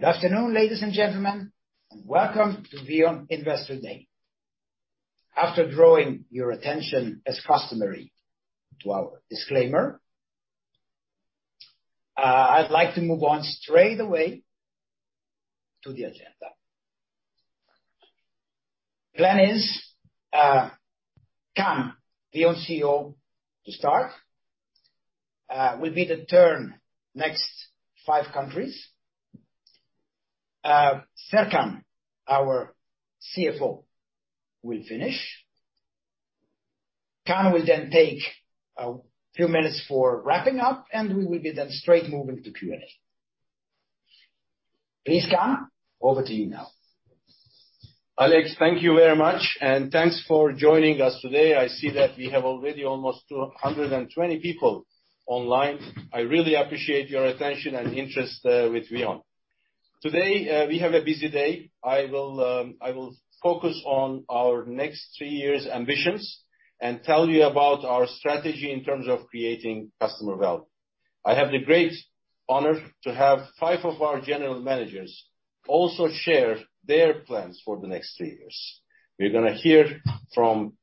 Good afternoon, ladies and gentlemen, and welcome to VEON Investor Day. After drawing your attention as customary to our disclaimer, I'd like to move on straight away to the agenda. The plan is, Kaan, VEON CEO, to start. We'll turn to the next five countries. Serkan, our CFO, will finish. Kaan will then take a few minutes for wrapping up, and we will then straightaway move to Q&A. Please, Kaan, over to you now. Alex, thank you very much, and thanks for joining us today. I see that we have already almost 220 people online. I really appreciate your attention and interest with VEON. Today, we have a busy day. I will focus on our next three years ambitions and tell you about our strategy in terms of creating customer value. I have the great honor to have five of our general managers also share their plans for the next three years. We're gonna hear from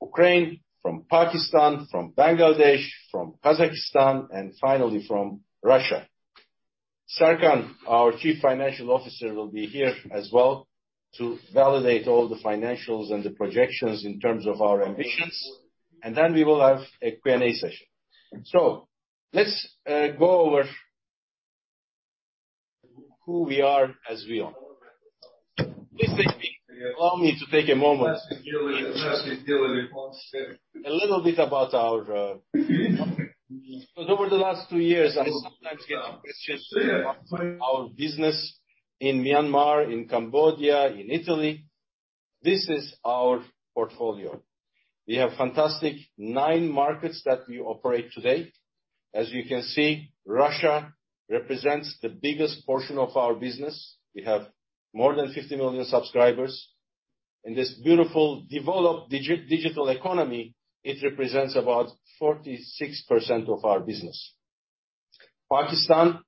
Ukraine, from Pakistan, from Bangladesh, from Kazakhstan, and finally from Russia. Serkan, our Chief Financial Officer, will be here as well to validate all the financials and the projections in terms of our ambitions, and then we will have a Q&A session. Let's go over who we are as VEON. Please allow me to take a moment a little bit about our business. Because over the last 2 years, I sometimes get questions about our business in Myanmar, in Cambodia, in Italy. This is our portfolio. We have fantastic 9 markets that we operate today. As you can see, Russia represents the biggest portion of our business. We have more than 50 million subscribers. In this beautiful, developed digital economy, it represents about 46% of our business. Pakistan,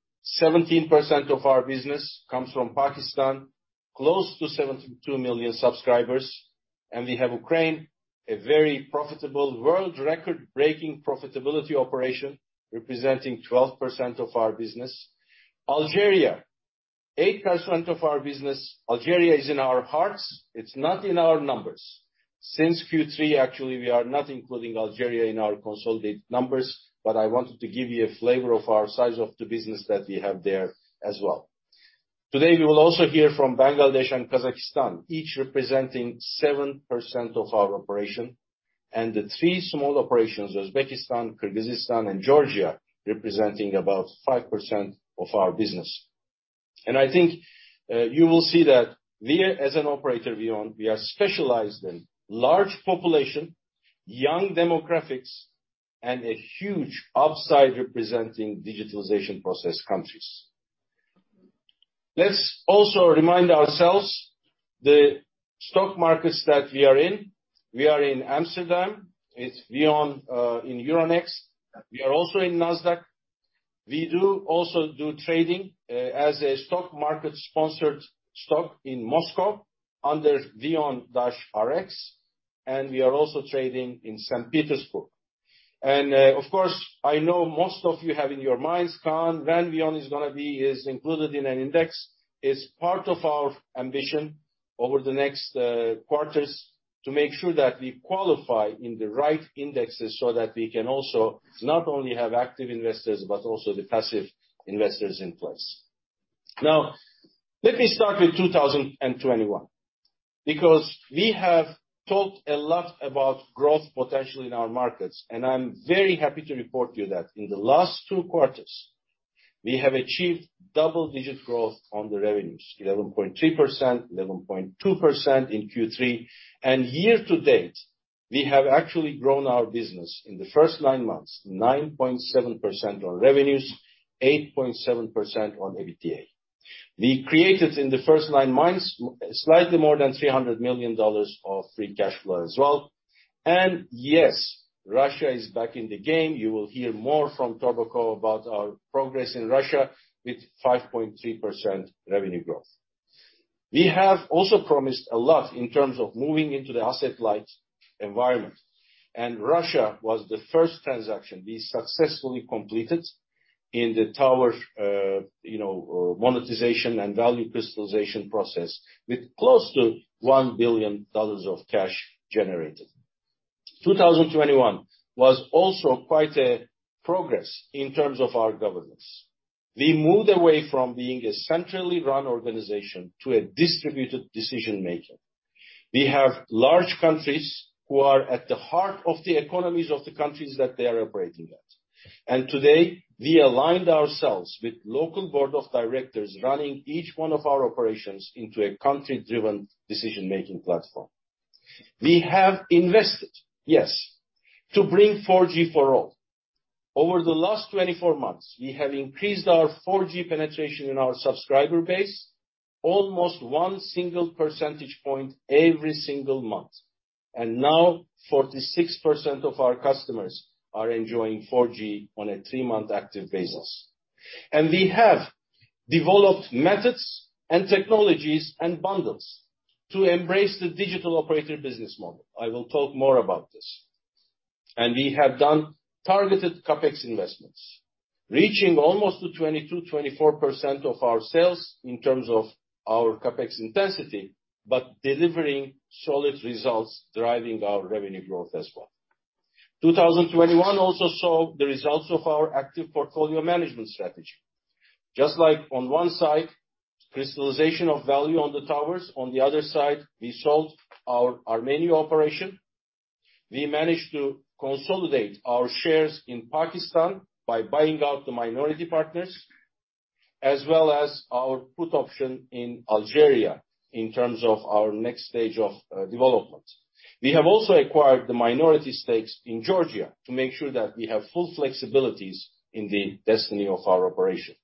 17% of our business comes from Pakistan, close to 72 million subscribers. We have Ukraine, a very profitable world record-breaking profitability operation, representing 12% of our business. Algeria, 8% of our business. Algeria is in our hearts, it's not in our numbers. Since Q3, actually, we are not including Algeria in our consolidated numbers, but I wanted to give you a flavor of our size of the business that we have there as well. Today, we will also hear from Bangladesh and Kazakhstan, each representing 7% of our operation, and the three small operations, Uzbekistan, Kyrgyzstan, and Georgia, representing about 5% of our business. I think you will see that we as an operator, VEON, we are specialized in large population, young demographics, and a huge upside representing digitalization process countries. Let's also remind ourselves the stock markets that we are in. We are in Amsterdam. It's VEON in Euronext. We are also in Nasdaq. We do also do trading as a stock market-sponsored stock in Moscow under VEON-RX, and we are also trading in St. Petersburg. Of course, I know most of you have in your minds, Kaan, when VEON is gonna be as included in an index. It's part of our ambition over the next quarters to make sure that we qualify in the right indexes so that we can also not only have active investors, but also the passive investors in place. Now, let me start with 2021, because we have talked a lot about growth potential in our markets, and I'm very happy to report to you that in the last two quarters, we have achieved double-digit growth on the revenues, 11.3%, 11.2% in Q3. Year to date, we have actually grown our business in the first nine months, 9.7% on revenues, 8.7% on EBITDA. We created in the first nine months slightly more than $300 million of free cash flow as well. Yes, Russia is back in the game. You will hear more from Torbakhov about our progress in Russia with 5.3% revenue growth. We have also promised a lot in terms of moving into the asset-light environment, and Russia was the first transaction we successfully completed in the tower monetization and value crystallization process with close to $1 billion of cash generated. 2021 was also quite a progress in terms of our governance. We moved away from being a centrally run organization to a distributed decision-maker. We have large countries who are at the heart of the economies of the countries that they are operating at. Today, we aligned ourselves with local board of directors running each one of our operations into a country-driven decision-making platform. We have invested, yes, to bring 4G for all. Over the last 24 months, we have increased our 4G penetration in our subscriber base almost 1 percentage point every single month. Now 46% of our customers are enjoying 4G on a 3-month active basis. We have developed methods and technologies and bundles to embrace the digital operator business model. I will talk more about this. We have done targeted CapEx investments, reaching almost to 22-24% of our sales in terms of our CapEx intensity, but delivering solid results, driving our revenue growth as well. 2021 also saw the results of our active portfolio management strategy. Just like on one side, crystallization of value on the towers, on the other side, we sold our MENA operation. We managed to consolidate our shares in Pakistan by buying out the minority partners, as well as our put option in Algeria in terms of our next stage of development. We have also acquired the minority stakes in Georgia to make sure that we have full flexibilities in the destiny of our operation.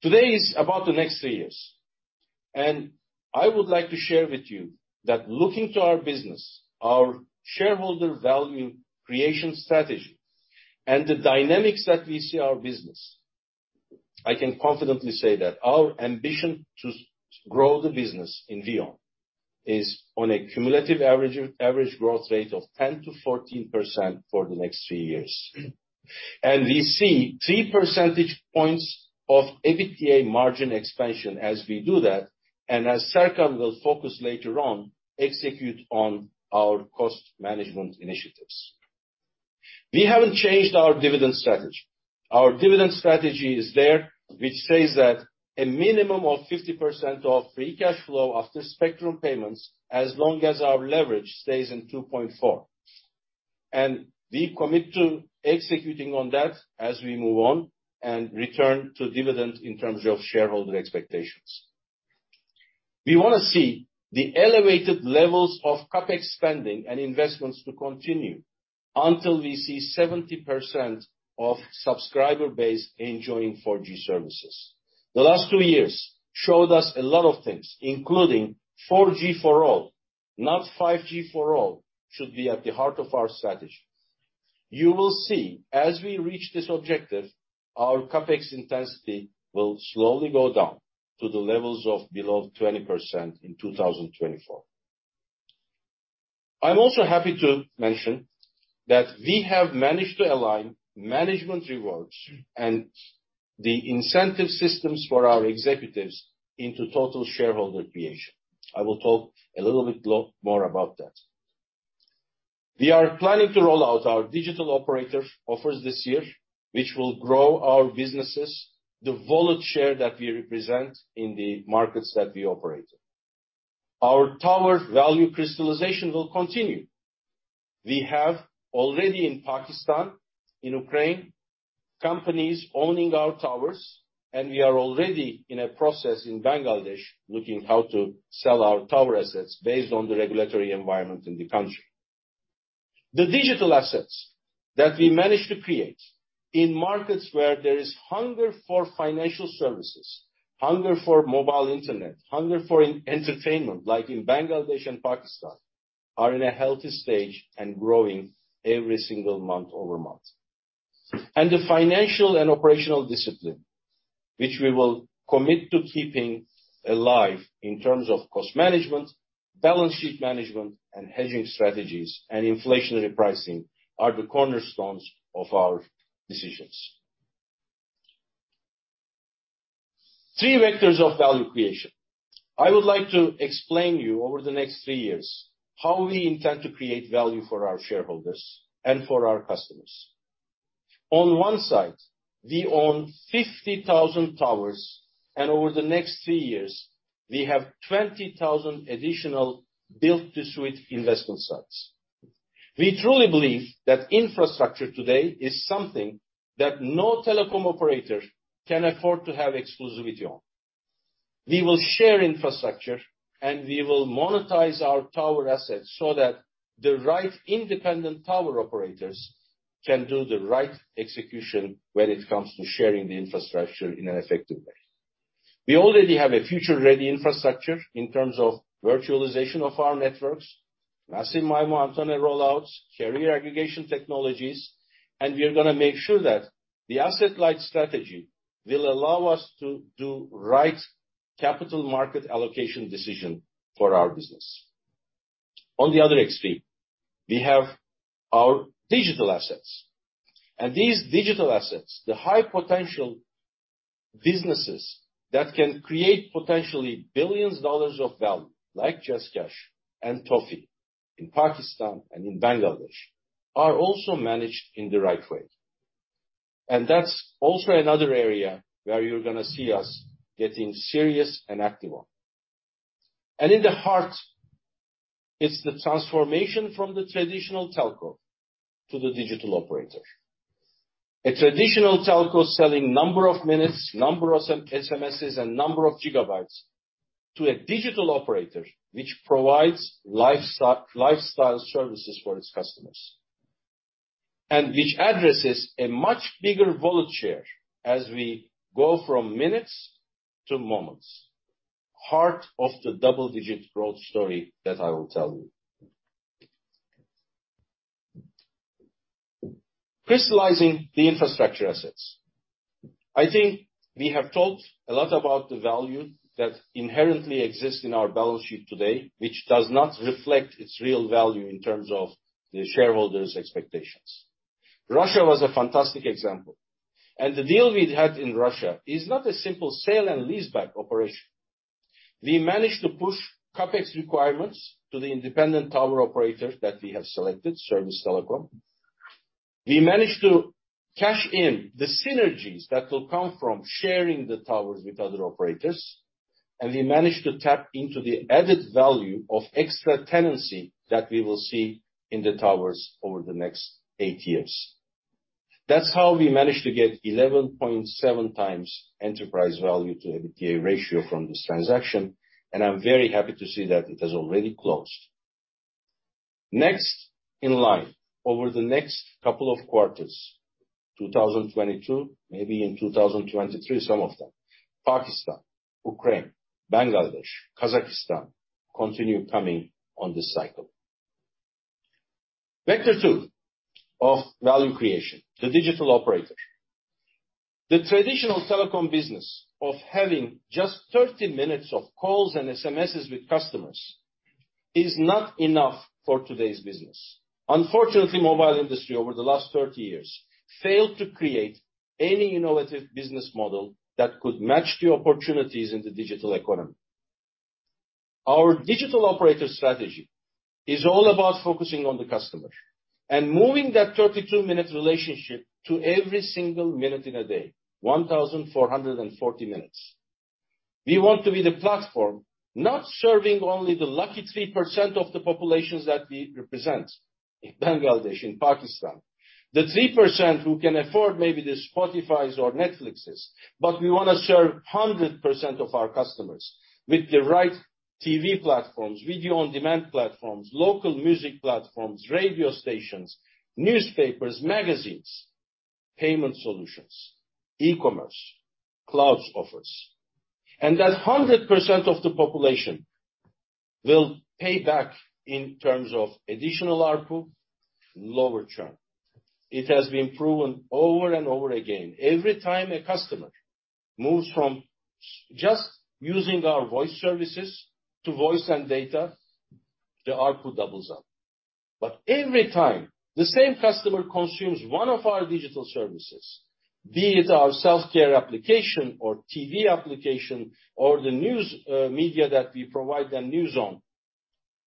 Today is about the next three years, and I would like to share with you that looking to our business, our shareholder value creation strategy and the dynamics that we see our business, I can confidently say that our ambition to grow the business in VEON is on a cumulative average growth rate of 10%-14% for the next three years. We see 3 percentage points of EBITDA margin expansion as we do that, and as Serkan will focus later on, execute on our cost management initiatives. We haven't changed our dividend strategy. Our dividend strategy is there, which says that a minimum of 50% of free cash flow after spectrum payments, as long as our leverage stays in 2.4. We commit to executing on that as we move on and return to dividend in terms of shareholder expectations. We wanna see the elevated levels of CapEx spending and investments to continue until we see 70% of subscriber base enjoying 4G services. The last two years showed us a lot of things, including 4G for all, not 5G for all, should be at the heart of our strategy. You will see as we reach this objective, our CapEx intensity will slowly go down to the levels of below 20% in 2024. I'm also happy to mention that we have managed to align management rewards and the incentive systems for our executives into total shareholder creation. I will talk a little bit more about that. We are planning to roll out our digital operator offers this year, which will grow our businesses, the wallet share that we represent in the markets that we operate in. Our tower value crystallization will continue. We have already in Pakistan, in Ukraine, companies owning our towers, and we are already in a process in Bangladesh looking how to sell our tower assets based on the regulatory environment in the country. The digital assets that we managed to create in markets where there is hunger for financial services, hunger for mobile internet, hunger for e-entertainment, like in Bangladesh and Pakistan, are in a healthy stage and growing every single month-over-month. The financial and operational discipline, which we will commit to keeping alive in terms of cost management, balance sheet management, and hedging strategies and inflationary pricing, are the cornerstones of our decisions. Three vectors of value creation. I would like to explain you over the next 3 years how we intend to create value for our shareholders and for our customers. On one side, we own 50,000 towers, and over the next 3 years, we have 20,000 additional build-to-suit investment sites. We truly believe that infrastructure today is something that no telecom operator can afford to have exclusivity on. We will share infrastructure, and we will monetize our tower assets so that the right independent tower operators can do the right execution when it comes to sharing the infrastructure in an effective way. We already have a future-ready infrastructure in terms of virtualization of our networks, Massive MIMO antenna rollouts, carrier aggregation technologies, and we are gonna make sure that the asset-light strategy will allow us to do the right capital market allocation decision for our business. On the other extreme, we have our digital assets. These digital assets, the high potential businesses that can create potentially billions of dollars of value, like JazzCash and Toffee in Pakistan and in Bangladesh, are also managed in the right way. That's also another area where you're gonna see us getting serious and active on. In the heart, it's the transformation from the traditional telco to the digital operator. A traditional telco selling number of minutes, number of SMSs, and number of gigabytes to a digital operator, which provides lifestyle services for its customers, which addresses a much bigger wallet share as we go from minutes to moments. Heart of the double-digit growth story that I will tell you. Crystallizing the infrastructure assets. I think we have talked a lot about the value that inherently exists in our balance sheet today, which does not reflect its real value in terms of the shareholders' expectations. Russia was a fantastic example, and the deal we'd had in Russia is not a simple sale and leaseback operation. We managed to push CapEx requirements to the independent tower operators that we have selected, Service-Telecom. We managed to cash in the synergies that will come from sharing the towers with other operators, and we managed to tap into the added value of extra tenancy that we will see in the towers over the next 8 years. That's how we managed to get 11.7x enterprise value to EBITDA ratio from this transaction, and I'm very happy to see that it has already closed. Next in line over the next couple of quarters, 2022, maybe in 2023, some of them, Pakistan, Ukraine, Bangladesh, Kazakhstan, continue coming on this cycle. Vector two of value creation, the digital operator. The traditional telecom business of having just 30 minutes of calls and SMSs with customers is not enough for today's business. Unfortunately, the mobile industry over the last 30 years failed to create any innovative business model that could match the opportunities in the digital economy. Our digital operator strategy is all about focusing on the customer and moving that 32-minute relationship to every single minute in a day, 1,440 minutes. We want to be the platform not serving only the lucky 3% of the populations that we represent in Bangladesh, in Pakistan. The 3% who can afford maybe the Spotifys or Netflixes, but we wanna serve 100% of our customers with the right TV platforms, video-on-demand platforms, local music platforms, radio stations, newspapers, magazines, payment solutions, e-commerce, cloud offers. That 100% of the population will pay back in terms of additional ARPU, lower churn. It has been proven over and over again. Every time a customer moves from just using our voice services to voice and data, the ARPU doubles up. Every time the same customer consumes one of our digital services, be it our self-care application or TV application or the news, media that we provide,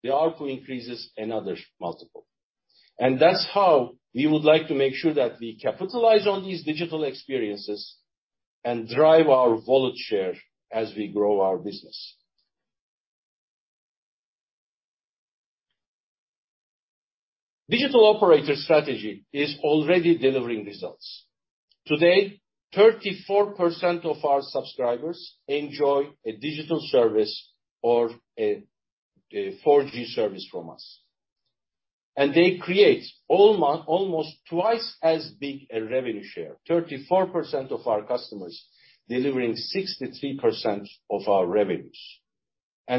the NewsOn, the ARPU increases another multiple. That's how we would like to make sure that we capitalize on these digital experiences and drive our wallet share as we grow our business. Digital operator strategy is already delivering results. Today, 34% of our subscribers enjoy a digital service or a 4G service from us. They create almost twice as big a revenue share. 34% of our customers delivering 63% of our revenues.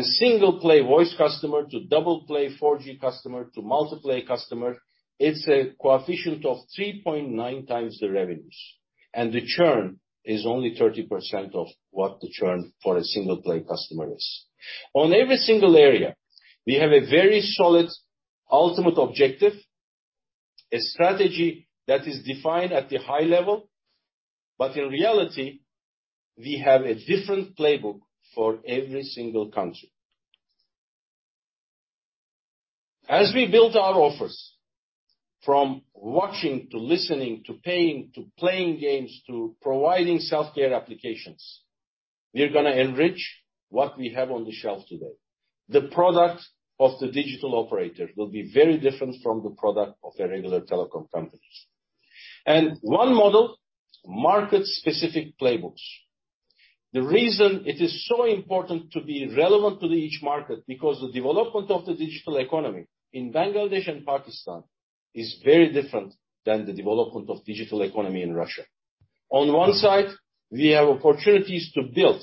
Single play voice customer to double play 4G customer to multiple play customer, it's a coefficient of 3.9 times the revenues, and the churn is only 30% of what the churn for a single play customer is. On every single area, we have a very solid ultimate objective, a strategy that is defined at the high level, but in reality, we have a different playbook for every single country. As we build our offers from watching to listening, to paying, to playing games, to providing self-care applications, we're gonna enrich what we have on the shelf today. The product of the digital operator will be very different from the product of a regular telecom companies. One model, market-specific playbooks. The reason it is so important to be relevant to each market, because the development of the digital economy in Bangladesh and Pakistan is very different than the development of digital economy in Russia. On one side, we have opportunities to build.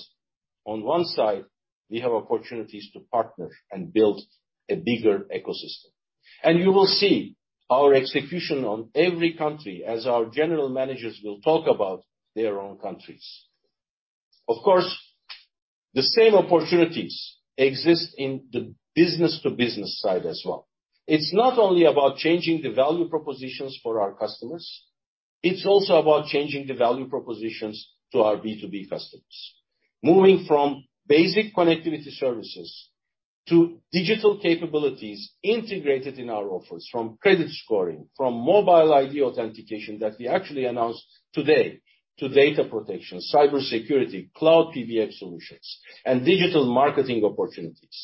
On one side, we have opportunities to partner and build a bigger ecosystem. You will see our execution on every country as our general managers will talk about their own countries. Of course, the same opportunities exist in the business to business side as well. It's not only about changing the value propositions for our customers, it's also about changing the value propositions to our B2B customers. Moving from basic connectivity services to digital capabilities integrated in our offers from credit scoring, from mobile ID authentication that we actually announced today, to data protection, cybersecurity, cloud PBX solutions, and digital marketing opportunities.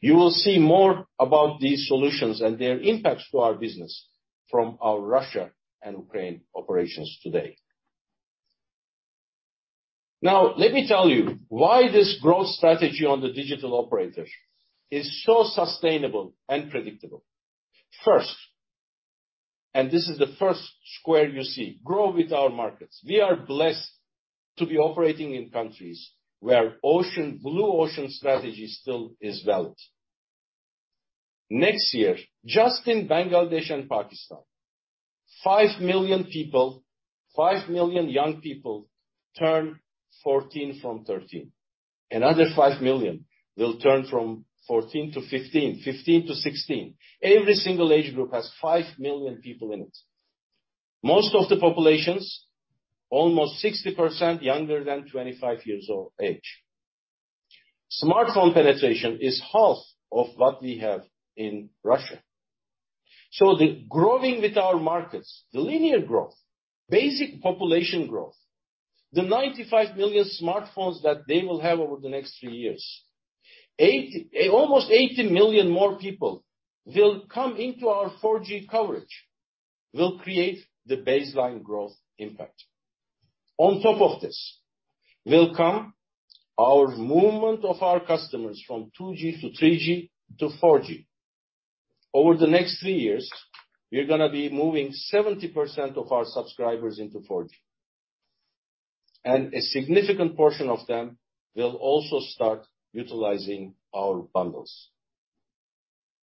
You will see more about these solutions and their impacts to our business from our Russia and Ukraine operations today. Now, let me tell you why this growth strategy on the digital operators is so sustainable and predictable. First, and this is the first square you see, grow with our markets. We are blessed to be operating in countries where blue ocean strategy still is valid. Next year, just in Bangladesh and Pakistan, 5 million people, 5 million young people turn 14 from 13. Another 5 million will turn from 14 to 15 to 16. Every single age group has 5 million people in it. Most of the populations, almost 60% younger than 25 years of age. Smartphone penetration is half of what we have in Russia. The growing with our markets, the linear growth, basic population growth, the 95 million smartphones that they will have over the next three years, almost 80 million more people will come into our 4G coverage, will create the baseline growth impact. On top of this, will come our movement of our customers from 2G to 3G to 4G. Over the next three years, we're gonna be moving 70% of our subscribers into 4G. A significant portion of them will also start utilizing our bundles.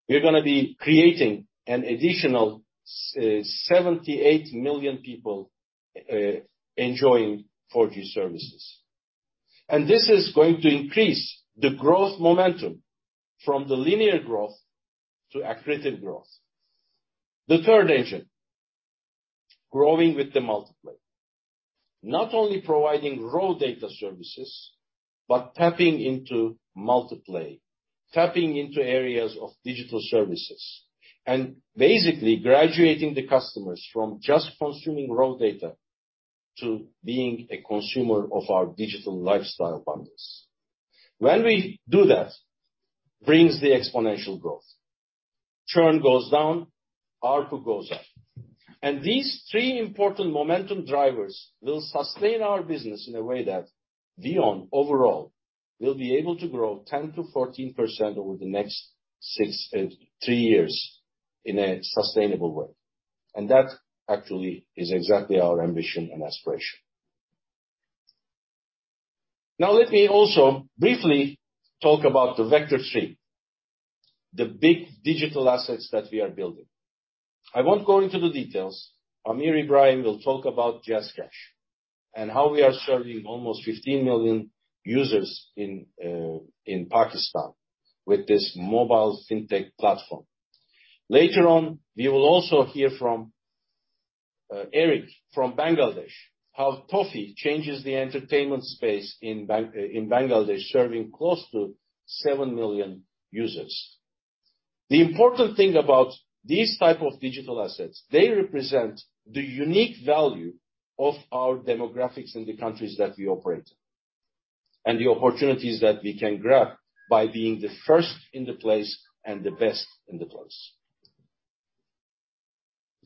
We're gonna be creating an additional 78 million people enjoying 4G services. This is going to increase the growth momentum from the linear growth to accretive growth. The third engine, growing with the multi-play. Not only providing raw data services, but tapping into areas of digital services, and basically graduating the customers from just consuming raw data to being a consumer of our digital lifestyle bundles. When we do that, brings the exponential growth. Churn goes down, ARPU goes up. These three important momentum drivers will sustain our business in a way that VEON overall will be able to grow 10%-14% over the next three years in a sustainable way. That actually is exactly our ambition and aspiration. Now let me also briefly talk about the vector three, the big digital assets that we are building. I won't go into the details. Aamir Ibrahim will talk about JazzCash and how we are serving almost 15 million users in Pakistan with this mobile fintech platform. Later on, we will also hear from Erik from Bangladesh, how Toffee changes the entertainment space in Bangladesh, serving close to 7 million users. The important thing about these type of digital assets, they represent the unique value of our demographics in the countries that we operate, and the opportunities that we can grab by being the first in the place and the best in the place.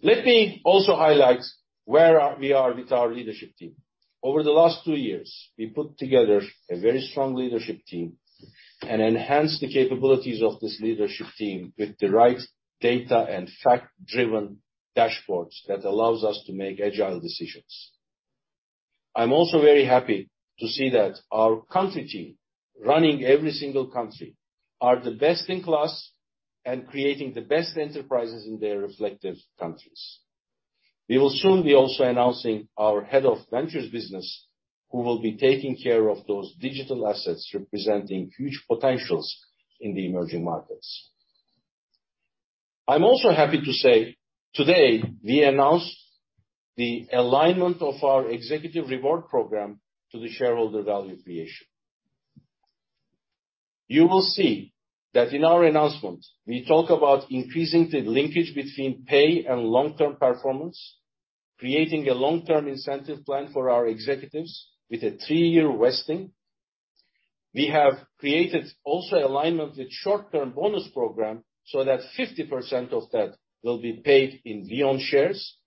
Let me also highlight where we are with our leadership team. Over the last 2 years, we put together a very strong leadership team and enhanced the capabilities of this leadership team with the right data and fact-driven dashboards that allows us to make agile decisions. I'm also very happy to see that our country team, running every single country, are the best in class and creating the best enterprises in their respective countries. We will soon be also announcing our head of ventures business, who will be taking care of those digital assets representing huge potentials in the emerging markets. I'm also happy to say today we announced the alignment of our executive reward program to the shareholder value creation. You will see that in our announcement, we talk about increasing the linkage between pay and long-term performance, creating a long-term incentive plan for our executives with a 3-year vesting. We have created also alignment with short-term bonus program so that 50% of that will be paid in VEON shares.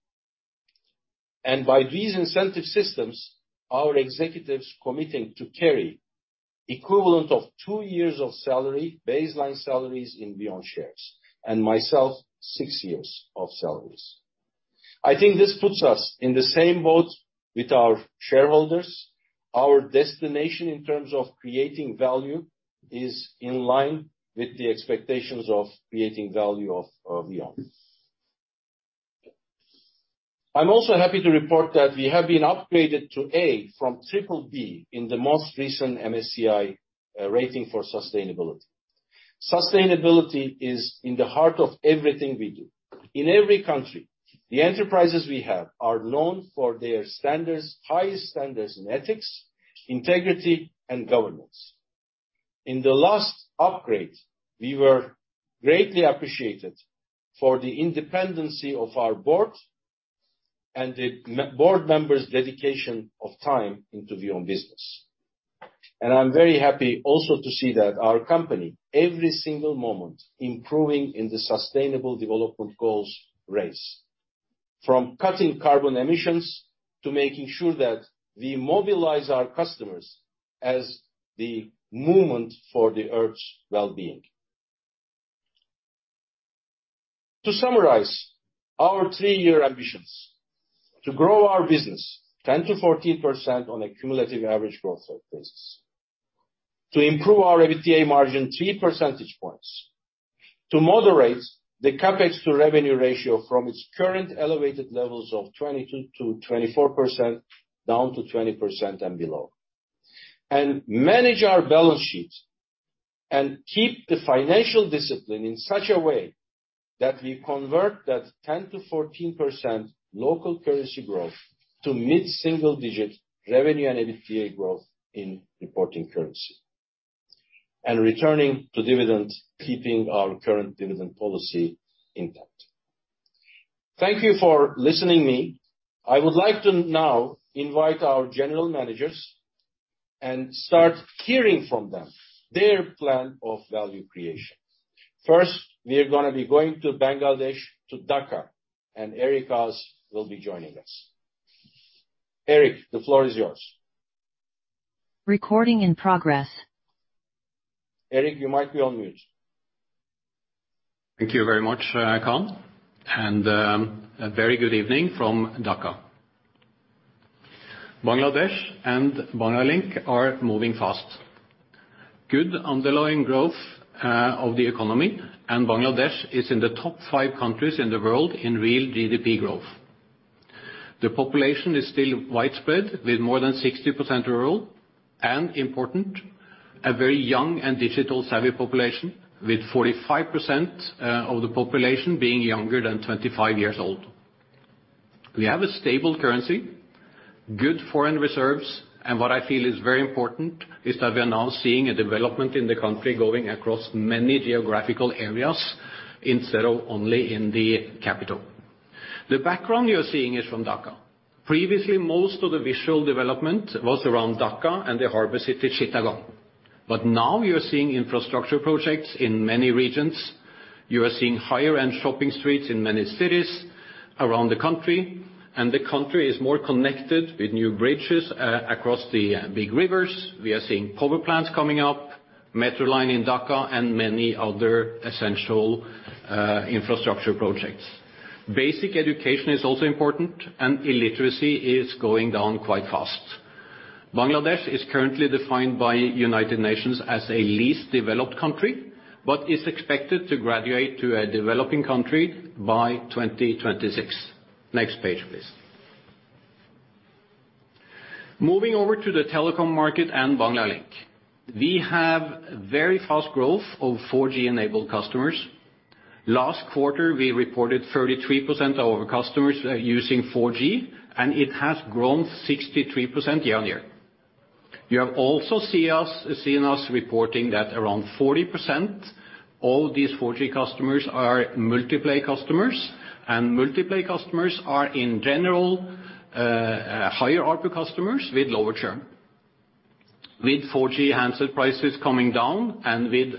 By these incentive systems, our executives committing to carry equivalent of 2 years of salary, baseline salaries in VEON shares, and myself, 6 years of salaries. I think this puts us in the same boat with our shareholders. Our destination in terms of creating value is in line with the expectations of creating value of VEON. I'm also happy to report that we have been upgraded to A from BBB in the most recent MSCI rating for sustainability. Sustainability is in the heart of everything we do. In every country, the enterprises we have are known for their standards, high standards in ethics, integrity, and governance. In the last upgrade, we were greatly appreciated for the independence of our board and the board members' dedication of time into VEON business. I'm very happy also to see that our company, every single moment, improving in the sustainable development goals race. From cutting carbon emissions to making sure that we mobilize our customers as the movement for the earth's well-being. To summarize our three-year ambitions, to grow our business 10%-14% on a cumulative average growth rate basis. To improve our EBITDA margin 3 percentage points. To moderate the CapEx to revenue ratio from its current elevated levels of 20%-24% down to 20% and below. Manage our balance sheets and keep the financial discipline in such a way that we convert that 10%-14% local currency growth to mid-single digit revenue and EBITDA growth in reporting currency. Returning to dividend, keeping our current dividend policy intact. Thank you for listening to me. I would like to now invite our general managers and start hearing from them their plan of value creation. First, we are gonna be going to Bangladesh, to Dhaka, and Erik Aas will be joining us. Erik, the floor is yours. Recording in progress. Erik, you might be on mute. Thank you very much, Kaan. A very good evening from Dhaka. Bangladesh and Banglalink are moving fast. Good underlying growth of the economy, and Bangladesh is in the top 5 countries in the world in real GDP growth. The population is still widespread, with more than 60% rural, and important, a very young and digital-savvy population, with 45% of the population being younger than 25 years old. We have a stable currency, good foreign reserves, and what I feel is very important is that we are now seeing a development in the country going across many geographical areas instead of only in the capital. The background you're seeing is from Dhaka. Previously, most of the visual development was around Dhaka and the harbor city, Chittagong. Now you're seeing infrastructure projects in many regions. You are seeing higher-end shopping streets in many cities around the country, and the country is more connected with new bridges across the big rivers. We are seeing power plants coming up, metro line in Dhaka, and many other essential infrastructure projects. Basic education is also important, and illiteracy is going down quite fast. Bangladesh is currently defined by United Nations as a least developed country, but is expected to graduate to a developing country by 2026. Next page, please. Moving over to the telecom market and Banglalink. We have very fast growth of 4G-enabled customers. Last quarter, we reported 33% of our customers are using 4G, and it has grown 63% year-on-year. You have also seen us reporting that around 40% of these 4G customers are multi-play customers, and multi-play customers are, in general, higher ARPU customers with lower churn. With 4G handset prices coming down and with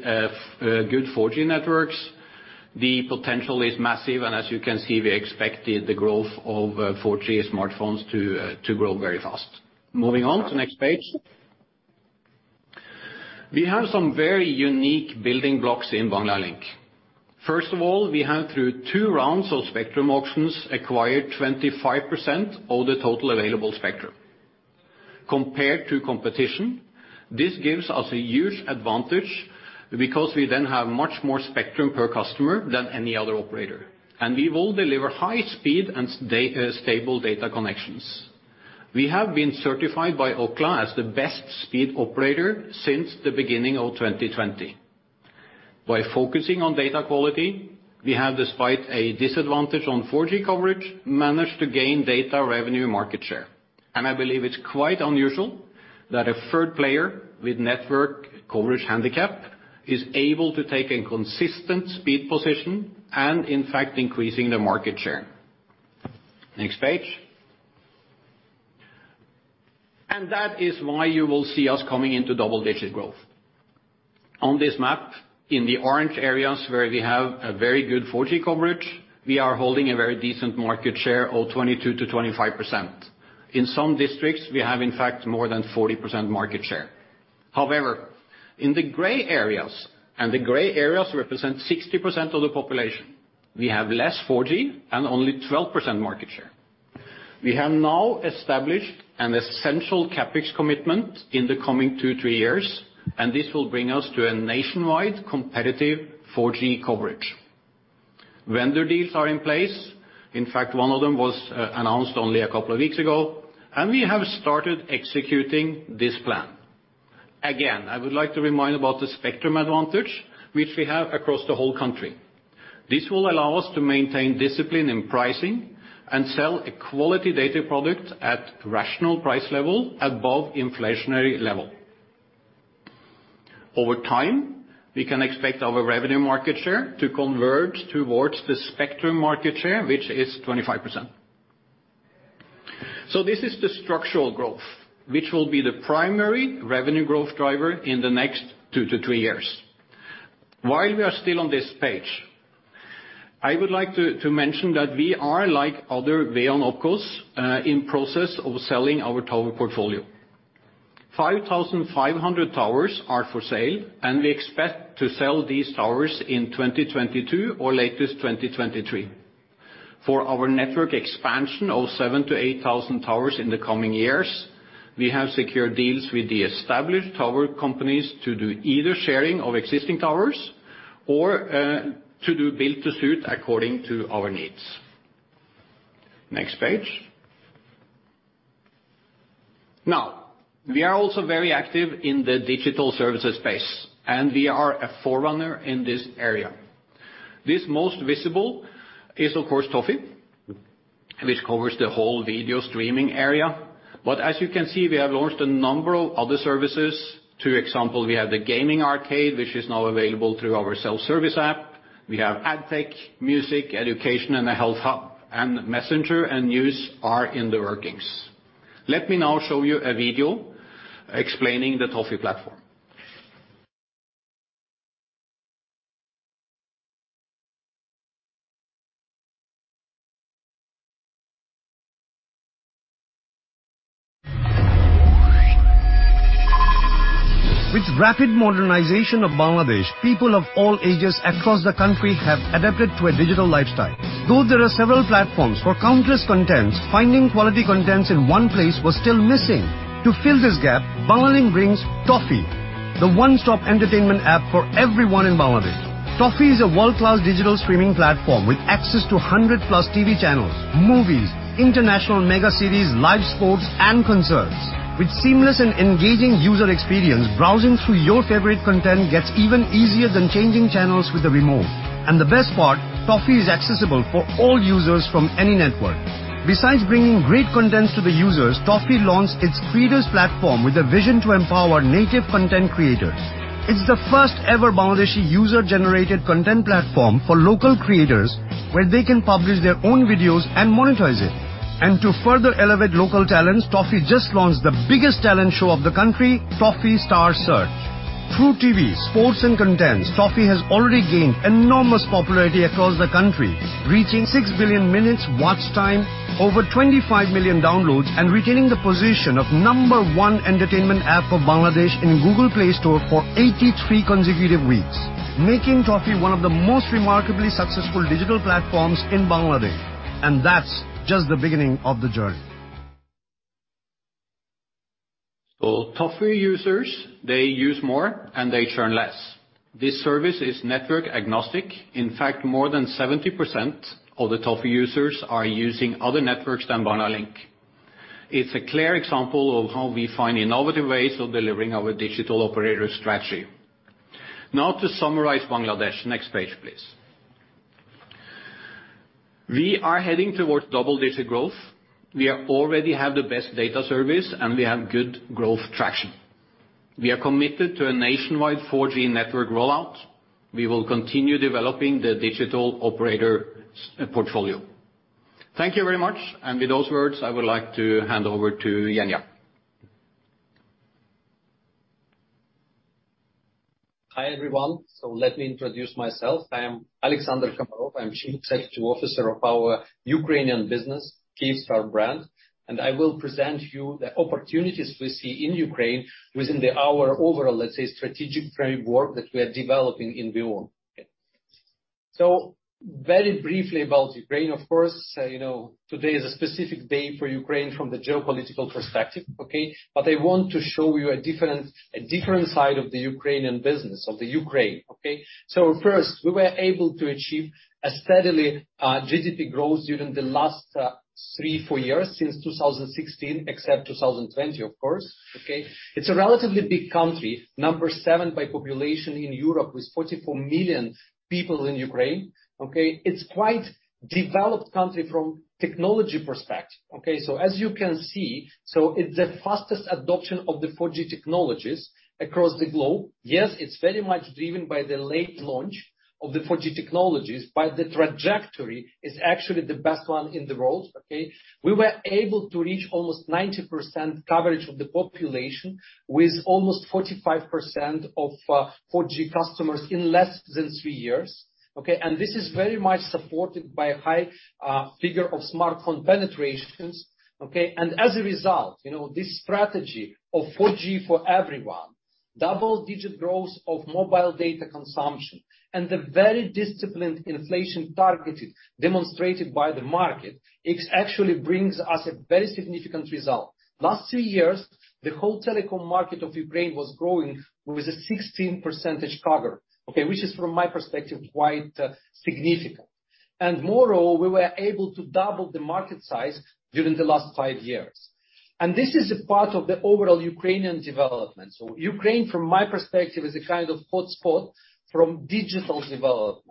good 4G networks, the potential is massive, and as you can see, we expected the growth of 4G smartphones to grow very fast. Moving on to next page. We have some very unique building blocks in Banglalink. First of all, we have, through two rounds of spectrum auctions, acquired 25% of the total available spectrum. Compared to competition, this gives us a huge advantage because we then have much more spectrum per customer than any other operator, and we will deliver high speed and stable data connections. We have been certified by Ookla as the best speed operator since the beginning of 2020. By focusing on data quality, we have, despite a disadvantage on 4G coverage, managed to gain data revenue market share. I believe it's quite unusual that a third player with network coverage handicap is able to take a consistent speed position and, in fact, increasing the market share. Next page. That is why you will see us coming into double-digit growth. On this map, in the orange areas where we have a very good 4G coverage, we are holding a very decent market share of 22%-25%. In some districts, we have, in fact, more than 40% market share. However, in the gray areas, and the gray areas represent 60% of the population, we have less 4G and only 12% market share. We have now established an essential CapEx commitment in the coming two, three years, and this will bring us to a nationwide competitive 4G coverage. Vendor deals are in place. In fact, one of them was announced only a couple of weeks ago, and we have started executing this plan. Again, I would like to remind about the spectrum advantage which we have across the whole country. This will allow us to maintain discipline in pricing and sell a quality data product at rational price level above inflationary level. Over time, we can expect our revenue market share to converge towards the spectrum market share, which is 25%. This is the structural growth, which will be the primary revenue growth driver in the next two to three years. While we are still on this page, I would like to mention that we are, like other VEON operators, in process of selling our tower portfolio. 5,500 towers are for sale, and we expect to sell these towers in 2022 or latest 2023. For our network expansion of 7,000-8,000 towers in the coming years, we have secured deals with the established tower companies to do either sharing of existing towers or to do build-to-suit according to our needs. Next page. Now, we are also very active in the digital services space, and we are a forerunner in this area. The most visible is, of course, Toffee, which covers the whole video streaming area. As you can see, we have launched a number of other services. For example, we have the gaming arcade, which is now available through our self-service app. We have AdTech, music, education, and a health hub, and messenger and news are in the workings. Let me now show you a video explaining the Toffee platform. With rapid modernization of Bangladesh, people of all ages across the country have adapted to a digital lifestyle. Though there are several platforms for countless contents, finding quality contents in one place was still missing. To fill this gap, Banglalink brings Toffee, the one-stop entertainment app for everyone in Bangladesh. Toffee is a world-class digital streaming platform with access to hundred-plus TV channels, movies, international mega series, live sports, and concerts. With seamless and engaging user experience, browsing through your favorite content gets even easier than changing channels with the remote. The best part, Toffee is accessible for all users from any network. Besides bringing great contents to the users, Toffee launched its creators platform with a vision to empower native content creators. It's the first ever Bangladeshi user-generated content platform for local creators, where they can publish their own videos and monetize it. To further elevate local talents, Toffee just launched the biggest talent show of the country, Toffee Star Search. Through TV, sports, and content, Toffee has already gained enormous popularity across the country, reaching 6 billion minutes watch time, over 25 million downloads, and retaining the position of number one entertainment app of Bangladesh in Google Play Store for 83 consecutive weeks, making Toffee one of the most remarkably successful digital platforms in Bangladesh, and that's just the beginning of the journey. Toffee users, they use more, and they churn less. This service is network agnostic. In fact, more than 70% of the Toffee users are using other networks than Banglalink. It's a clear example of how we find innovative ways of delivering our digital operator strategy. Now to summarize Bangladesh, next page, please. We are heading towards double-digit growth. We already have the best data service, and we have good growth traction. We are committed to a nationwide 4G network rollout. We will continue developing the digital operator's portfolio. Thank you very much. With those words, I would like to hand over to Aleksandr. Hi, everyone. Let me introduce myself. I am Aleksandr Komarov. I'm Chief Executive Officer of our Ukrainian business, Kyivstar brand. I will present you the opportunities we see in Ukraine within our overall, let's say, strategic framework that we are developing in VEON. Very briefly about Ukraine. Of course, you know, today is a specific day for Ukraine from the geopolitical perspective, okay? I want to show you a different side of the Ukrainian business of Ukraine, okay? First, we were able to achieve a steadily GDP growth during the last 3-4 years since 2016, except 2020, of course, okay? It's a relatively big country, number 7 by population in Europe with 44 million people in Ukraine, okay? It's quite developed country from technology perspective, okay? As you can see, it's the fastest adoption of the 4G technologies across the globe. Yes, it's very much driven by the late launch of the 4G technologies, but the trajectory is actually the best one in the world, okay? We were able to reach almost 90% coverage of the population with almost 45% of 4G customers in less than 3 years, okay? This is very much supported by a high figure of smartphone penetrations, okay? As a result, you know, this strategy of 4G for everyone, double-digit growth of mobile data consumption and the very disciplined inflation targeting demonstrated by the market, it actually brings us a very significant result. Last 2 years, the whole telecom market of Ukraine was growing with a 16% CAGR, okay? Which is from my perspective, quite significant. Moreover, we were able to double the market size during the last five years. This is a part of the overall Ukrainian development. Ukraine, from my perspective, is a kind of hotspot from digital development.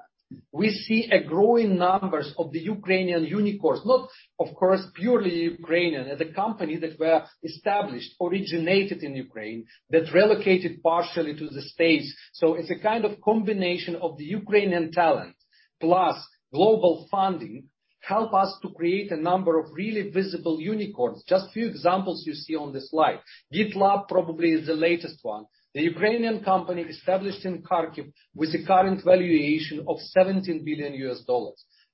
We see a growing numbers of the Ukrainian unicorns. Not, of course, purely Ukrainian. They're the company that were established, originated in Ukraine, that relocated partially to the States. So it's a kind of combination of the Ukrainian talent plus global funding help us to create a number of really visible unicorns. Just few examples you see on the slide. GitLab probably is the latest one. The Ukrainian company established in Kharkiv with the current valuation of $17 billion.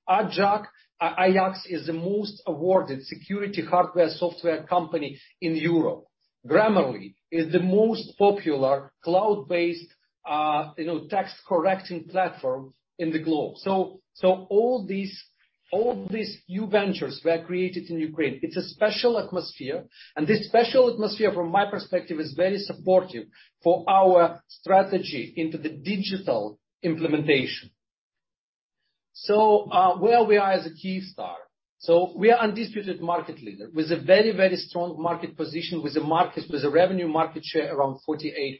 Ajax is the most awarded security hardware software company in Europe. Grammarly is the most popular cloud-based text correcting platform in the globe. All these new ventures were created in Ukraine. It's a special atmosphere, and this special atmosphere from my perspective is very supportive for our strategy into the digital implementation. Where we are as Kyivstar. We are undisputed market leader with a very, very strong market position, with a revenue market share around 48%.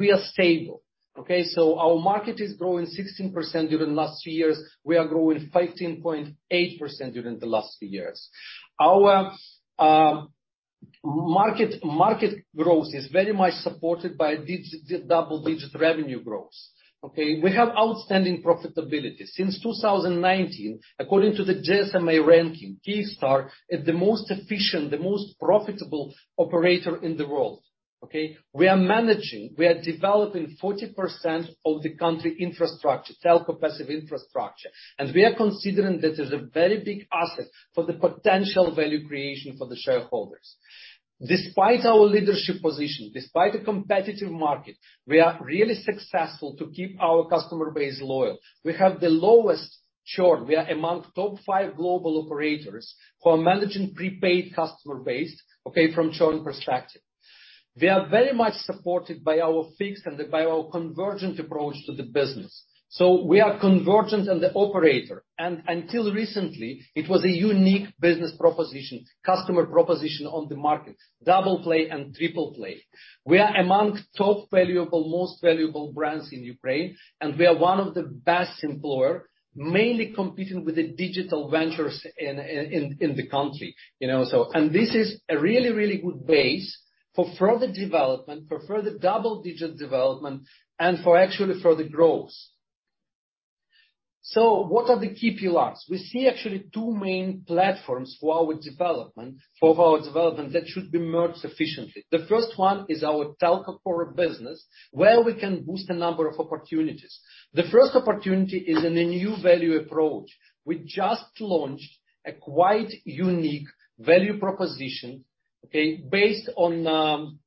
We are stable. Our market is growing 16% during last three years. We are growing 15.8% during the last three years. Our market growth is very much supported by double-digit revenue growth. We have outstanding profitability. Since 2019, according to the GSMA ranking, Kyivstar is the most efficient, the most profitable operator in the world. We are managing, we are developing 40% of the country infrastructure, telco passive infrastructure, and we are considering this as a very big asset for the potential value creation for the shareholders. Despite our leadership position, despite the competitive market, we are really successful to keep our customer base loyal. We have the lowest churn. We are among top 5 global operators who are managing prepaid customer base, okay, from churn perspective. We are very much supported by our fixed and by our convergent approach to the business. We are convergent as a operator, and until recently, it was a unique business proposition, customer proposition on the market, double play and triple play. We are among top valuable, most valuable brands in Ukraine, and we are one of the best employer, mainly competing with the digital ventures in the country, you know. This is a really, really good base for further development, for further double-digit development and for actually further growth. What are the key pillars? We see actually two main platforms for our development that should be merged efficiently. The first one is our telco core business, where we can boost a number of opportunities. The first opportunity is in a new value approach. We just launched a quite unique value proposition, okay, based on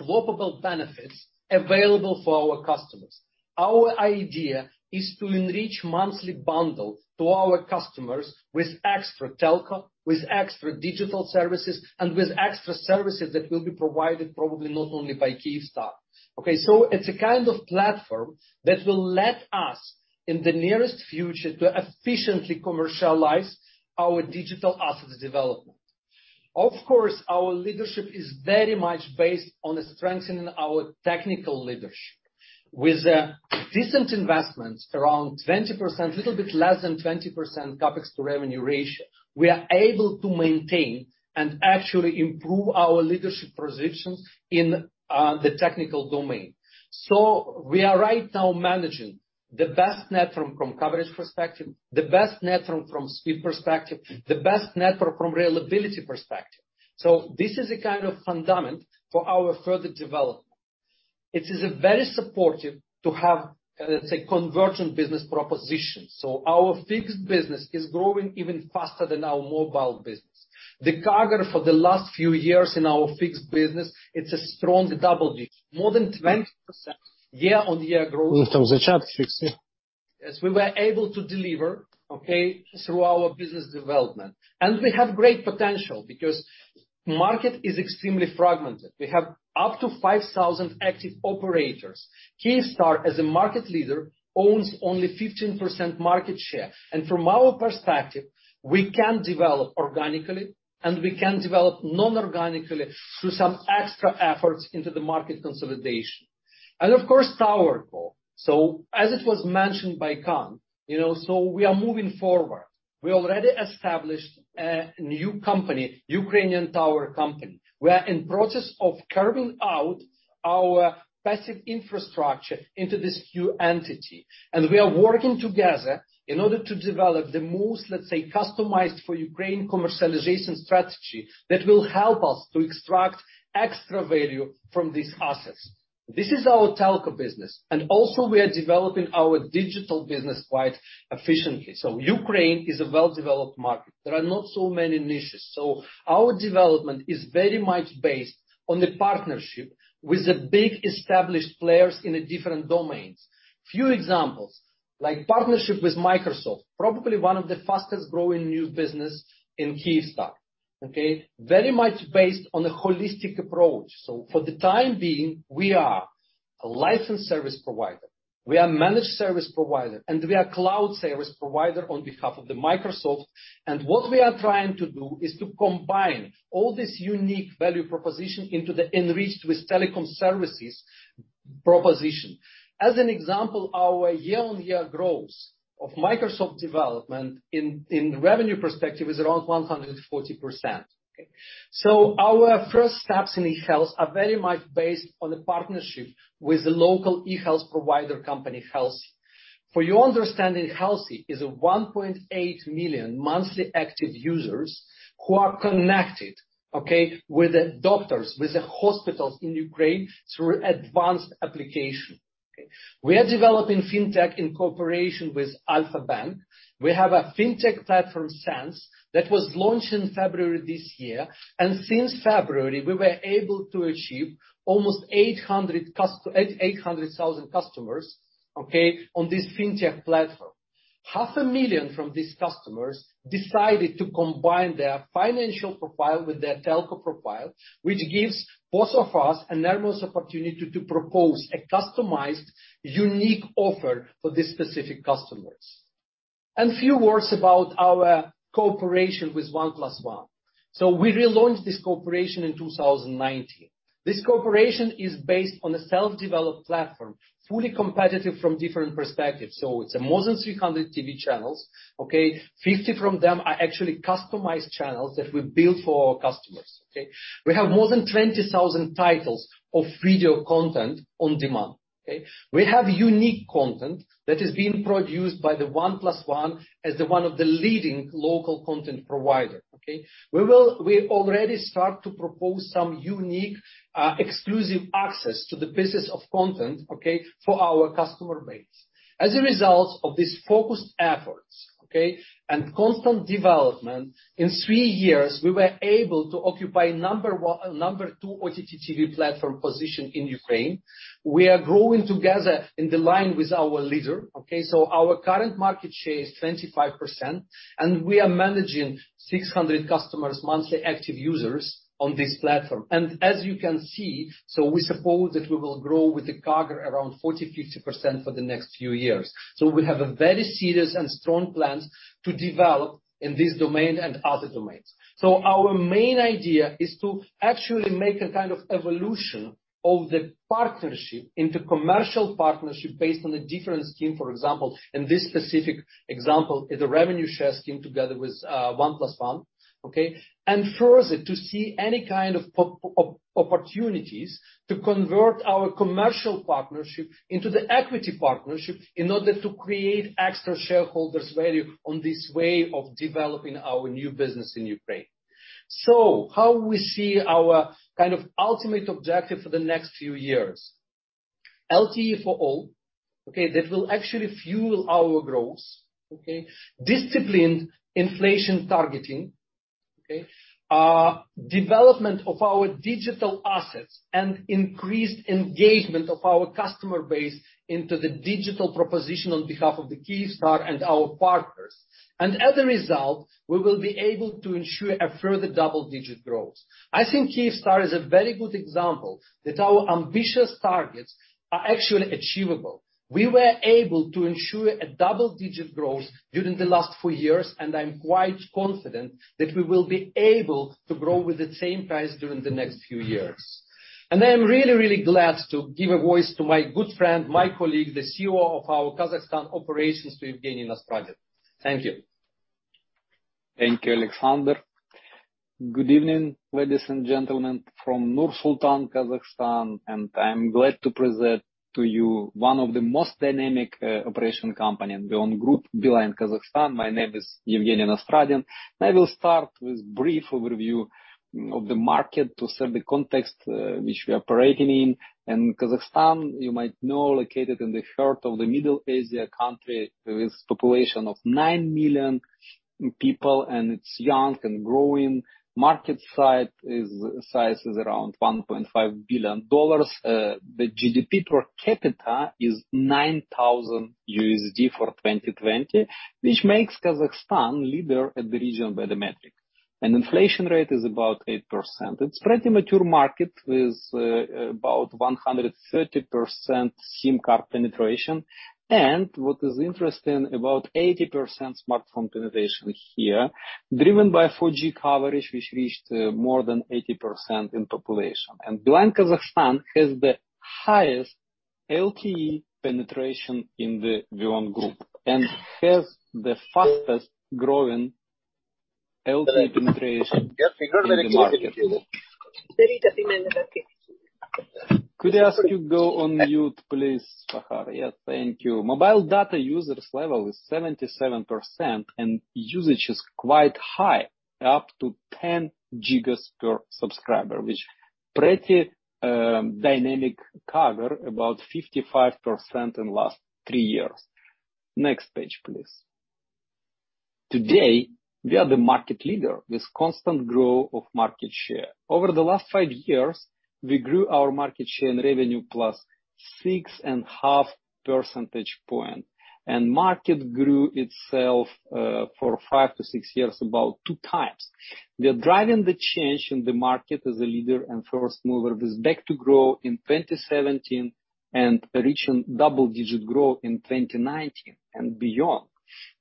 swappable benefits available for our customers. Our idea is to enrich monthly bundles to our customers with extra telco, with extra digital services, and with extra services that will be provided probably not only by Kyivstar. Okay, it's a kind of platform that will let us, in the nearest future, to efficiently commercialize our digital assets development. Of course, our leadership is very much based on strengthening our technical leadership. With decent investments, around 20%, a little bit less than 20% CapEx to revenue ratio, we are able to maintain and actually improve our leadership position in the technical domain. We are right now managing the best network from coverage perspective, the best network from speed perspective, the best network from reliability perspective. This is a kind of foundation for our further development. It is very supportive to have, let's say, convergent business proposition. Our fixed business is growing even faster than our mobile business. The CAGR for the last few years in our fixed business, it's a strong double digit, more than 20% year-on-year growth, as we were able to deliver, okay, through our business development. We have great potential because market is extremely fragmented. We have up to 5,000 active operators. Kyivstar, as a market leader, owns only 15% market share. From our perspective, we can develop organically, and we can develop non-organically through some extra efforts into the market consolidation, of course, TowerCo. As it was mentioned by Kaan, you know, so we are moving forward. We already established a new company, Ukraine Tower Company. We are in process of carving out our passive infrastructure into this new entity, and we are working together in order to develop the most, let's say, customized for Ukraine commercialization strategy that will help us to extract extra value from these assets. This is our telco business, and also we are developing our digital business quite efficiently. Ukraine is a well-developed market. There are not so many niches, so our development is very much based on the partnership with the big established players in the different domains. Few examples, like partnership with Microsoft, probably one of the fastest growing new business in Kyivstar, okay? Very much based on a holistic approach. For the time being, we are a licensed service provider, we are managed service provider, and we are cloud service provider on behalf of Microsoft. What we are trying to do is to combine all this unique value proposition into the enriched with telecom services proposition. As an example, our year-on-year growth of Microsoft development in revenue perspective is around 140%. Our first steps in e-health are very much based on the partnership with the local e-health provider company Helsi. For your understanding, Helsi is 1.8 million monthly active users who are connected with the doctors, with the hospitals in Ukraine through advanced application. We are developing fintech in cooperation with Alfa-Bank. We have a fintech platform, Sense, that was launched in February this year. Since February, we were able to achieve almost 800,000 customers on this fintech platform. 500,000 from these customers decided to combine their financial profile with their telco profile, which gives both of us enormous opportunity to propose a customized unique offer for these specific customers. Few words about our cooperation with 1+1. We relaunched this cooperation in 2019. This cooperation is based on a self-developed platform, fully competitive from different perspectives. It's more than 300 TV channels. 50 of them are actually customized channels that we built for our customers, okay. We have more than 20,000 titles of video content on demand, okay. We have unique content that is being produced by the 1+1 as one of the leading local content providers, okay. We already start to propose some unique, exclusive access to the business of content, okay, for our customer base. As a result of these focused efforts, okay, and constant development, in 3 years, we were able to occupy number two OTT TV platform position in Ukraine. We are growing together in line with our leader, okay. Our current market share is 25%, and we are managing 600,000 monthly active users on this platform. As you can see, we suppose that we will grow with a CAGR around 40%-50% for the next few years. We have a very serious and strong plans to develop in this domain and other domains. Our main idea is to actually make a kind of evolution of the partnership into commercial partnership based on a different scheme. For example, in this specific example is a revenue share scheme together with 1+1. Further, to see any kind of opportunities to convert our commercial partnership into the equity partnership in order to create extra shareholders value on this way of developing our new business in Ukraine. How we see our kind of ultimate objective for the next few years. LTE for all, that will actually fuel our growth. Disciplined inflation targeting. Development of our digital assets and increased engagement of our customer base into the digital proposition on behalf of Kyivstar and our partners. As a result, we will be able to ensure a further double-digit growth. I think Kyivstar is a very good example that our ambitious targets are actually achievable. We were able to ensure a double-digit growth during the last four years, and I'm quite confident that we will be able to grow with the same pace during the next few years. I am really, really glad to give a voice to my good friend, my colleague, the CEO of our Kazakhstan operations, to Evgeniy Nastradin. Thank you. Thank you, Alexandr. Good evening, ladies and gentlemen from Nur-Sultan, Kazakhstan, and I'm glad to present to you one of the most dynamic, operating company in VEON Group, Beeline Kazakhstan. My name is Evgeniy Nastradin. I will start with brief overview of the market to set the context, which we operating in. Kazakhstan, you might know, located in the heart of the Central Asian country with population of 19 million people, and it's young and growing. Market size is around $1.5 billion. The GDP per capita is $9,000 for 2020, which makes Kazakhstan leader in the region by the metric. Inflation rate is about 8%. It's pretty mature market with, about 130% SIM card penetration. What is interesting, about 80% smartphone penetration here, driven by 4G coverage, which reached more than 80% in population. Beeline Kazakhstan has the highest LTE penetration in the VEON Group and has the fastest growing LTE penetration in the market. Could I ask you go on mute, please, Sahar? Yes, thank you. Mobile data users level is 77%, and usage is quite high, up to 10 GB per subscriber, which pretty dynamic CAGR about 55% in last 3 years. Next page, please. Today, we are the market leader with constant growth of market share. Over the last 5 years, we grew our market share and revenue plus 6.5 percentage points, and market grew itself for 5-6 years about 2 times. We are driving the change in the market as a leader and first mover with back to growth in 2017 and reaching double-digit growth in 2019 and beyond.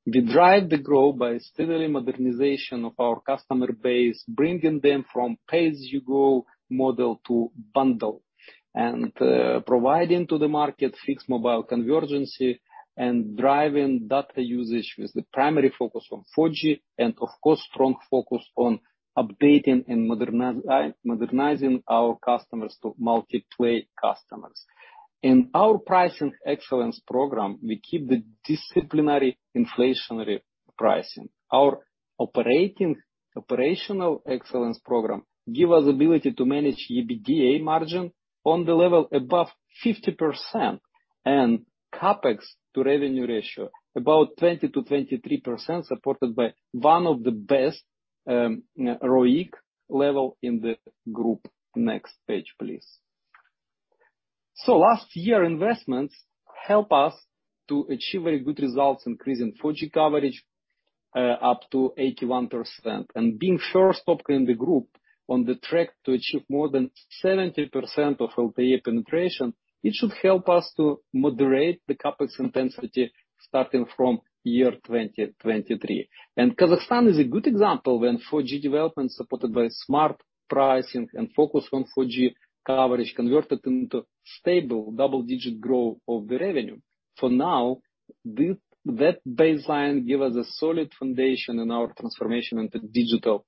We drive the growth by steady modernization of our customer base, bringing them from pay-as-you-go model to bundle, and providing to the market fixed-mobile convergence. And driving data usage with the primary focus on 4G and of course, strong focus on updating and modernizing our customers to multi-play customers. In our pricing excellence program, we keep the disciplined inflationary pricing. Our operational excellence program gives us ability to manage EBITDA margin on the level above 50% and CapEx to revenue ratio about 20%-23%, supported by one of the best ROIC level in the group. Next page, please. Last year, investments help us to achieve very good results, increasing 4G coverage up to 81%. Being first op in the group on the track to achieve more than 70% of LTE penetration, it should help us to moderate the CapEx intensity starting from year 2023. Kazakhstan is a good example when 4G development, supported by smart pricing and focus on 4G coverage, converted into stable double-digit growth of the revenue. For now, that baseline give us a solid foundation in our transformation into digital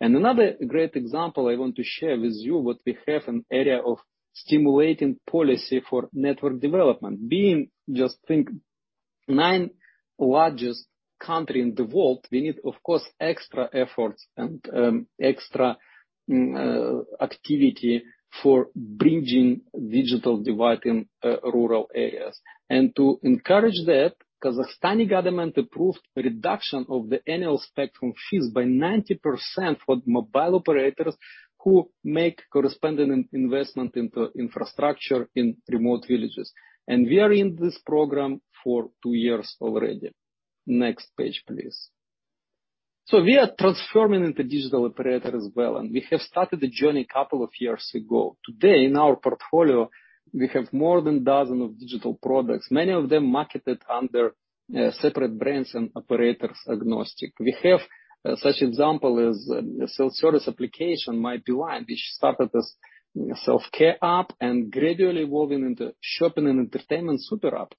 operator. Another great example I want to share with you what we have in area of stimulating policy for network development. Being just the 9th largest country in the world, we need of course extra efforts and extra activity for bridging digital divide in rural areas. To encourage that, Kazakhstani government approved a reduction of the annual spectrum fees by 90% for mobile operators who make corresponding investment into infrastructure in remote villages. We are in this program for two years already. Next page, please. We are transforming into digital operator as well, and we have started the journey a couple of years ago. Today, in our portfolio, we have more than a dozen of digital products, many of them marketed under separate brands and operator-agnostic. One such example is self-service application My Beeline, which started as self-care app and gradually evolving into shopping and entertainment super app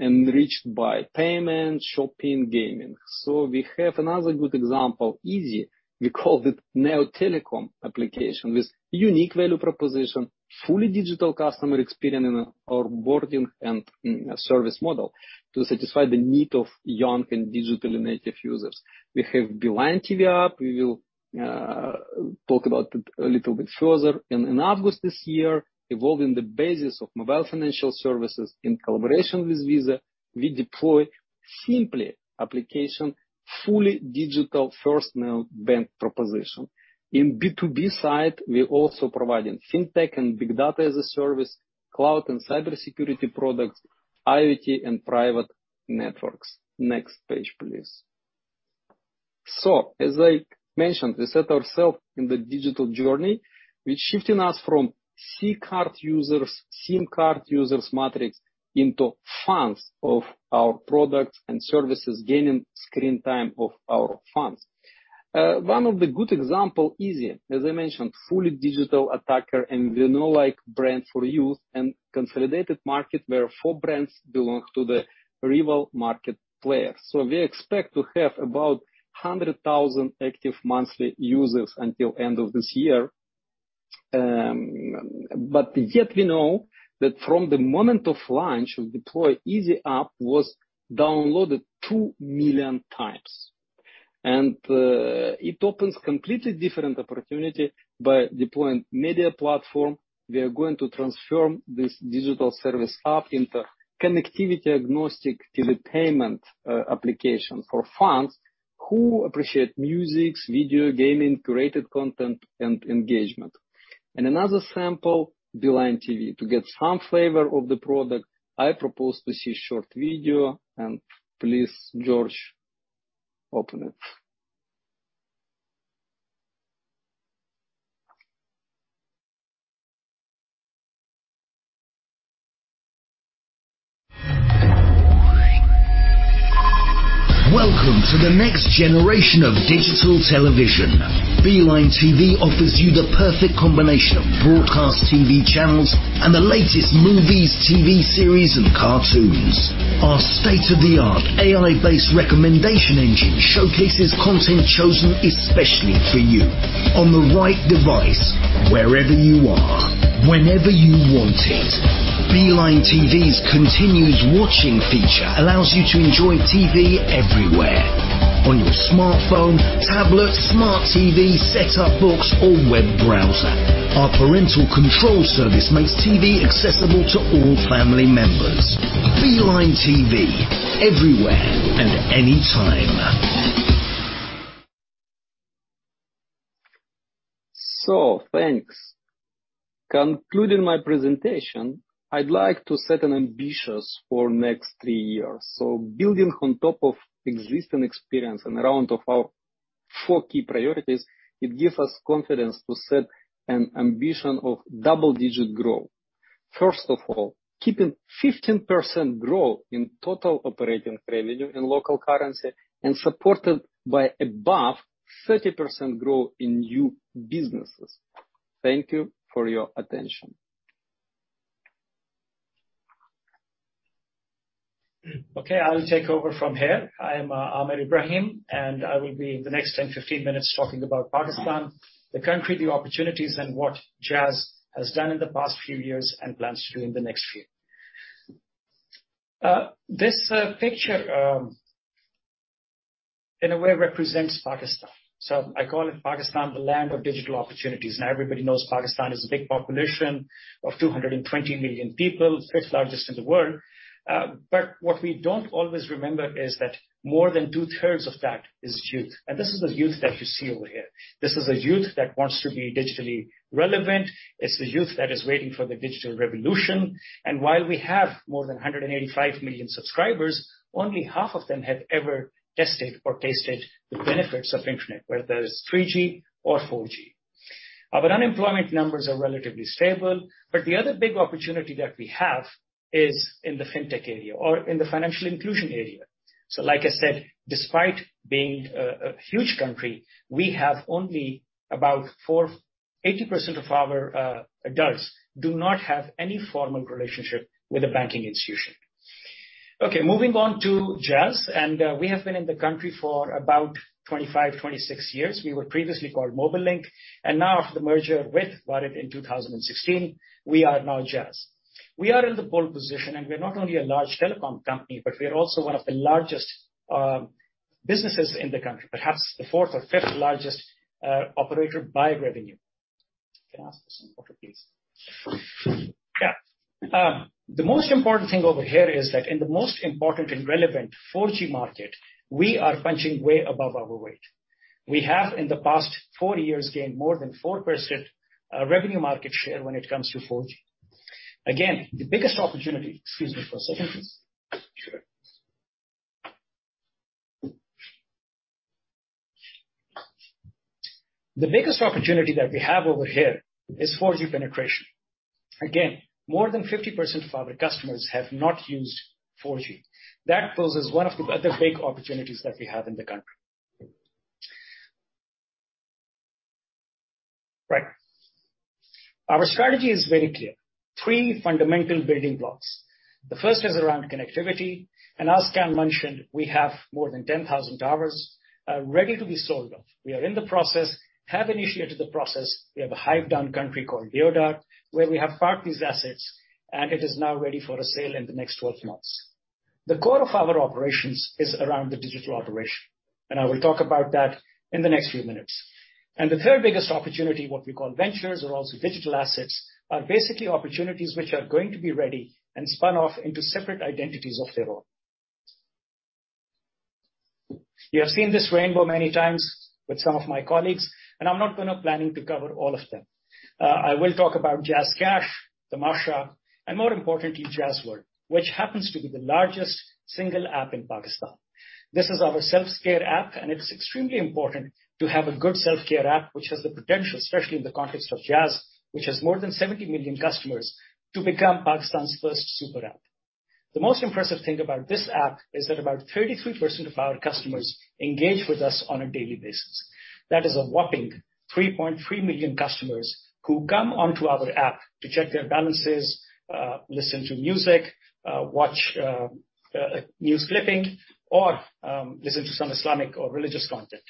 enriched by payment, shopping, gaming. We have another good example, Easy. We call it neo telecom application with unique value proposition, fully digital customer experience in onboarding and service model to satisfy the need of young and digital native users. We have Beeline TV app. We will talk about it a little bit further. In August this year, evolving the basis of mobile financial services in collaboration with Visa, we deploy Simply application, fully digital first neobank proposition. In B2B side, we're also providing fintech and big data as a service, cloud and cybersecurity products, IoT and private networks. Next page, please. As I mentioned, we set ourselves in the digital journey, which shifting us from SIM card users matrix into fans of our products and services, gaining screen time of our fans. One of the good example, Easy. As I mentioned, fully digital attacker and we now like brand for youth and consolidated market where four brands belong to the rival market player. We expect to have about 100,000 active monthly users until end of this year. We know that from the moment of launch of the Easy app was downloaded 2 million times. It opens completely different opportunity by deploying media platform. We are going to transform this digital service app into connectivity agnostic telepayment application for fans who appreciate music, video, gaming, curated content and engagement. Another sample, Beeline TV. To get some flavor of the product, I propose to see short video and please, George, open it. Welcome to the next generation of digital television. Beeline TV offers you the perfect combination of broadcast TV channels and the latest movies, TV series and cartoons. Our state-of-the-art AI-based recommendation engine showcases content chosen especially for you on the right device, wherever you are, whenever you want it. Beeline TV's continuous watching feature allows you to enjoy TV everywhere, on your smartphone, tablet, smart TV, set-top box or web browser. Our parental control service makes TV accessible to all family members. Beeline TV, everywhere and anytime. Thanks. Concluding my presentation, I'd like to set an ambition for next three years. Building on top of existing experience and around our four key priorities, it gives us confidence to set an ambition of double-digit growth. First of all, keeping 15% growth in total operating revenue in local currency and supported by above 30% growth in new businesses. Thank you for your attention. Okay, I will take over from here. I am Aamir Ibrahim, and I will be the next 10, 15 minutes talking about Pakistan, the country, the opportunities, and what Jazz has done in the past few years and plans to do in the next few. This picture, in a way represents Pakistan. I call it Pakistan, the land of digital opportunities. Now everybody knows Pakistan is a big population of 220 million people, sixth-largest in the world. But what we don't always remember is that more than two-thirds of that is youth. This is the youth that you see over here. This is a youth that wants to be digitally relevant. It's the youth that is waiting for the digital revolution. While we have more than 185 million subscribers, only half of them have ever tested or tasted the benefits of internet, whether it's 3G or 4G. Our unemployment numbers are relatively stable, but the other big opportunity that we have is in the fintech area or in the financial inclusion area. Like I said, despite being a huge country, we have only about eighty percent of our adults do not have any formal relationship with a banking institution. Okay, moving on to Jazz. We have been in the country for about 25, 26 years. We were previously called Mobilink, and now after the merger with Warid in 2016, we are now Jazz. We are in the pole position, and we are not only a large telecom company, but we are also one of the largest businesses in the country, perhaps the fourth or fifth largest operator by revenue. Can I ask for some water, please? Yeah. The most important thing over here is that in the most important and relevant 4G market, we are punching way above our weight. We have, in the past four years, gained more than 4% revenue market share when it comes to 4G. Excuse me for a second, please. Sure. The biggest opportunity that we have over here is 4G penetration. Again, more than 50% of our customers have not used 4G. That poses one of the other big opportunities that we have in the country. Right. Our strategy is very clear. Three fundamental building blocks. The first is around connectivity. As Kaan mentioned, we have more than 10,000 towers ready to be sold off. We are in the process, have initiated the process. We have a hive down company called Deodar, where we have parked these assets, and it is now ready for a sale in the next 12 months. The core of our operations is around the digital operation, and I will talk about that in the next few minutes. The third biggest opportunity, what we call ventures or also digital assets, are basically opportunities which are going to be ready and spun off into separate identities of their own. You have seen this rainbow many times with some of my colleagues, and I'm not planning to cover all of them. I will talk about JazzCash, Tamasha, and more importantly, Jazz World, which happens to be the largest single app in Pakistan. This is our self-care app, and it's extremely important to have a good self-care app which has the potential, especially in the context of Jazz, which has more than 70 million customers, to become Pakistan's first super app. The most impressive thing about this app is that about 33% of our customers engage with us on a daily basis. That is a whopping 3.3 million customers who come onto our app to check their balances, listen to music, watch a news clipping or, listen to some Islamic or religious content.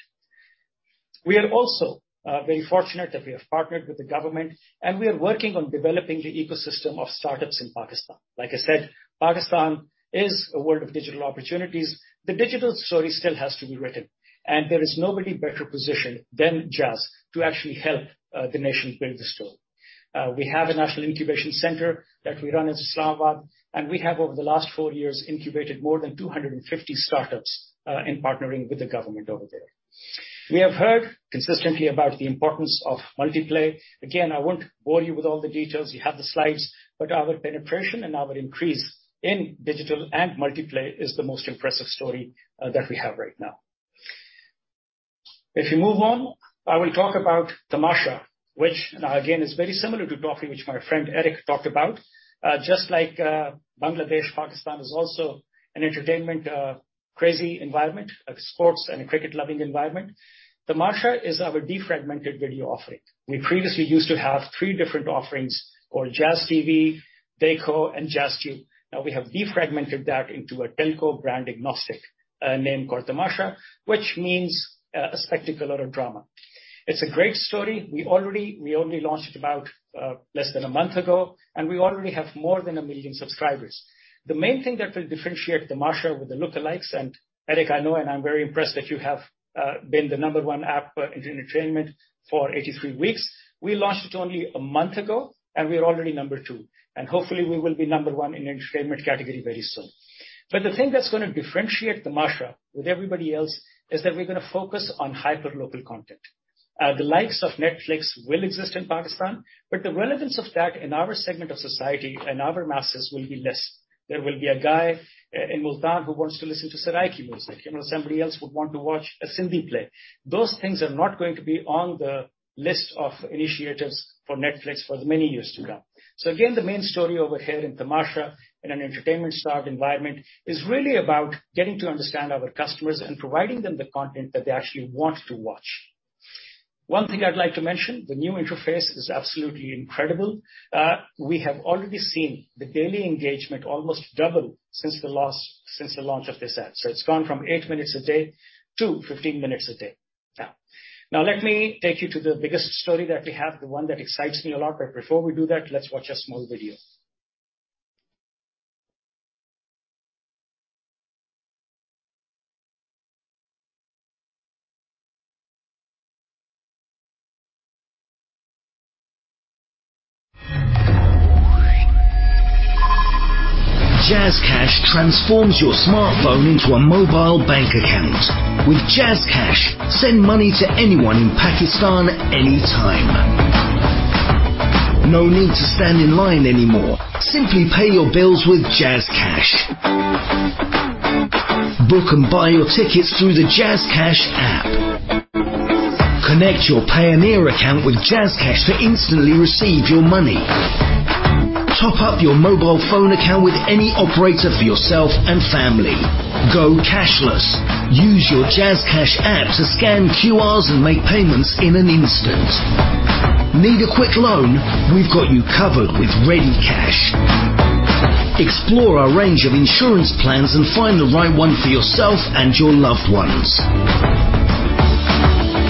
We are also very fortunate that we have partnered with the government, and we are working on developing the ecosystem of startups in Pakistan. Like I said, Pakistan is a world of digital opportunities. The digital story still has to be written, and there is nobody better positioned than Jazz to actually help the nation build the story. We have a national incubation center that we run in Islamabad, and we have, over the last four years, incubated more than 250 startups in partnering with the government over there. We have heard consistently about the importance of multi-play. Again, I won't bore you with all the details. You have the slides. Our penetration and our increase in digital and multi-play is the most impressive story that we have right now. If you move on, I will talk about Tamasha, which now again, is very similar to Toffee, which my friend Erik talked about. Just like Bangladesh, Pakistan is also an entertainment crazy environment, a sports and a cricket loving environment. Tamasha is our defragmented video offering. We previously used to have three different offerings called Jazz TV, Deco and Jazz U. Now we have defragmented that into a telco brand agnostic name called Tamasha, which means a spectacle or a drama. It's a great story. We only launched about less than a month ago, and we already have more than 1 million subscribers. The main thing that will differentiate Tamasha with the lookalikes, and Erik, I know and I'm very impressed that you have been the number one app in entertainment for 83 weeks. We launched it only a month ago, and we are already number two, and hopefully we will be number one in entertainment category very soon. The thing that's gonna differentiate Tamasha with everybody else is that we're gonna focus on hyper local content. The likes of Netflix will exist in Pakistan, but the relevance of that in our segment of society and our masses will be less. There will be a guy in Multan who wants to listen to Saraiki music, and somebody else would want to watch a Sindhi play. Those things are not going to be on the list of initiatives for Netflix for many years to come. Again, the main story over here in Tamasha, in an entertainment-starved environment, is really about getting to understand our customers and providing them the content that they actually want to watch. One thing I'd like to mention, the new interface is absolutely incredible. We have already seen the daily engagement almost double since the launch of this app. It's gone from 8 minutes a day to 15 minutes a day now. Now let me take you to the biggest story that we have, the one that excites me a lot. Before we do that, let's watch a small video. JazzCash transforms your smartphone into a mobile bank account. With JazzCash, send money to anyone in Pakistan anytime. No need to stand in line anymore. Simply pay your bills with JazzCash. Book and buy your tickets through the JazzCash app. Connect your Payoneer account with JazzCash to instantly receive your money. Top up your mobile phone account with any operator for yourself and family. Go cashless. Use your JazzCash app to scan QRs and make payments in an instant. Need a quick loan? We've got you covered with ReadyCash. Explore our range of insurance plans and find the right one for yourself and your loved ones.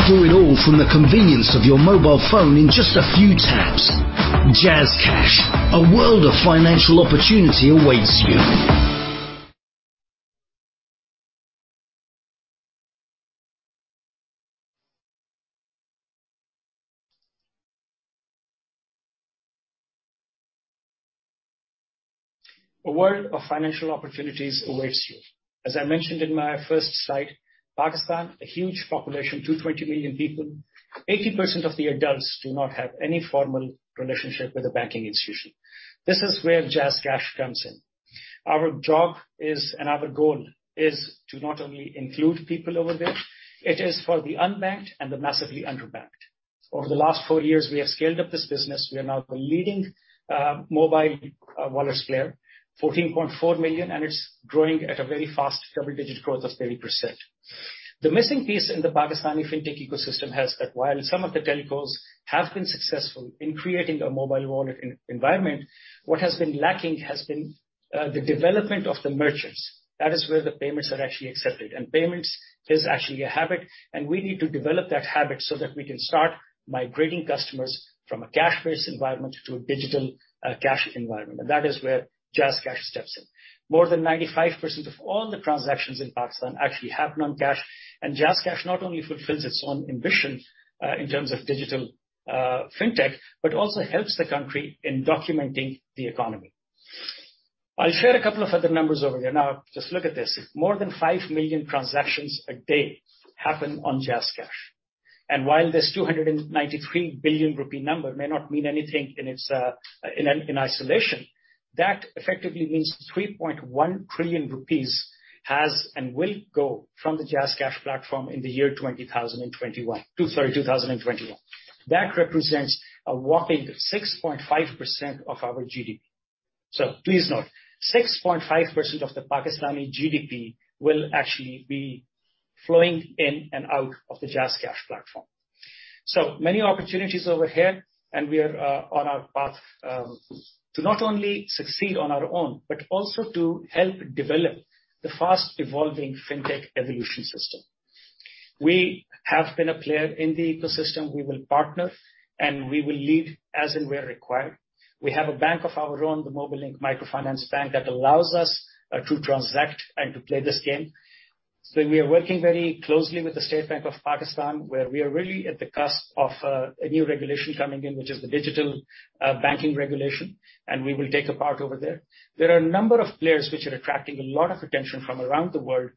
Do it all from the convenience of your mobile phone in just a few taps. JazzCash, a world of financial opportunity awaits you. A world of financial opportunities awaits you. As I mentioned in my first slide, Pakistan, a huge population, 220 million people. 80% of the adults do not have any formal relationship with a banking institution. This is where JazzCash comes in. Our job is, and our goal is to not only include people over there, it is for the unbanked and the massively underbanked. Over the last four years, we have scaled up this business. We are now the leading mobile wallet player, 14.4 million, and it's growing at a very fast double-digit growth of 30%. The missing piece in the Pakistani fintech ecosystem is that while some of the telcos have been successful in creating a mobile wallet environment, what has been lacking has been the development of the merchants. That is where the payments are actually accepted. Payments is actually a habit, and we need to develop that habit so that we can start migrating customers from a cash-based environment to a digital cash environment. That is where JazzCash steps in. More than 95% of all the transactions in Pakistan actually happen on cash. JazzCash not only fulfills its own ambition in terms of digital fintech, but also helps the country in documenting the economy. I'll share a couple of other numbers over here. Now, just look at this. More than 5 million transactions a day happen on JazzCash. While this PKR 293 billion rupee number may not mean anything in its isolation, that effectively means PKR 3.1 trillion has and will go from the JazzCash platform in the year 2021. 2021. That represents a whopping 6.5% of our GDP. Please note, 6.5% of the Pakistani GDP will actually be flowing in and out of the JazzCash platform. Many opportunities over here, and we are on our path to not only succeed on our own, but also to help develop the fast evolving fintech ecosystem. We have been a player in the ecosystem. We will partner, and we will lead as and where required. We have a bank of our own, the Mobilink Microfinance Bank, that allows us to transact and to play this game. We are working very closely with the State Bank of Pakistan, where we are really at the cusp of a new regulation coming in, which is the digital banking regulation, and we will take a part over there. There are a number of players which are attracting a lot of attention from around the world.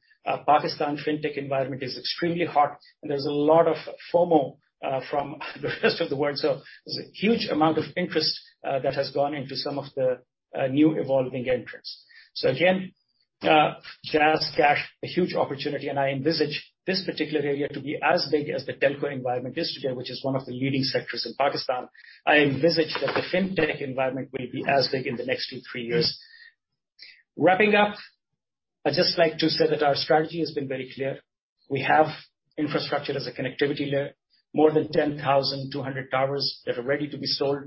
Pakistan fintech environment is extremely hot, and there's a lot of FOMO from the rest of the world. There's a huge amount of interest that has gone into some of the new evolving entrants. JazzCash, a huge opportunity, and I envisage this particular area to be as big as the telco environment is today, which is one of the leading sectors in Pakistan. I envisage that the fintech environment will be as big in the next two, three years. Wrapping up, I'd just like to say that our strategy has been very clear. We have infrastructure as a connectivity layer, more than 10,200 towers that are ready to be sold.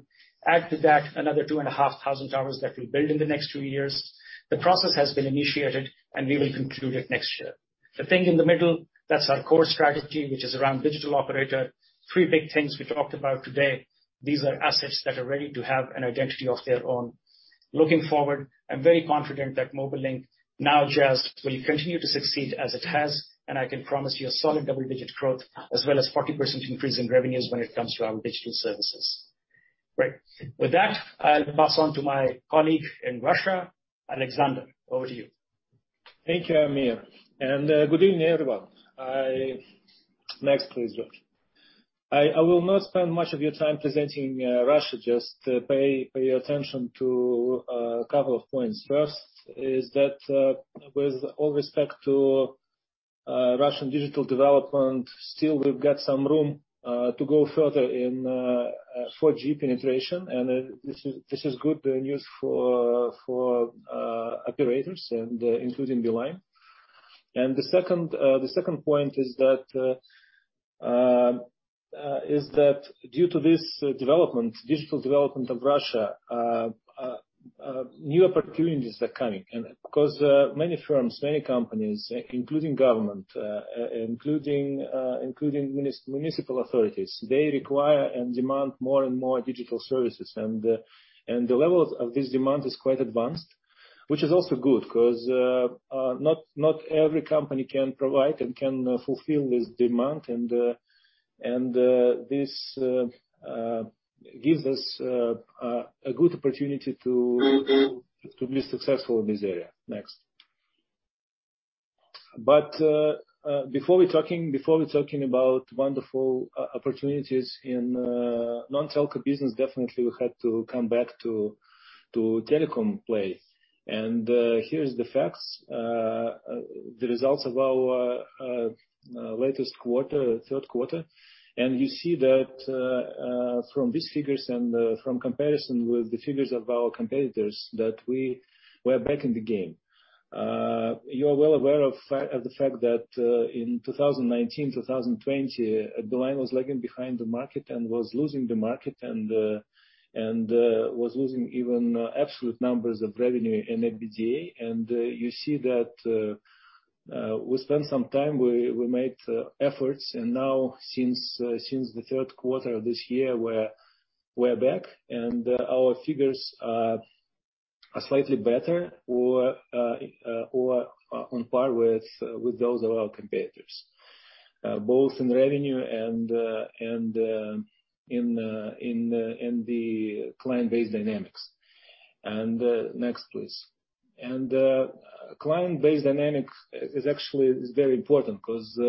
Add to that another 2,500 towers that we'll build in the next 2 years. The process has been initiated, and we will conclude it next year. The thing in the middle, that's our core strategy, which is around digital operator. Three big things we talked about today. These are assets that are ready to have an identity of their own. Looking forward, I'm very confident that Mobilink, now Jazz, will continue to succeed as it has, and I can promise you a solid double-digit growth as well as 40% increase in revenues when it comes to our digital services. Great. With that, I'll pass on to my colleague in Russia, Alexander. Over to you. Thank you, Aamir. Good evening, everyone. Next please, George. I will not spend much of your time presenting Russia. Just pay attention to a couple of points. First is that with all respect to Russian digital development, still we've got some room to go further in 4G penetration. This is good news for operators and including Beeline. The second point is that due to this development, digital development of Russia, new opportunities are coming and because many firms, many companies, including government, including municipal authorities, they require and demand more and more digital services. The level of this demand is quite advanced, which is also good 'cause not every company can provide and can fulfill this demand and this gives us a good opportunity to be successful in this area. Next. Before we talking about wonderful opportunities in non-telco business, definitely we have to come back to telecom play. Here's the facts. The results of our latest quarter, third quarter, and you see that from these figures and from comparison with the figures of our competitors, that we're back in the game. You're well aware of the fact that in 2019, 2020, Beeline was lagging behind the market and was losing the market and was losing even absolute numbers of revenue and OIBDA. You see that we spent some time, we made efforts, and now since the third quarter of this year, we're back and our figures are slightly better or on par with those of our competitors both in revenue and in the client-based dynamics. Next, please. Client-based dynamics is actually very important 'cause,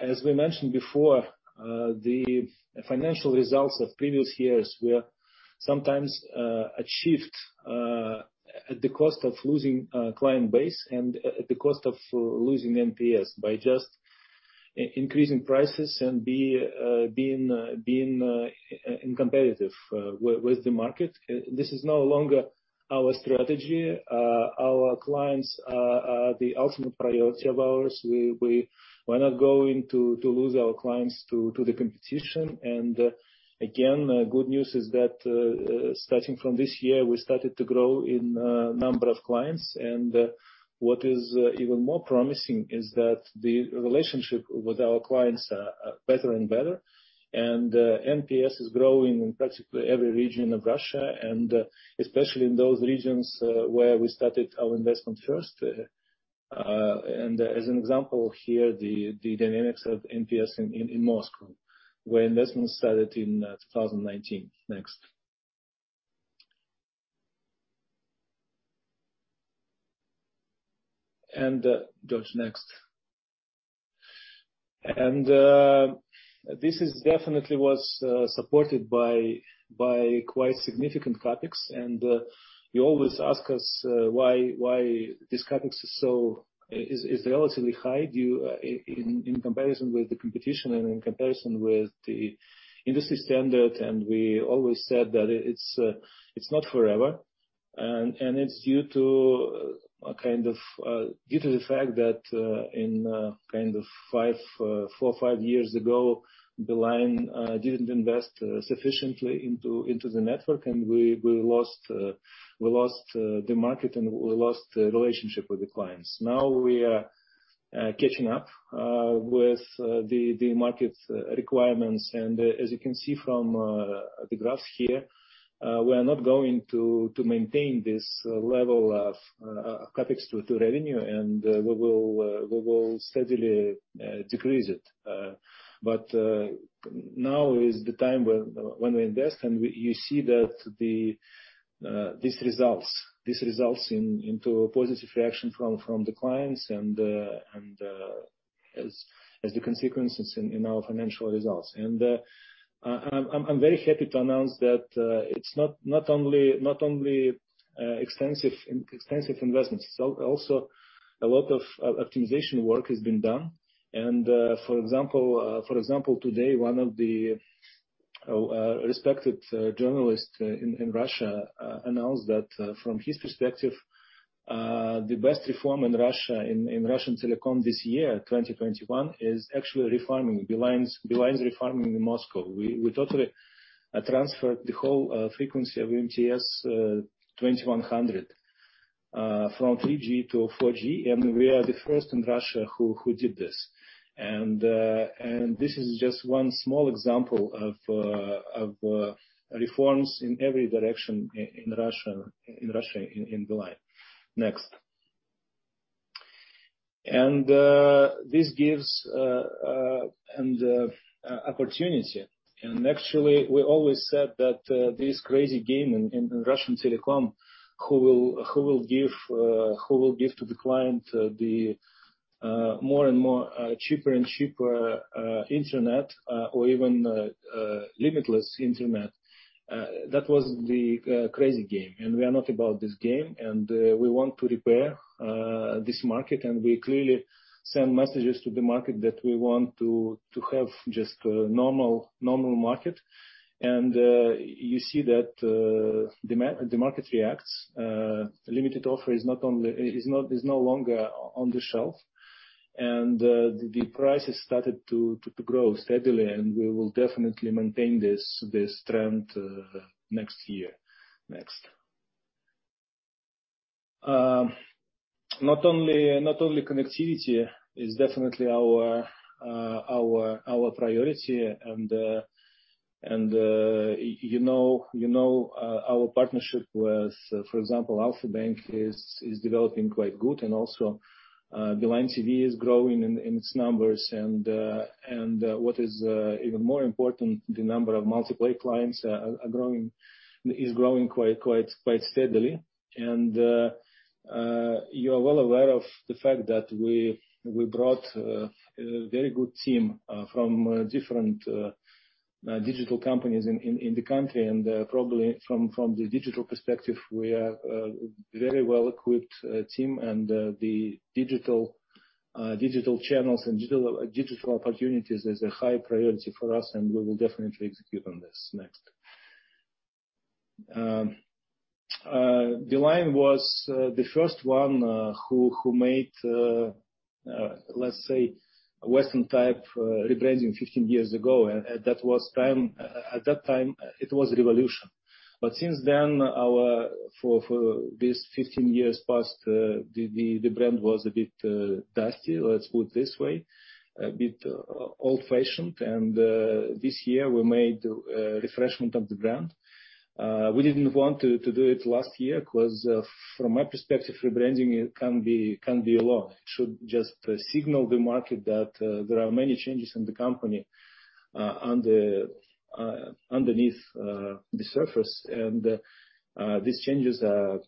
as we mentioned before, the financial results of previous years were sometimes achieved at the cost of losing client base and at the cost of losing NPS by just increasing prices and being uncompetitive with the market. This is no longer our strategy. Our clients are the ultimate priority of ours. We're not going to lose our clients to the competition. Again, good news is that, starting from this year, we started to grow in number of clients. What is even more promising is that the relationship with our clients are better and better. NPS is growing in practically every region of Russia and especially in those regions where we started our investment first. As an example here, the dynamics of NPS in Moscow, where investment started in 2019. Next. George, next. This definitely was supported by quite significant CapEx. You always ask us why this CapEx is so relatively high in comparison with the competition and in comparison with the industry standard. We always said that it's not forever, and it's due to the fact that in four or five years ago, Beeline didn't invest sufficiently into the network, and we lost the market, and we lost the relationship with the clients. Now, we are catching up with the market's requirements. As you can see from the graph here, we are not going to maintain this level of CapEx to revenue. We will steadily decrease it. Now is the time when we invest, and we... You see that this results in a positive reaction from the clients and as the consequences in our financial results. I'm very happy to announce that it's not only extensive investments, it's also a lot of optimization work has been done. For example, today, one of the respected journalists in Russia announced that from his perspective the best reform in Russian telecom this year, 2021, is actually refarming. Beeline's refarming in Moscow. We totally transferred the whole frequency of MTS, 2100, from 3G to 4G, and we are the first in Russia who did this. This is just one small example of reforms in every direction in Russia in Beeline. Next. This gives an opportunity. Actually, we always said that this crazy game in Russian telecom, who will give to the client the more and more cheaper and cheaper internet or even limitless internet, that was the crazy game. We are not about this game. We want to repair this market, and we clearly send messages to the market that we want to have just a normal market. You see that the market reacts. Limited offer is no longer on the shelf. The prices started to grow steadily, and we will definitely maintain this trend next year. Not only connectivity is definitely our priority and you know our partnership with, for example, Alfa-Bank is developing quite good. And also Beeline TV is growing in its numbers. And what is even more important, the number of multi-play clients is growing quite steadily. You're well aware of the fact that we brought a very good team from different digital companies in the country. Probably from the digital perspective, we are a very well-equipped team. The digital channels and digital opportunities is a high priority for us, and we will definitely execute on this. Next. Beeline was the first one who made, let's say, a Western-type rebranding 15 years ago. At that time, it was revolution. But since then, for these 15 years passed, the brand was a bit dusty, let's put it this way, a bit old-fashioned. This year we made a refreshment of the brand. We didn't want to do it last year because from my perspective, rebranding can be a lot. It should just signal the market that there are many changes in the company, underneath the surface. These changes are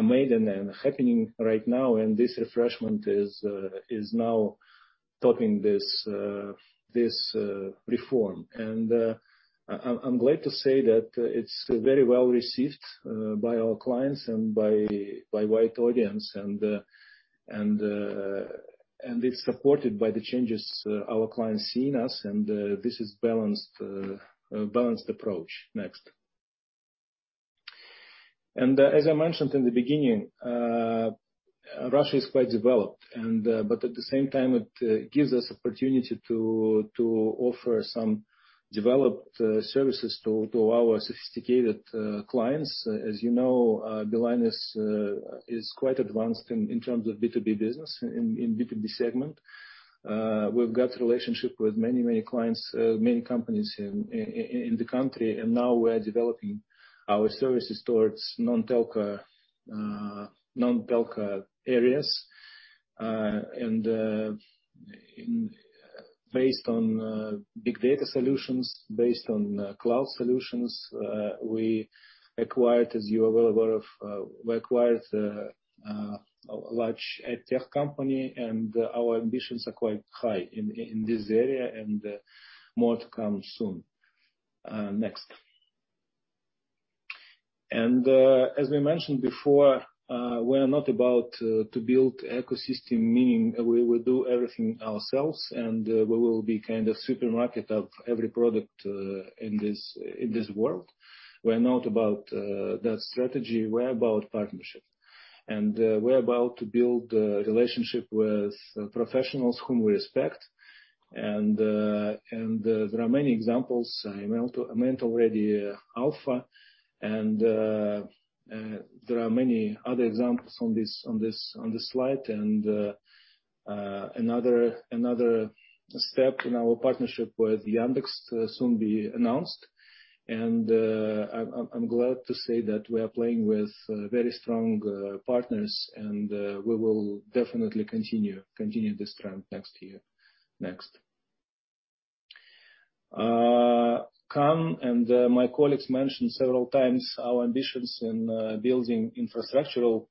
made and are happening right now, and this refreshment is now topping this reform. I'm glad to say that it's very well received by our clients and by wide audience. It's supported by the changes our clients see in us. This is balanced approach. Next. As I mentioned in the beginning, Russia is quite developed, and but at the same time, it gives us opportunity to offer some developed services to our sophisticated clients. As you know, Beeline is quite advanced in terms of B2B business, in B2B segment. We've got relationship with many clients, many companies in the country, and now we're developing our services towards non-telco areas. Based on big data solutions, based on cloud solutions, we acquired, as you are well aware of, a large edtech company, and our ambitions are quite high in this area, and more to come soon. Next. As we mentioned before, we are not about to build ecosystem, meaning we will do everything ourselves, and we will be kind of supermarket of every product in this world. We're not about that strategy. We're about partnership. We're about to build a relationship with professionals whom we respect, and there are many examples. I meant already Alfa, and there are many other examples on this slide. Another step in our partnership with Yandex will soon be announced. I'm glad to say that we are playing with very strong partners, and we will definitely continue this trend next year. Next. Kaan and my colleagues mentioned several times our ambitions in building infrastructural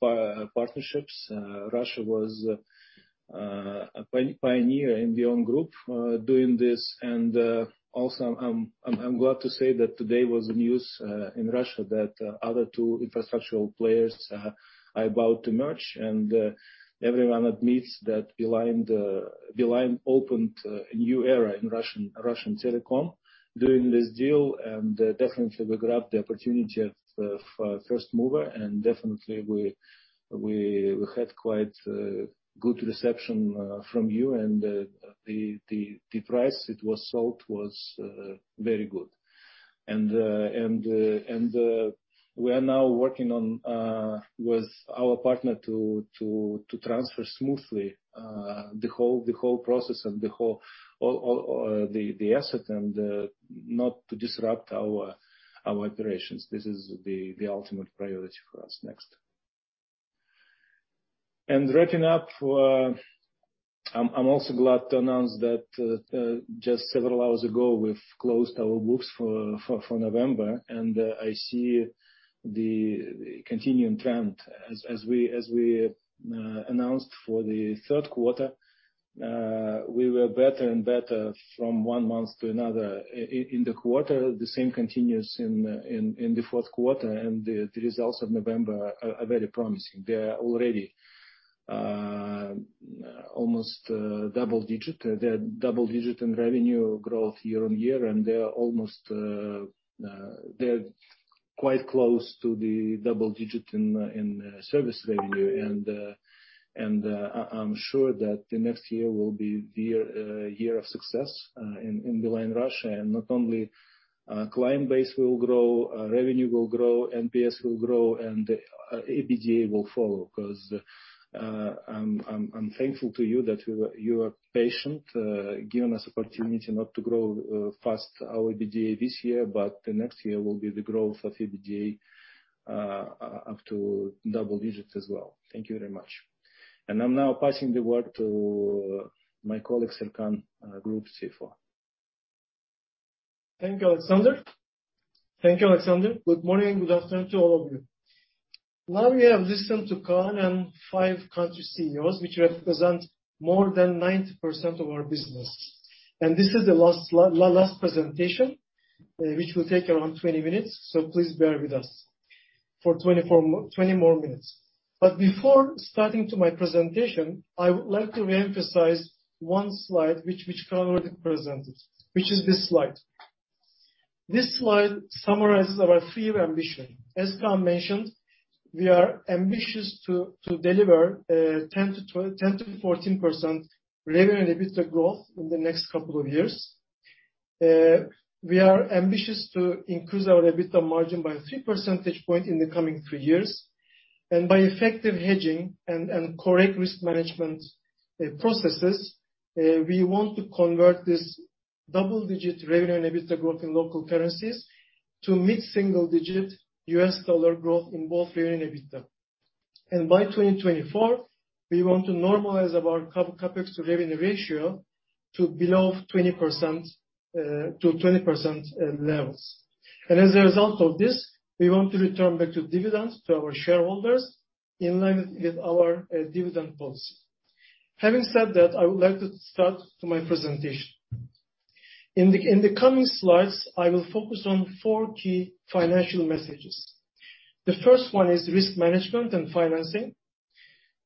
partnerships. Russia was a pioneer in VEON Group doing this. Also I'm glad to say that today was news in Russia that other two infrastructural players are about to merge. Everyone admits that Beeline opened a new era in Russian telecom doing this deal. Definitely we grabbed the opportunity of first mover, and definitely we had quite good reception from you. The price it was sold was very good. We are now working on with our partner to transfer smoothly the whole process and the whole the asset and not to disrupt our operations. This is the ultimate priority for us. Next. Wrapping up, I'm also glad to announce that just several hours ago, we've closed our books for November, and I see the continuing trend. As we announced for the third quarter, we were better and better from one month to another in the quarter. The same continues in the fourth quarter, and the results of November are very promising. They are already almost double digit. They're double digit in revenue growth year-over-year, and they are quite close to the double digit in service revenue. I'm sure that the next year will be the year of success in Beeline in Russia. Not only client base will grow, revenue will grow, NPS will grow, and EBITDA will follow. Because I'm thankful to you that you are patient, giving us opportunity not to grow fast our EBITDA this year, but the next year will be the growth of EBITDA up to double digits as well. Thank you very much. I'm now passing the word to my colleague, Serkan, Group CFO. Thank you, Alexander. Good morning, good afternoon to all of you. Now we have listened to Kaan and five country CEOs, which represent more than 90% of our business. This is the last presentation, which will take around 20 minutes. Please bear with us for 20 more minutes. Before starting to my presentation, I would like to re-emphasize one slide which Kaan already presented, which is this slide. This slide summarizes our three-year ambition. As Kaan mentioned, we are ambitious to deliver 10%-14% revenue and EBITDA growth in the next couple of years. We are ambitious to increase our EBITDA margin by three percentage point in the coming three years. By effective hedging and correct risk management processes, we want to convert this double-digit revenue and EBITDA growth in local currencies to mid-single digit US dollar growth in both revenue and EBITDA. By 2024, we want to normalize our CapEx to revenue ratio to below 20% to 20% levels. As a result of this, we want to return back to dividends to our shareholders in line with our dividend policy. Having said that, I would like to start to my presentation. In the coming slides, I will focus on 4 key financial messages. The first one is risk management and financing.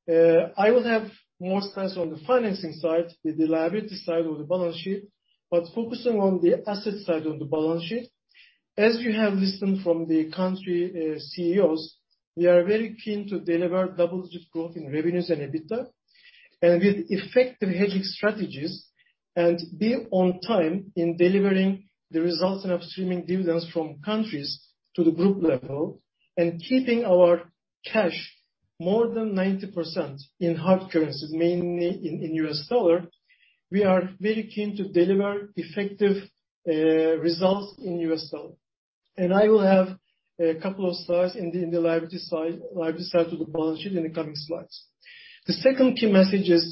I will have more stress on the financing side, with the liability side of the balance sheet, but focusing on the asset side of the balance sheet. As you have listened from the country CEOs, we are very keen to deliver double-digit growth in revenues and EBITDA, and with effective hedging strategies and be on time in delivering the results and upstreaming dividends from countries to the group level, and keeping our cash more than 90% in hard currency, mainly in US dollar, we are very keen to deliver effective results in US dollar. I will have a couple of slides in the liability side of the balance sheet in the coming slides. The second key message is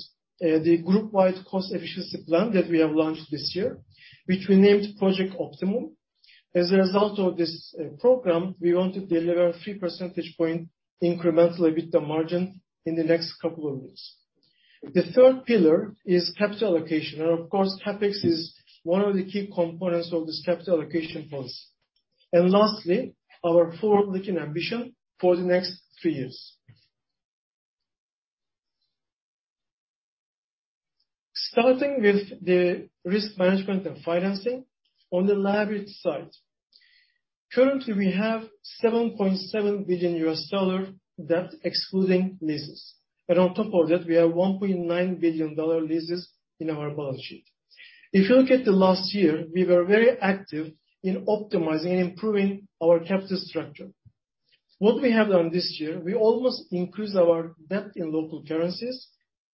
the group-wide cost efficiency plan that we have launched this year, which we named Project Optima. As a result of this program, we want to deliver three percentage point incremental EBITDA margin in the next couple of years. The third pillar is capital allocation, and of course, CapEx is one of the key components of this capital allocation policy. Lastly, our forward-looking ambition for the next three years. Starting with the risk management and financing on the liability side. Currently, we have $7.7 billion debt excluding leases. On top of that, we have $1.9 billion leases in our balance sheet. If you look at the last year, we were very active in optimizing and improving our capital structure. What we have done this year, we almost increased our debt in local currencies,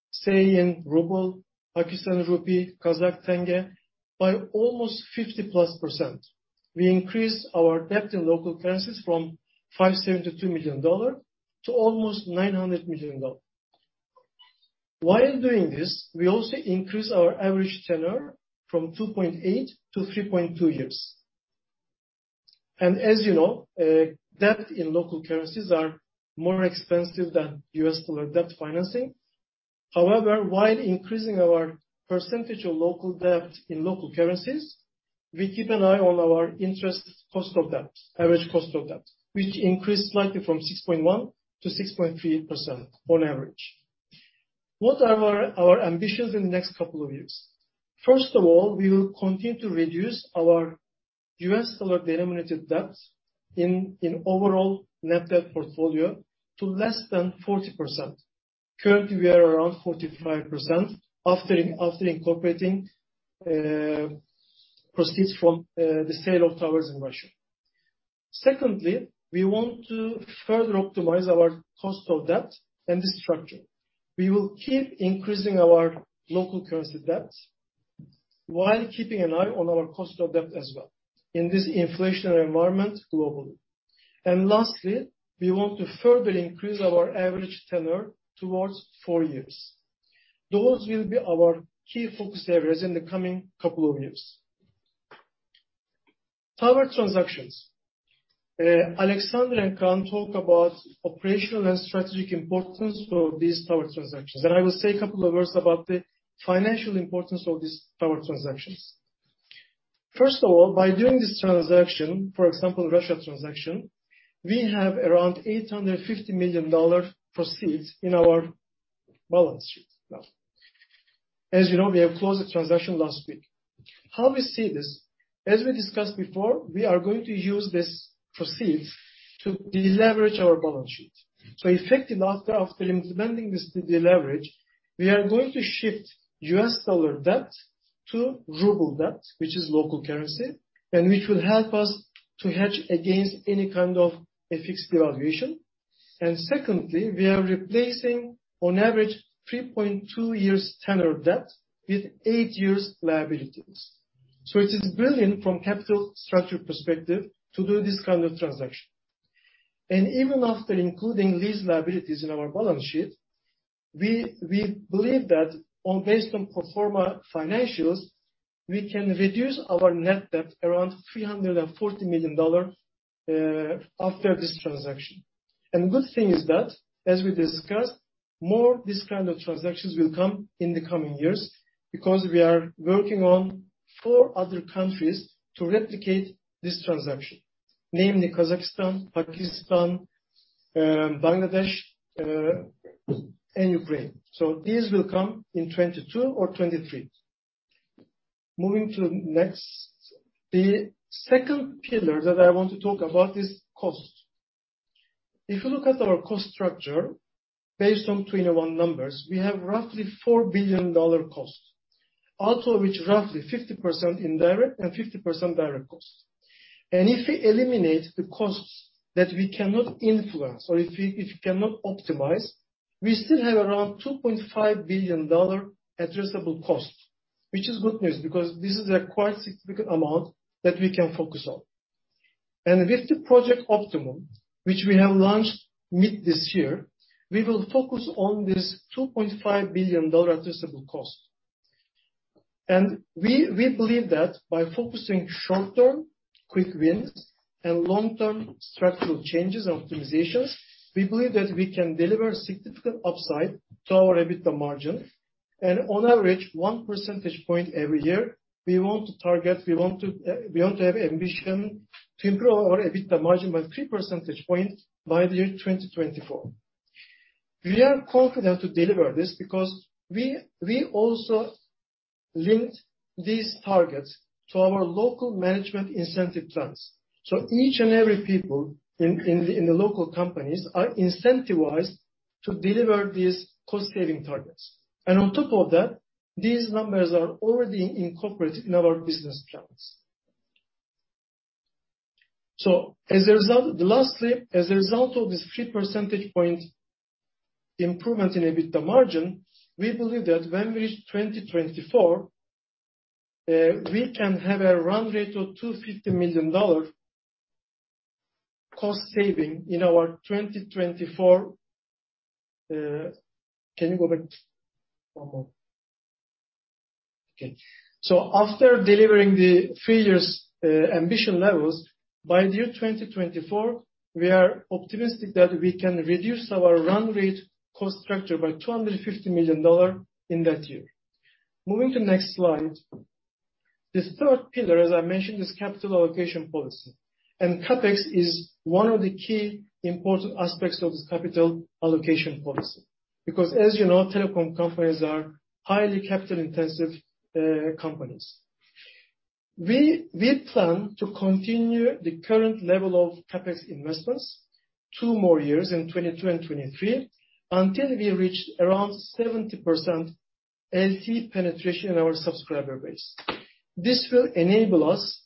say in ruble, Pakistan rupee, Kazakh tenge, by almost 50+%. We increased our debt in local currencies from $572 million to almost $900 million. While doing this, we also increased our average tenor from 2.8 to 3.2 years. As you know, debt in local currencies are more expensive than US dollar debt financing. However, while increasing our percentage of local debt in local currencies, we keep an eye on our interest cost of debt, average cost of debt, which increased slightly from 6.1% to 6.3% on average. What are our ambitions in the next couple of years? First of all, we will continue to reduce our US dollar-denominated debt in overall net debt portfolio to less than 40%. Currently, we are around 45% after incorporating proceeds from the sale of towers in Russia. Secondly, we want to further optimize our cost of debt and the structure. We will keep increasing our local currency debt while keeping an eye on our cost of debt as well in this inflationary environment globally. Lastly, we want to further increase our average tenor towards 4 years. Those will be our key focus areas in the coming couple of years. Tower transactions. Alexander and Kaan talked about operational and strategic importance for these tower transactions, and I will say a couple of words about the financial importance of these tower transactions. First of all, by doing this transaction, for example, Russia transaction, we have around $850 million proceeds in our balance sheet now. As you know, we have closed the transaction last week. How we see this, as we discussed before, we are going to use this proceeds to deleverage our balance sheet. Effective after implementing this deleverage, we are going to shift US dollar debt to ruble debt, which is local currency, and which will help us to hedge against any kind of FX devaluation. Secondly, we are replacing on average 3.2 years tenured debt with 8 years liabilities. It is brilliant from capital structure perspective to do this kind of transaction. Even after including these liabilities in our balance sheet, we believe that, based on pro forma financials, we can reduce our net debt around $340 million after this transaction. Good thing is that, as we discussed, more this kind of transactions will come in the coming years because we are working on four other countries to replicate this transaction, namely Kazakhstan, Pakistan, Bangladesh, and Ukraine. These will come in 2022 or 2023. Moving to next. The second pillar that I want to talk about is cost. If you look at our cost structure based on 2021 numbers, we have roughly $4 billion costs. Out of which roughly 50% indirect and 50% direct costs. If we eliminate the costs that we cannot influence or if we cannot optimize, we still have around $2.5 billion addressable costs, which is good news because this is a quite significant amount that we can focus on. With the Project Optima, which we have launched mid this year, we will focus on this $2.5 billion addressable cost. We believe that by focusing short term quick wins and long-term structural changes and optimizations, we believe that we can deliver significant upside to our EBITDA margin. On average, 1 percentage point every year, we want to have ambition to improve our EBITDA margin by 3 percentage points by the year 2024. We are confident to deliver this because we also linked these targets to our local management incentive plans. Each and every people in the local companies are incentivized to deliver these cost saving targets. On top of that, these numbers are already incorporated in our business plans. As a result of this 3 percentage point improvement in EBITDA margin, we believe that when we reach 2024, we can have a run rate of $250 million cost saving in our 2024. After delivering the three years ambition levels by 2024, we are optimistic that we can reduce our run rate cost structure by $250 million in that year. Moving to the next slide. This third pillar, as I mentioned, is capital allocation policy, and CapEx is one of the key important aspects of this capital allocation policy because as you know, telecom companies are highly capital intensive companies. We plan to continue the current level of CapEx investments two more years in 2022 and 2023 until we reach around 70% LTE penetration in our subscriber base. This will enable us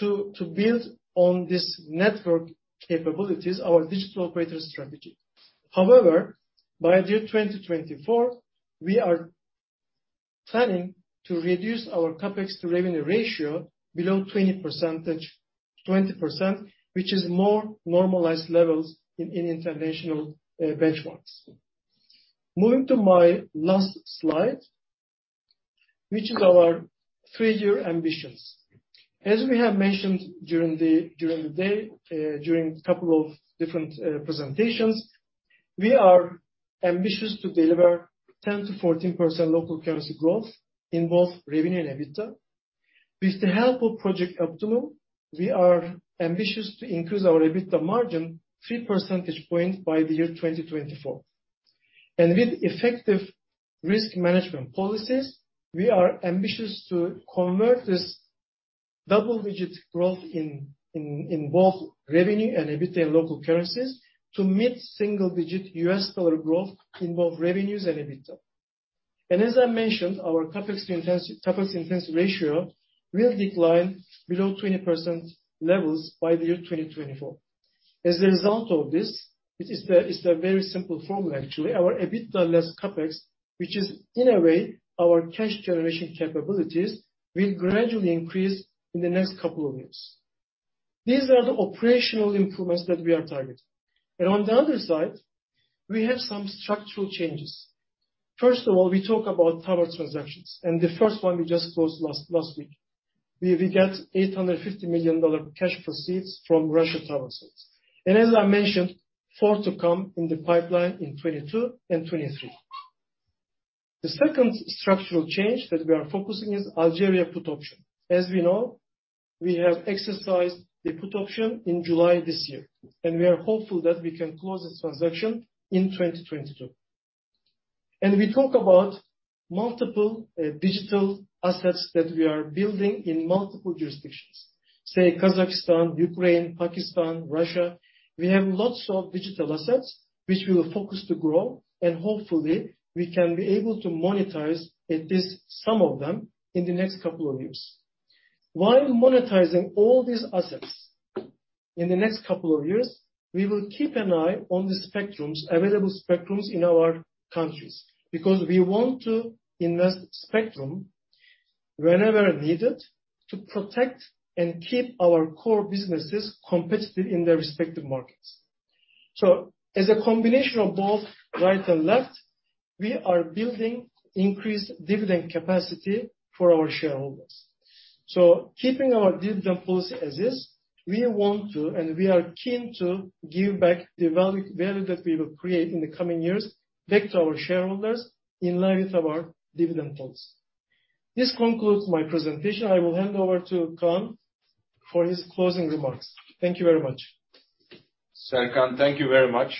to build on this network capabilities our digital operator strategy. However, by 2024, we are planning to reduce our CapEx to revenue ratio below 20%, which is more normalized levels in international benchmarks. Moving to my last slide, which is our 3-year ambitions. As we have mentioned during the day, during a couple of different presentations, we are ambitious to deliver 10%-14% local currency growth in both revenue and EBITDA. With the help of Project Optima, we are ambitious to increase our EBITDA margin 3 percentage points by 2024. With effective risk management policies, we are ambitious to convert this double-digit growth in both revenue and EBITDA in local currencies to mid-single-digit U.S. dollar growth in both revenues and EBITDA. As I mentioned, our CapEx intensity ratio will decline below 20% levels by the year 2024. As a result of this, it's a very simple formula actually. Our EBITDA less CapEx, which is in a way our cash generation capabilities, will gradually increase in the next couple of years. These are the operational improvements that we are targeting. On the other side, we have some structural changes. First of all, we talk about tower transactions, and the first one we just closed last week. We get $850 million cash proceeds from Russia tower sales. As I mentioned, 4 to come in the pipeline in 2022 and 2023. The second structural change that we are focusing is Algeria put option. As we know, we have exercised the put option in July this year, and we are hopeful that we can close this transaction in 2022. We talk about multiple digital assets that we are building in multiple jurisdictions. Say Kazakhstan, Ukraine, Pakistan, Russia. We have lots of digital assets which we will focus to grow, and hopefully we can be able to monetize at least some of them in the next couple of years. While monetizing all these assets in the next couple of years, we will keep an eye on the spectrum, available spectrum in our countries, because we want to invest spectrum whenever needed to protect and keep our core businesses competitive in their respective markets. As a combination of both right and left, we are building increased dividend capacity for our shareholders. Keeping our dividend policy as is, we want to, and we are keen to give back the value that we will create in the coming years back to our shareholders in line with our dividend policy. This concludes my presentation. I will hand over to Kaan for his closing remarks. Thank you very much. Serkan, thank you very much.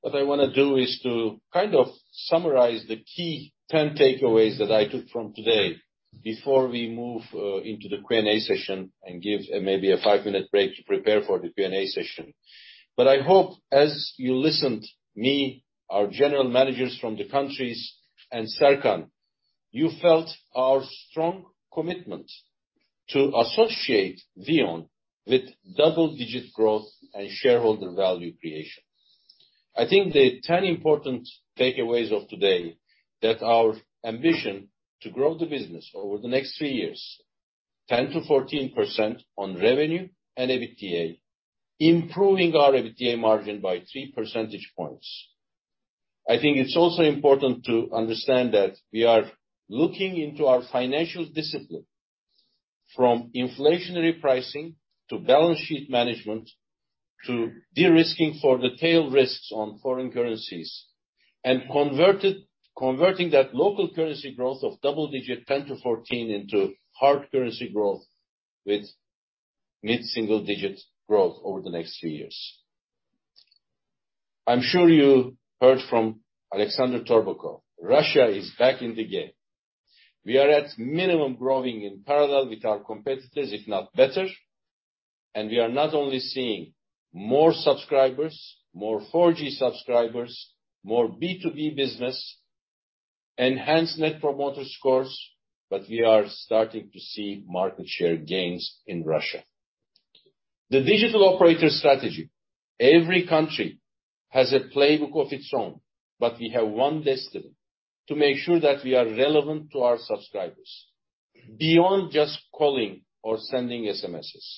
What I wanna do is to kind of summarize the key 10 takeaways that I took from today before we move into the Q&A session and give maybe a 5-minute break to prepare for the Q&A session. I hope, as you listened to me, our general managers from the countries, and Serkan, you felt our strong commitment to associate VEON with double-digit growth and shareholder value creation. I think the 10 important takeaways of today that our ambition to grow the business over the next 3 years, 10%-14% on revenue and EBITDA, improving our EBITDA margin by 3 percentage points. I think it's also important to understand that we are looking into our financial discipline from inflationary pricing to balance sheet management to de-risking for the tail risks on foreign currencies and converting that local currency growth of double-digit 10-14 into hard currency growth with mid-single-digit growth over the next few years. I'm sure you heard from Alexander Torbakhov. Russia is back in the game. We are at minimum growing in parallel with our competitors, if not better. We are not only seeing more subscribers, more 4G subscribers, more B2B business, enhanced Net Promoter Scores, but we are starting to see market share gains in Russia. The digital operator strategy, every country has a playbook of its own, but we have one destiny, to make sure that we are relevant to our subscribers. Beyond just calling or sending SMSs,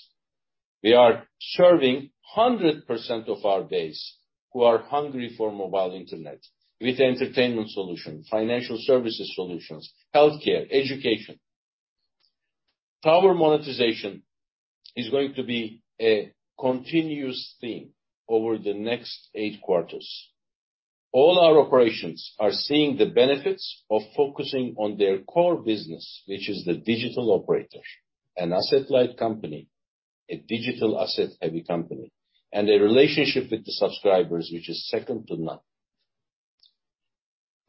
we are serving 100% of our base who are hungry for mobile internet with entertainment solution, financial services solutions, healthcare, education. Tower monetization is going to be a continuous theme over the next eight quarters. All our operations are seeing the benefits of focusing on their core business, which is the digital operator, an asset-light company, a digital asset-heavy company, and a relationship with the subscribers, which is second to none.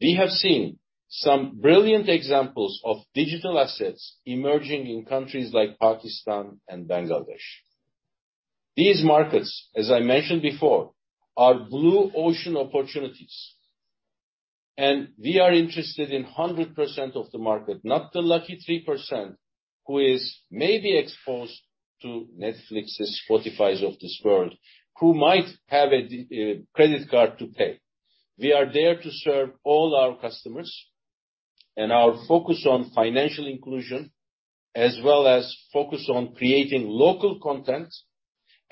We have seen some brilliant examples of digital assets emerging in countries like Pakistan and Bangladesh. These markets, as I mentioned before, are blue ocean opportunities, and we are interested in 100% of the market, not the lucky 3% who is maybe exposed to Netflix's, Spotify's of this world, who might have a credit card to pay. We are there to serve all our customers and our focus on financial inclusion, as well as focus on creating local content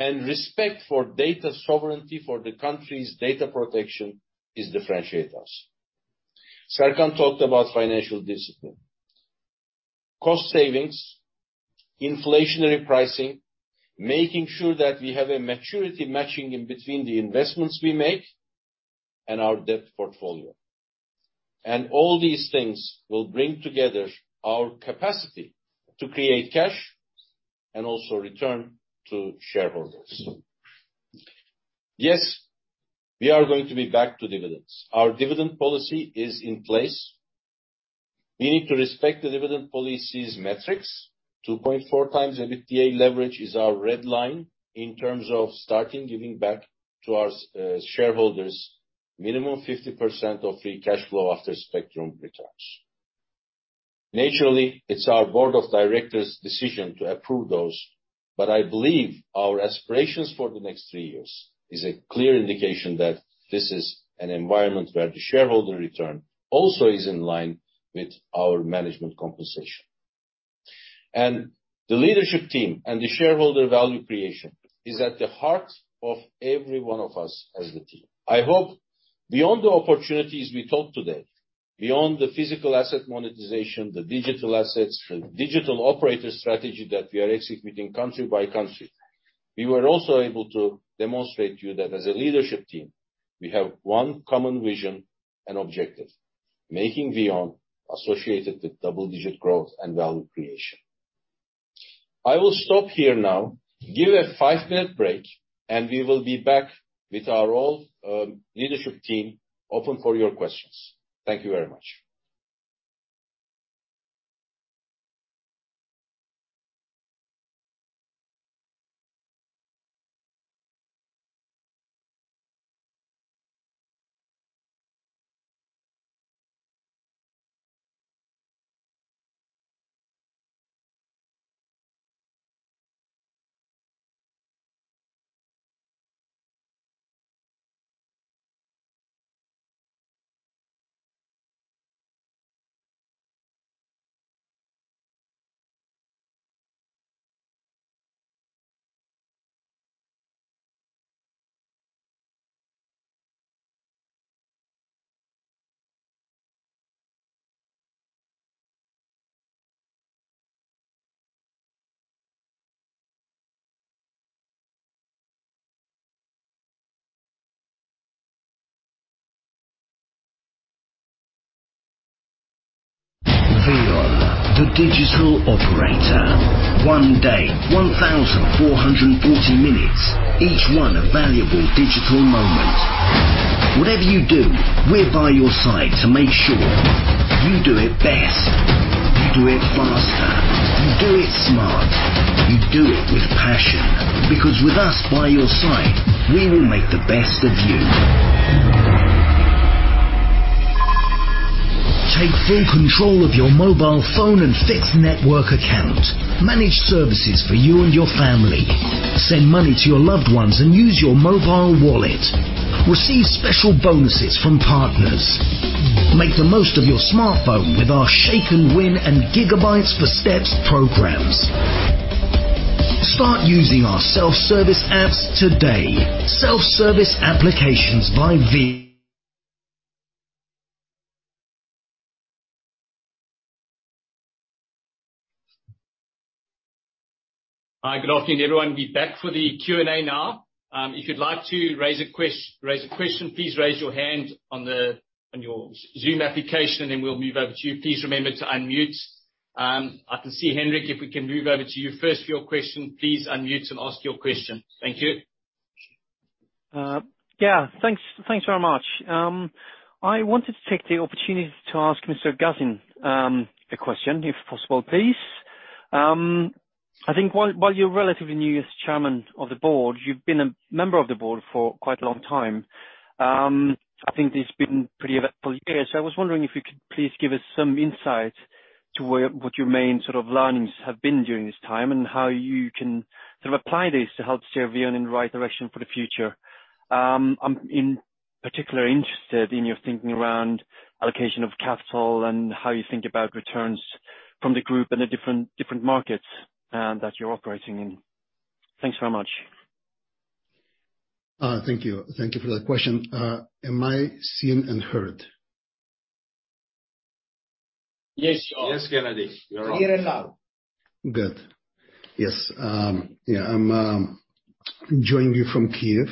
and respect for data sovereignty for the country's data protection differentiates us. Serkan talked about financial discipline, cost savings, inflationary pricing, making sure that we have a maturity matching in between the investments we make and our debt portfolio. All these things will bring together our capacity to create cash and also return to shareholders. Yes, we are going to be back to dividends. Our dividend policy is in place. We need to respect the dividend policy's metrics. 2.4 times EBITDA leverage is our red line in terms of starting giving back to our shareholders minimum 50% of free cash flow after spectrum returns. Naturally, it's our board of directors' decision to approve those, but I believe our aspirations for the next three years is a clear indication that this is an environment where the shareholder return also is in line with our management compensation. The leadership team and the shareholder value creation is at the heart of every one of us as a team. I hope beyond the opportunities we talked today, beyond the physical asset monetization, the digital assets, the digital operator strategy that we are executing country by country. We were also able to demonstrate to you that as a leadership team, we have one common vision and objective, making VEON associated with double-digit growth and value creation. I will stop here now, give a five-minute break, and we will be back with our all leadership team open for your questions. Thank you very much. VEON, the digital operator. One day, 1,440 minutes, each one a valuable digital moment. Whatever you do, we're by your side to make sure you do it best, you do it faster, you do it smart, you do it with passion. Because with us by your side, we will make the best of you. Take full control of your mobile phone and fixed network account. Manage services for you and your family. Send money to your loved ones and use your mobile wallet. Receive special bonuses from partners. Make the most of your smartphone with our Shake and Win and Gigabytes for Steps programs. Start using our self-service apps today. Self-service applications by V- Hi, good afternoon, everyone. We're back for the Q&A now. If you'd like to raise a question, please raise your hand on your Zoom application, and then we'll move over to you. Please remember to unmute. I can see Henrik. If we can move over to you first for your question. Please unmute and ask your question. Thank you. Yeah, thanks very much. I wanted to take the opportunity to ask Mr. Gazin a question, if possible, please. I think while you're relatively new as Chairman of the Board, you've been a member of the Board for quite a long time. I think it's been pretty eventful year. I was wondering if you could please give us some insight into what your main sort of learnings have been during this time, and how you can sort of apply this to help steer VEON in the right direction for the future. I'm in particular interested in your thinking around allocation of capital and how you think about returns from the group in the different markets that you're operating in. Thanks so much. Thank you. Thank you for that question. Am I seen and heard? Yes, you are. Yes, Gennady. You're on. Clear and loud. Good. Yes. Yeah, I'm joining you from Kyiv.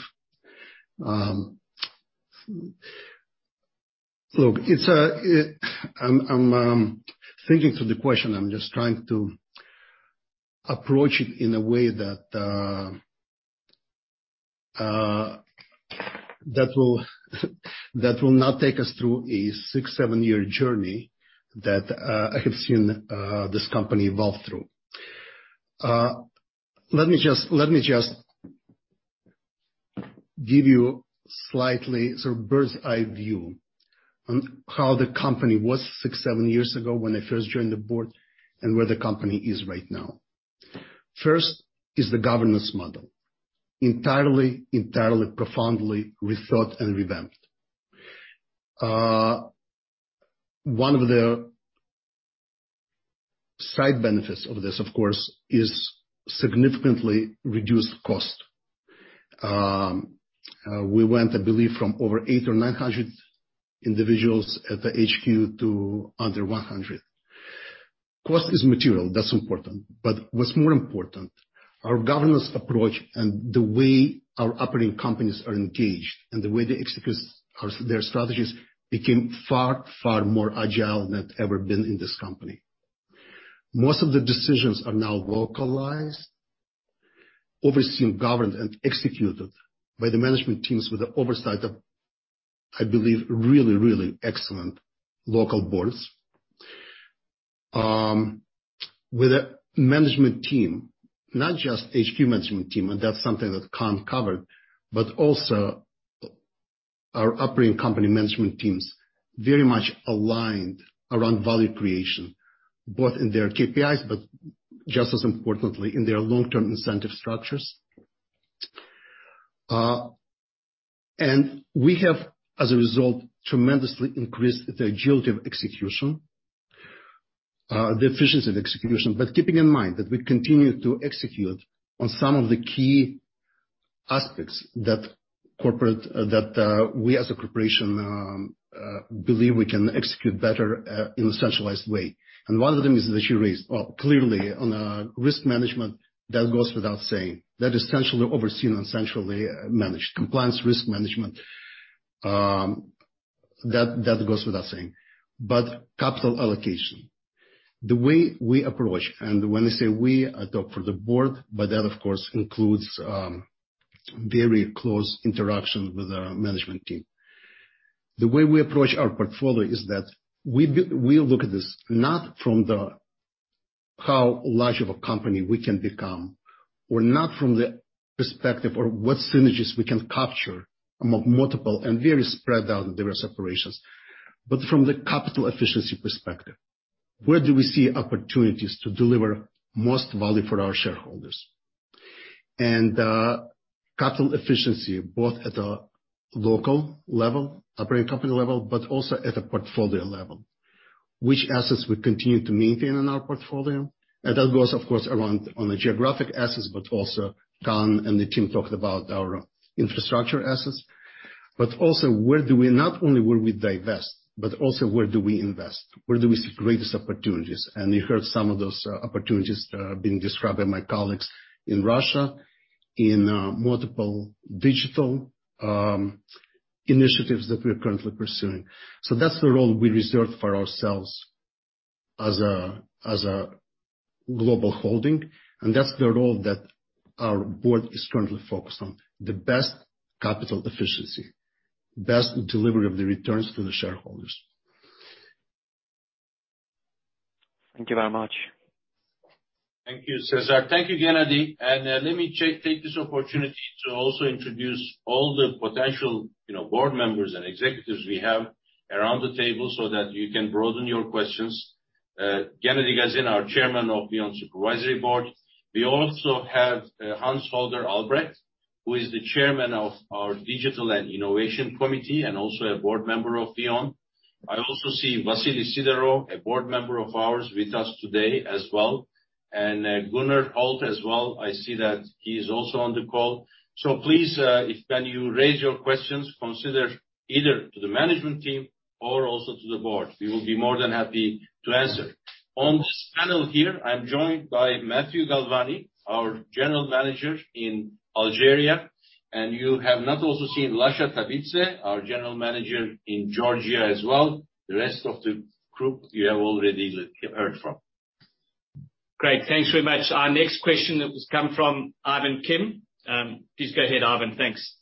Look, it's. I'm thinking through the question. I'm just trying to approach it in a way that will not take us through a 6-7-year journey that I have seen this company evolve through. Let me just give you slightly sort of bird's eye view on how the company was 6-7 years ago when I first joined the board and where the company is right now. First is the governance model. Entirely profoundly rethought and revamped. One of the side benefits of this, of course, is significantly reduced cost. We went, I believe, from over 800 or 900 individuals at the HQ to under 100. Cost is material, that's important, but what's more important, our governance approach and the way our operating companies are engaged and the way they execute their strategies became far, far more agile than ever been in this company. Most of the decisions are now localized, overseen, governed, and executed by the management teams with the oversight of, I believe, really, really excellent local boards. With a management team, not just HQ management team, and that's something that Kaan covered, but also our operating company management teams, very much aligned around value creation, both in their KPIs, but just as importantly, in their long-term incentive structures. We have, as a result, tremendously increased the agility of execution, the efficiency of execution. Keeping in mind that we continue to execute on some of the key. Aspects that we as a corporation believe we can execute better in a centralized way. One of them is that you raised. Well, clearly on risk management that goes without saying. That is centrally overseen and centrally managed. Compliance risk management, that goes without saying. Capital allocation, the way we approach and when I say we, I talk for the board, but that of course includes very close interaction with our management team. The way we approach our portfolio is that we look at this not from how large of a company we can become, or not from the perspective of what synergies we can capture among multiple and very spread out various operations. From the capital efficiency perspective, where do we see opportunities to deliver most value for our shareholders? Capital efficiency, both at a local level, operating company level, but also at a portfolio level. Which assets we continue to maintain in our portfolio, and that goes of course around on the geographic assets, but also Kaan and the team talked about our infrastructure assets. But also, not only where we divest, but also where do we invest? Where do we see greatest opportunities? You heard some of those opportunities being described by my colleagues in Russia, in multiple digital initiatives that we're currently pursuing. That's the role we reserved for ourselves as a global holding, and that's the role that our board is currently focused on, the best capital efficiency, best delivery of the returns to the shareholders. Thank you very much. Thank you, Cesar. Thank you, Gennady. Let me check, take this opportunity to also introduce all the potential, you know, board members and executives we have around the table so that you can broaden your questions. Gennady Gazin, our Chairman of the VEON Supervisory Board. We also have Hans-Holger Albrecht, who is the Chairman of our Digital and Innovation Committee, and also a Board Member of VEON. I also see Vasily Sidorov, a Board Member of ours with us today as well, and Gunnar Holt as well. I see that he is also on the call. Please, if when you raise your questions, consider either to the management team or also to the board. We will be more than happy to answer. On this panel here, I'm joined by Matthieu Galvani, our General Manager in Algeria, and you have not also seen Lasha Tabidze, our General Manager in Georgia as well. The rest of the group you have already heard from. Great. Thanks very much. Our next question has come from Ivan Kim. Please go ahead, Ivan. Thanks.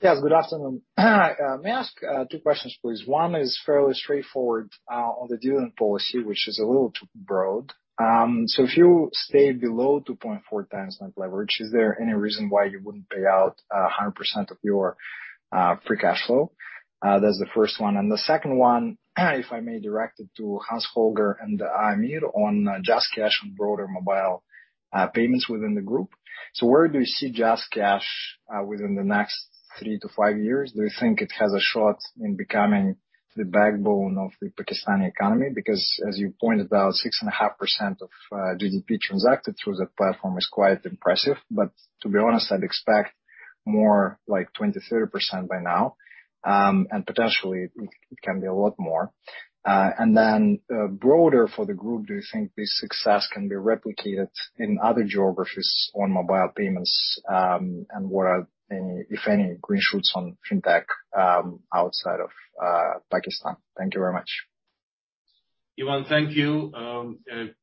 Yes, good afternoon. May I ask 2 questions, please? One is fairly straightforward on the dividend policy, which is a little too broad. If you stay below 2.4 times net leverage, is there any reason why you wouldn't pay out 100% of your free cash flow? That's the first one. The second one, if I may direct it to Hans Holger and Aamir on JazzCash and broader mobile payments within the group. Where do you see JazzCash within the next 3-5 years? Do you think it has a shot in becoming the backbone of the Pakistani economy? Because as you pointed out, 6.5% of GDP transacted through the platform is quite impressive, but to be honest, I'd expect more like 20, 30% by now. Potentially it can be a lot more. Broader for the group, do you think this success can be replicated in other geographies on mobile payments? What are any, if any, green shoots on fintech outside of Pakistan? Thank you very much. Ivan, thank you.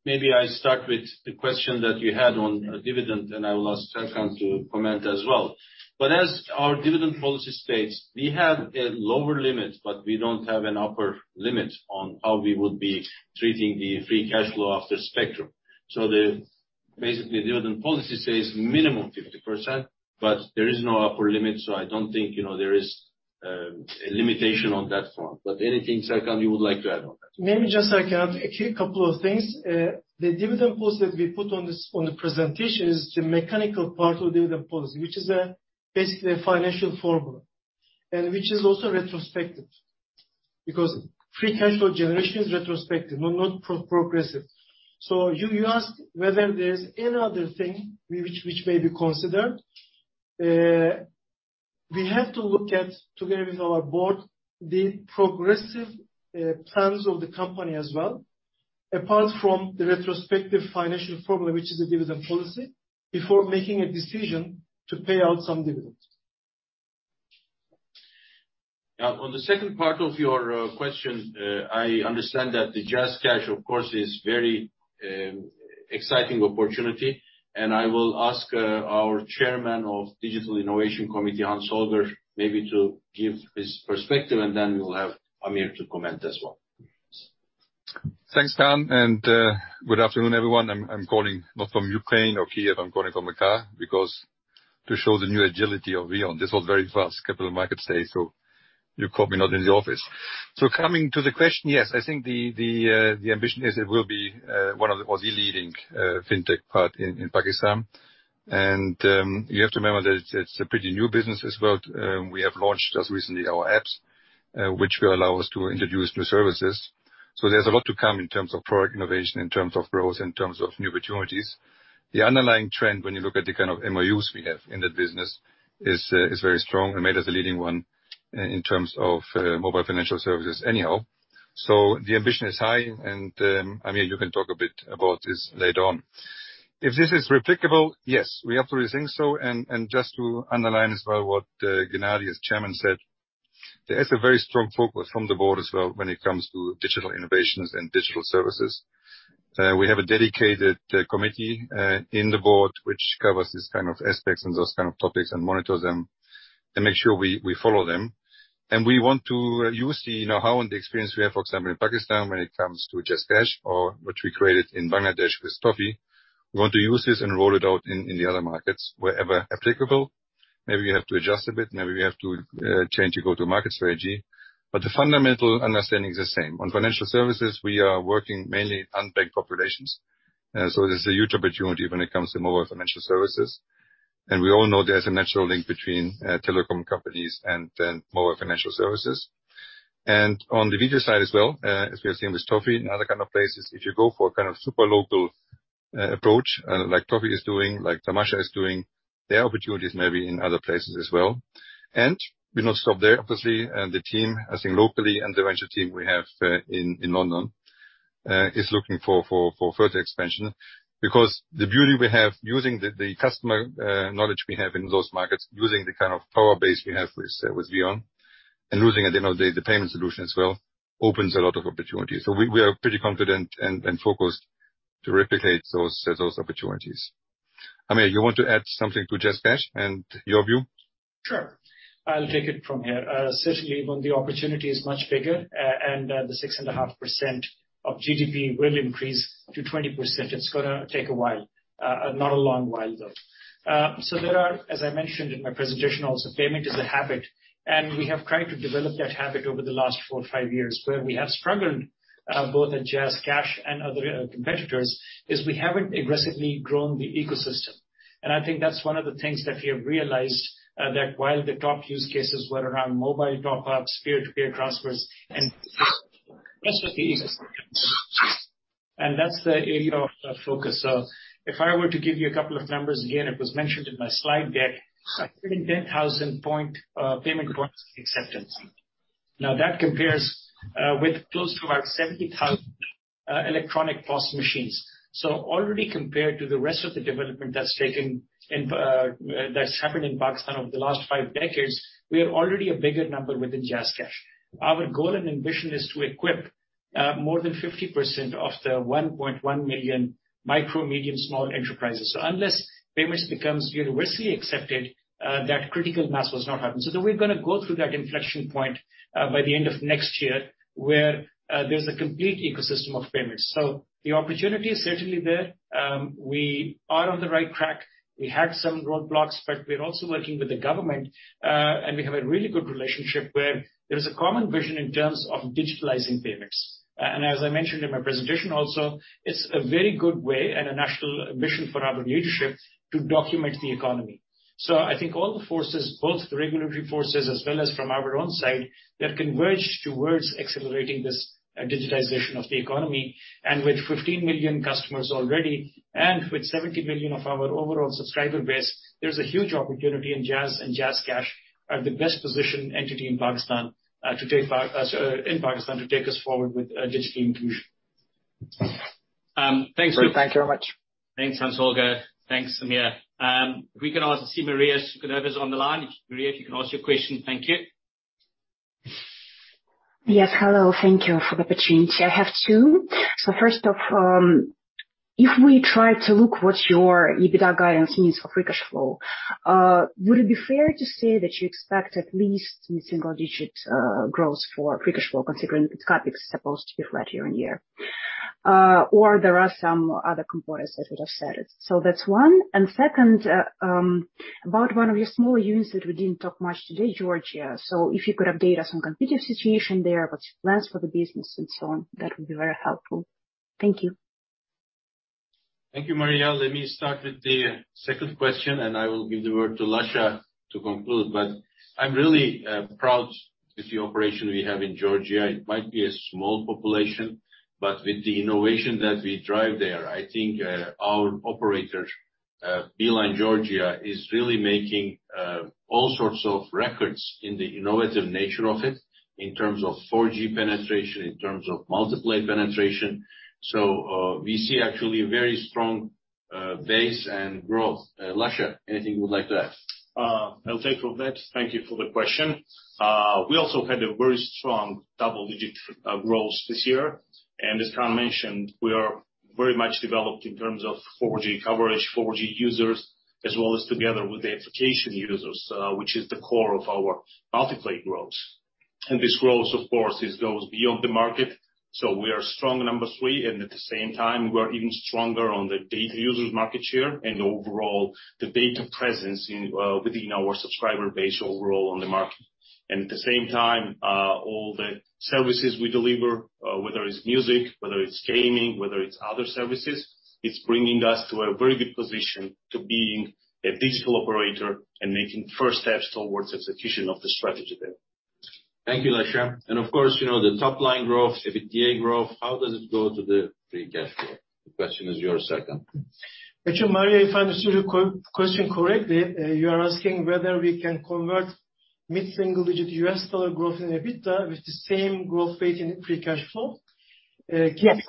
Maybe I start with the question that you had on dividend, and I'll ask Serkan to comment as well. As our dividend policy states, we have a lower limit, but we don't have an upper limit on how we would be treating the free cash flow after spectrum. Basically, the dividend policy says minimum 50%, but there is no upper limit, so I don't think, you know, there is a limitation on that front. Anything, Serkan, you would like to add on that? Maybe just I can add a few couple of things. The dividend policy that we put on this, on the presentation is the mechanical part of dividend policy, which is basically a financial formula, and which is also retrospective. Because free cash flow generation is retrospective, not progressive. You ask whether there's any other thing which may be considered. We have to look at, together with our board, the progressive plans of the company as well, apart from the retrospective financial problem, which is a dividend policy, before making a decision to pay out some dividends. On the second part of your question, I understand that the JazzCash, of course, is very exciting opportunity, and I will ask our Chairman of the Digital and Innovation Committee, Hans Holger, maybe to give his perspective, and then we will have Amir to comment as well. Thanks, Kaan, and good afternoon, everyone. I'm calling not from Ukraine or Kyiv. I'm calling from the car because to show the new agility of VEON. This was very fast, Capital Markets Day, so you caught me not in the office. Coming to the question, yes, I think the ambition is it will be one of the, or the leading fintech player in Pakistan. You have to remember that it's a pretty new business as well. We have launched just recently our apps, which will allow us to introduce new services. There's a lot to come in terms of product innovation, in terms of growth, in terms of new opportunities. The underlying trend when you look at the kind of MOUs we have in that business is very strong and made us a leading one in terms of mobile financial services anyhow. The ambition is high, and Amir, you can talk a bit about this later on. If this is replicable, yes, we absolutely think so, and just to underline as well what Gennady, as chairman, said, there is a very strong focus from the board as well when it comes to digital innovations and digital services. We have a dedicated committee in the board which covers these kind of aspects and those kind of topics and monitors them to make sure we follow them. We want to use the know-how and the experience we have, for example, in Pakistan when it comes to JazzCash or what we created in Bangladesh with Toffee. We want to use this and roll it out in the other markets wherever applicable. Maybe we have to adjust a bit, maybe we have to change or go-to-market strategy. But the fundamental understanding is the same. On financial services, we are working mainly unbanked populations. So there's a huge opportunity when it comes to mobile financial services. We all know there's a natural link between telecom companies and then mobile financial services. On the video side as well, as we have seen with Toffee and other kind of places, if you go for a kind of super local approach, like Toffee is doing, like Tamasha is doing, there are opportunities maybe in other places as well. We don't stop there, obviously, the team, I think locally and the venture team we have in London is looking for further expansion. Because the beauty we have using the customer knowledge we have in those markets, using the kind of power base we have with VEON, and using, at the end of the day, the payment solution as well, opens a lot of opportunities. We are pretty confident and focused to replicate those opportunities. Aamir, you want to add something to JazzCash and your view? Sure. I'll take it from here. Certainly when the opportunity is much bigger, and the 6.5% of GDP will increase to 20%, it's gonna take a while, not a long while, though. There are, as I mentioned in my presentation also, payment is a habit, and we have tried to develop that habit over the last four or five years where we have struggled, both at JazzCash and other competitors, is we haven't aggressively grown the ecosystem. I think that's one of the things that we have realized, that while the top use cases were around mobile top-ups, peer-to-peer transfers and that's the area of focus. If I were to give you a couple of numbers, again, it was mentioned in my slide deck, 110,000 payment points acceptance. Now, that compares with close to about 70,000 electronic POS machines. Already compared to the rest of the development that's happened in Pakistan over the last 5 decades, we are already a bigger number within JazzCash. Our goal and ambition is to equip more than 50% of the 1.1 million micro, medium, small enterprises. Unless payments becomes universally accepted, that critical mass will not happen. We're gonna go through that inflection point by the end of next year where there's a complete ecosystem of payments. The opportunity is certainly there. We are on the right track. We had some roadblocks, but we're also working with the government, and we have a really good relationship where there is a common vision in terms of digitizing payments. As I mentioned in my presentation also, it's a very good way and a national mission for our leadership to document the economy. I think all the forces, both the regulatory forces as well as from our own side, they're converged towards accelerating this digitization of the economy. With 15 million customers already, and with 70 million of our overall subscriber base, there's a huge opportunity. Jazz and JazzCash are the best positioned entity in Pakistan to take us forward with digital inclusion. Thanks. Thank you very much. Thanks, Hans Holger. Thanks, Amir. We can also see Maria Sukhanova is on the line. Maria, if you can ask your question. Thank you. Yes. Hello. Thank you for the opportunity. I have 2. First off, if we try to look what your EBITDA guidance means for free cash flow, would it be fair to say that you expect at least some single digits growth for free cash flow, considering the CapEx is supposed to be flat year-on-year? Or there are some other components, as you just said. That's one. Second, about one of your smaller units that we didn't talk much today, Georgia. If you could update us on competitive situation there, what's your plans for the business and so on, that would be very helpful. Thank you. Thank you, Maria. Let me start with the second question, and I will give the word to Lasha to conclude. I'm really proud with the operation we have in Georgia. It might be a small population, but with the innovation that we drive there, I think, our operator, Beeline Georgia, is really making all sorts of records in the innovative nature of it in terms of 4G penetration, in terms of multi-play penetration. We see actually a very strong base and growth. Lasha, anything you would like to add? I'll take from that. Thank you for the question. We also had a very strong double-digit growth this year. As Kaan mentioned, we are very much developed in terms of 4G coverage, 4G users, as well as together with the application users, which is the core of our multi-play growth. This growth, of course, it goes beyond the market, so we are strong number three, and at the same time, we are even stronger on the data users market share and overall the data presence in within our subscriber base overall on the market. At the same time, all the services we deliver, whether it's music, whether it's gaming, whether it's other services, it's bringing us to a very good position to being a digital operator and making first steps towards execution of the strategy there. Thank you, Lasha. Of course, you know, the top line growth, EBITDA growth, how does it go to the free cash flow? The question is yours, second. Actually, Maria, if I understood your question correctly, you are asking whether we can convert mid-single digit US dollar growth in EBITDA with the same growth rate in free cash flow? Yes.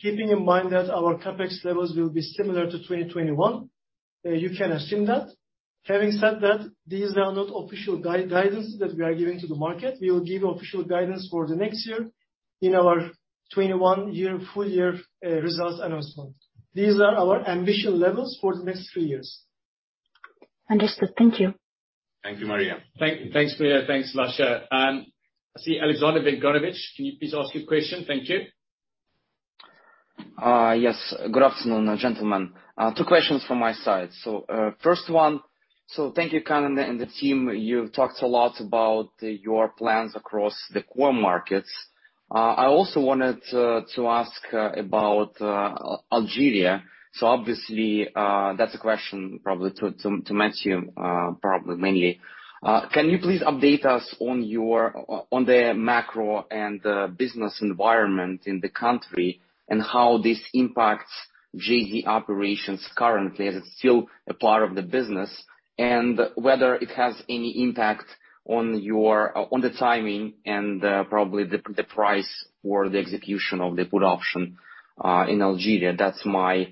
Keeping in mind that our CapEx levels will be similar to 2021, you can assume that. Having said that, these are not official guidance that we are giving to the market. We will give official guidance for the next year in our 2021 full year results announcement. These are our ambition levels for the next three years. Understood. Thank you. Thank you, Maria. Thanks, Maria. Thanks, Lasha. I see Alexander Vengranovich, can you please ask your question? Thank you. Yes. Good afternoon, gentlemen. Two questions from my side. First one, thank you, Kaan and the team. You've talked a lot about your plans across the core markets. I also wanted to ask about Algeria. Obviously, that's a question probably to Matthieu, probably mainly. Can you please update us on the macro and business environment in the country, and how this impacts VEON operations currently, as it's still a part of the business? And whether it has any impact on the timing and probably the price or the execution of the put option in Algeria? That's my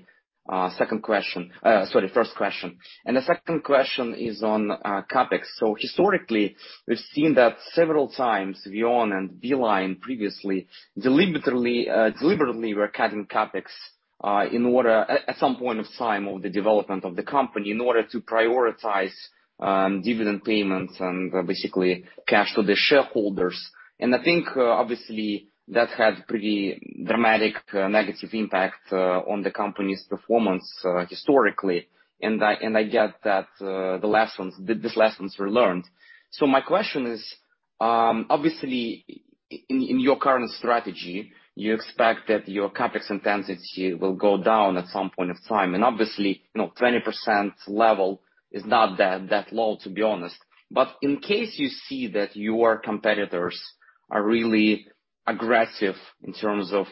second question. Sorry, first question. The second question is on CapEx. Historically, we've seen that several times. VEON and Beeline previously deliberately were cutting CapEx in order at some point of time of the development of the company in order to prioritize dividend payments and basically cash to the shareholders. I think obviously that had pretty dramatic negative impact on the company's performance historically. I get that these lessons were learned. My question is obviously in your current strategy, you expect that your CapEx intensity will go down at some point of time, and obviously, you know, 20% level is not that low, to be honest. In case you see that your competitors are really aggressive in terms of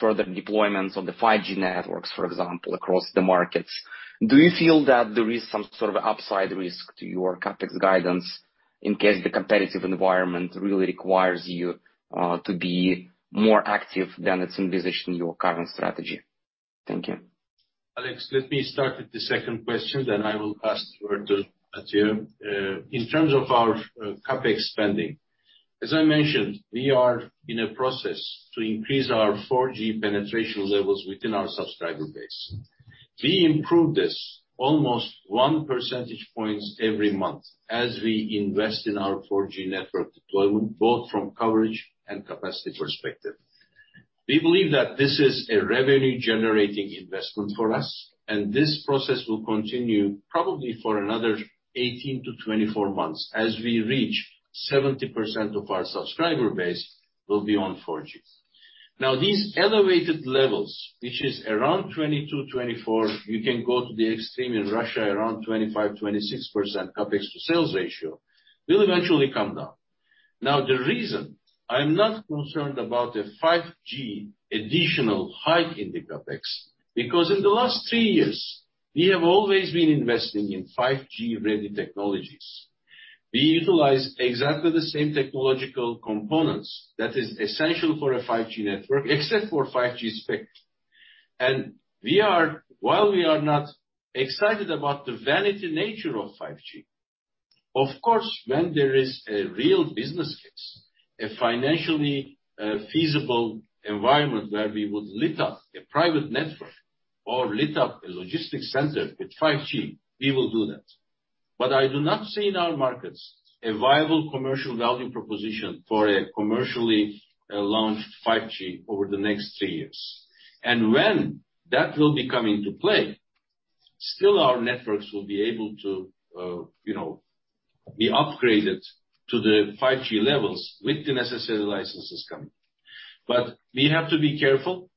further deployments of the 5G networks, for example, across the markets, do you feel that there is some sort of upside risk to your CapEx guidance in case the competitive environment really requires you to be more active than it's envisaged in your current strategy? Thank you. Alex, let me start with the second question, then I will pass the word to Matthieu. In terms of our CapEx spending, as I mentioned, we are in a process to increase our 4G penetration levels within our subscriber base. We improve this almost 1 percentage point every month as we invest in our 4G network deployment, both from coverage and capacity perspective. We believe that this is a revenue generating investment for us, and this process will continue probably for another 18-24 months as we reach 70% of our subscriber base will be on 4G. Now, these elevated levels, which is around 22-24, you can go to the extreme in Russia, around 25-26% CapEx to sales ratio, will eventually come down. Now, the reason I'm not concerned about a 5G additional hike in the CapEx, because in the last three years, we have always been investing in 5G-ready technologies. We utilize exactly the same technological components that is essential for a 5G network, except for 5G spec. While we are not excited about the vanity nature of 5G, of course, when there is a real business case, a financially, feasible environment where we would lit up a private network or lit up a logistics center with 5G, we will do that. I do not see in our markets a viable commercial value proposition for a commercially, launched 5G over the next three years. When that will be coming to play, still our networks will be able to, you know, be upgraded to the 5G levels with the necessary licenses coming. We have to be careful.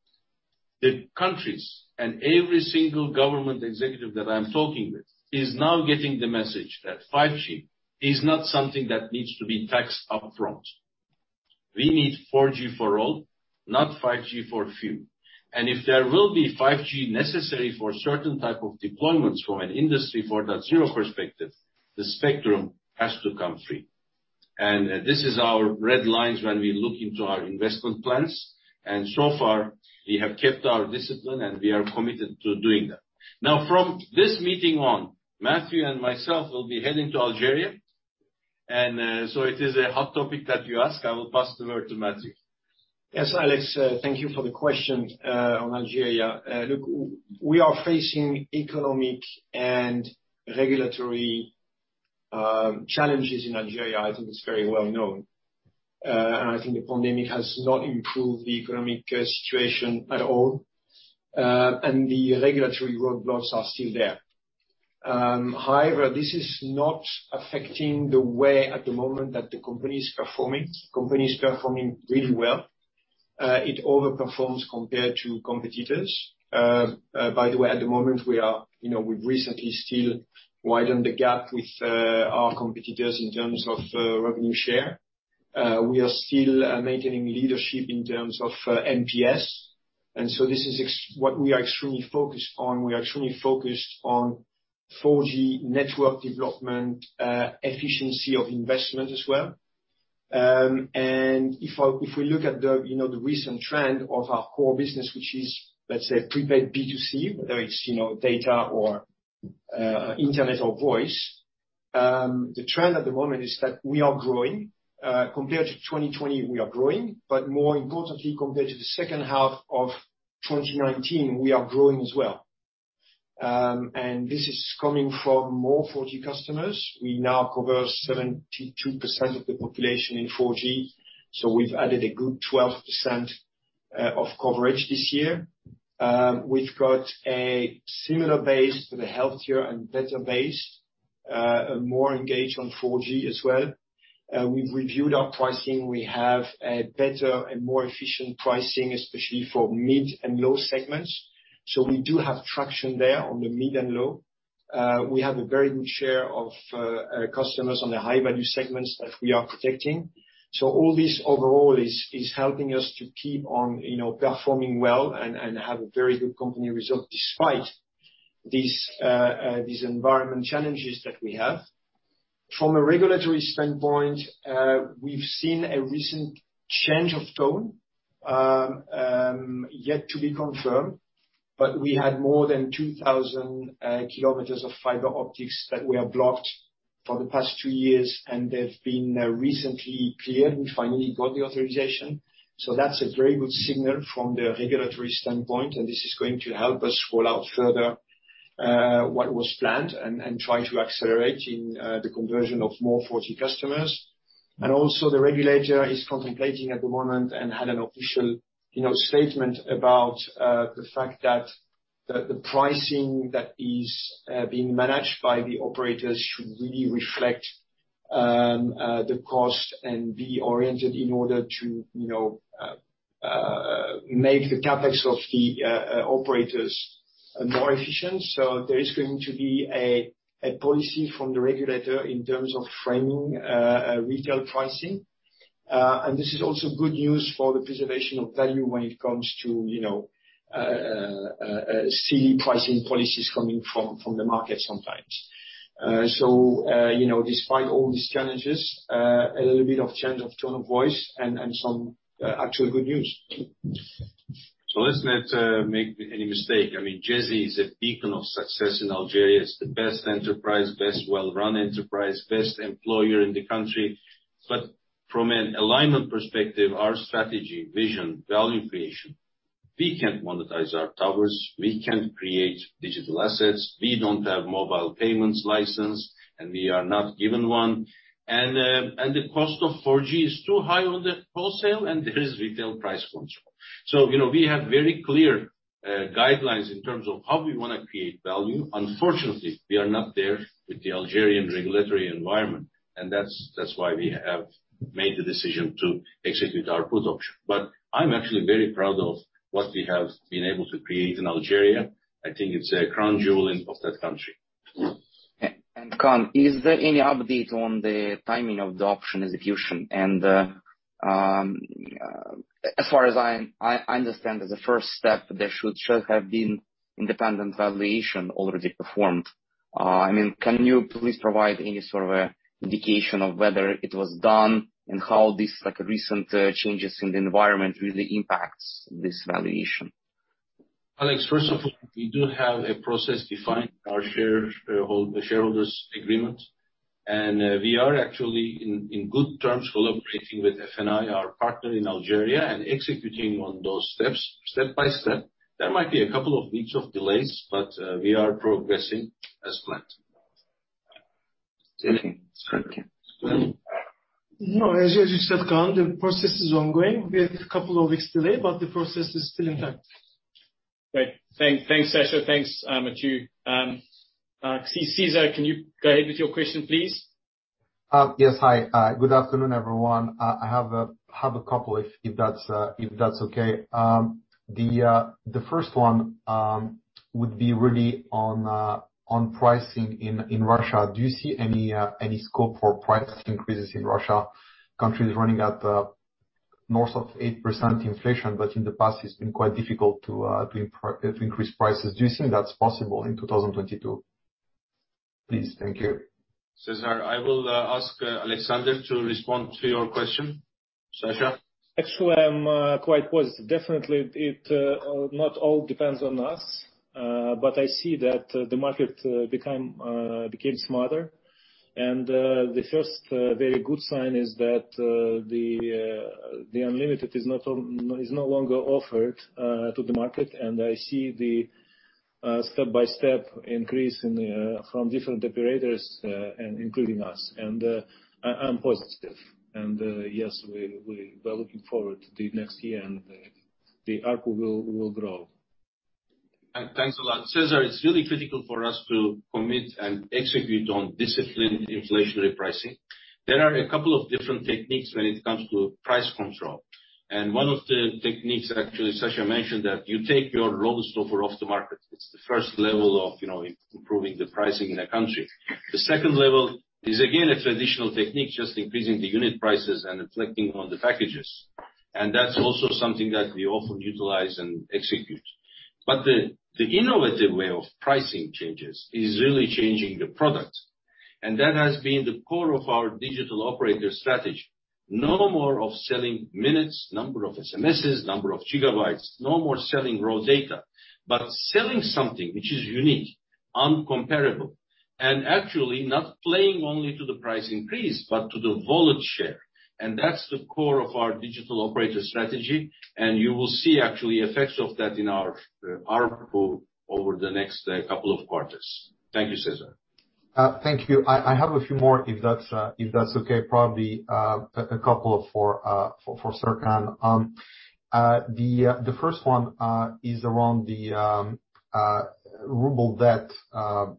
The countries and every single government executive that I'm talking with is now getting the message that 5G is not something that needs to be taxed up front. We need 4G for all, not 5G for few. If there will be 5G necessary for certain type of deployments from an industry 4.0 perspective, the spectrum has to come free. This is our red lines when we look into our investment plans. So far, we have kept our discipline, and we are committed to doing that. Now, from this meeting on, Matthieu and myself will be heading to Algeria. It is a hot topic that you ask. I will pass the word to Matthieu. Yes, Alex, thank you for the question on Algeria. Look, we are facing economic and regulatory challenges in Algeria. I think it's very well known. I think the pandemic has not improved the economic situation at all, and the regulatory roadblocks are still there. However, this is not affecting the way at the moment that the company is performing. Company is performing really well. It overperforms compared to competitors. By the way, at the moment we are, you know, we've recently still widened the gap with our competitors in terms of revenue share. We are still maintaining leadership in terms of NPS. This is exactly what we are extremely focused on. We are extremely focused on 4G network development, efficiency of investment as well. If we look at you know, the recent trend of our core business, which is, let's say, prepaid B2C, whether it's you know, data or internet or voice, the trend at the moment is that we are growing. Compared to 2020 we are growing, but more importantly, compared to the second half of 2019 we are growing as well. This is coming from more 4G customers. We now cover 72% of the population in 4G, so we've added a good 12% of coverage this year. We've got a similar base to the healthier and better base, more engaged on 4G as well. We've reviewed our pricing. We have a better and more efficient pricing, especially for mid and low segments. We do have traction there on the mid and low. We have a very good share of customers on the high value segments that we are protecting. All this overall is helping us to keep on, you know, performing well and have a very good company result despite these environmental challenges that we have. From a regulatory standpoint, we've seen a recent change of tone, yet to be confirmed, but we had more than 2,000 kilometers of fiber optics that were blocked for the past two years, and they've been recently cleared. We finally got the authorization. That's a very good signal from the regulatory standpoint, and this is going to help us roll out further what was planned and try to accelerate in the conversion of more 4G customers. The regulator is contemplating at the moment and had an official, you know, statement about the fact that the pricing that is being managed by the operators should really reflect the cost and be oriented in order to, you know, make the CapEx of the operators more efficient. There is going to be a policy from the regulator in terms of framing retail pricing. This is also good news for the preservation of value when it comes to, you know, silly pricing policies coming from the market sometimes. You know, despite all these challenges, a little bit of change of tone of voice and some actual good news. Let's not make any mistake. I mean, Djezzy is a beacon of success in Algeria. It's the best enterprise, best well-run enterprise, best employer in the country. From an alignment perspective, our strategy, vision, value creation, we can't monetize our towers, we can't create digital assets, we don't have mobile payments license, and we are not given one. The cost of 4G is too high on the wholesale, and there is retail price control. You know, we have very clear guidelines in terms of how we wanna create value. Unfortunately, we are not there with the Algerian regulatory environment, and that's why we have made the decision to execute our put option. I'm actually very proud of what we have been able to create in Algeria. I think it's a crown jewel in, of that country. Yeah. Kaan, is there any update on the timing of the option execution? As far as I understand, as a first step, there should have been independent valuation already performed. I mean, can you please provide any sort of indication of whether it was done and how this, like, recent changes in the environment really impacts this valuation? Alex, first of all, we do have a process defined in our shareholders' agreement. We are actually in good terms collaborating with FNI, our partner in Algeria, and executing on those steps step by step. There might be a couple of weeks of delays, but we are progressing as planned. Okay. Thank you. No, as you said, Kaan, the process is ongoing. We have a couple of weeks delay, but the process is still intact. Great. Thanks, Sasha. Thanks, Mathieu. Cesar, can you go ahead with your question, please? Yes. Hi. Good afternoon, everyone. I have a couple if that's okay. The first one would be really on pricing in Russia. Do you see any scope for price increases in Russia? Country's running at north of 8% inflation, but in the past it's been quite difficult to increase prices. Do you think that's possible in 2022? Please. Thank you. Cesar, I will ask Alexander to respond to your question. Sasha? Actually, I'm quite positive. Definitely, it not all depends on us, but I see that the market became smarter. The first very good sign is that the unlimited is no longer offered to the market, and I see the step-by-step increase from different operators and including us. I'm positive. Yes, we are looking forward to the next year and the ARPU will grow. Thanks a lot. Cesar, it's really critical for us to commit and execute on disciplined inflationary pricing. There are a couple of different techniques when it comes to price control, and one of the techniques actually Sasha mentioned, that you take your lowest offer off the market. It's the first level of, you know, improving the pricing in a country. The second level is again, a traditional technique, just increasing the unit prices and reflecting on the packages. That's also something that we often utilize and execute. The innovative way of pricing changes is really changing the product. That has been the core of our digital operator strategy. No more of selling minutes, number of SMSs, number of gigabytes, no more selling raw data, but selling something which is unique, incomparable, and actually not playing only to the price increase, but to the volume share. That's the core of our digital operator strategy. You will see actually effects of that in our report over the next couple of quarters. Thank you, Cesar. Thank you. I have a few more if that's okay, probably a couple for Serkan. The first one is around the ruble debt or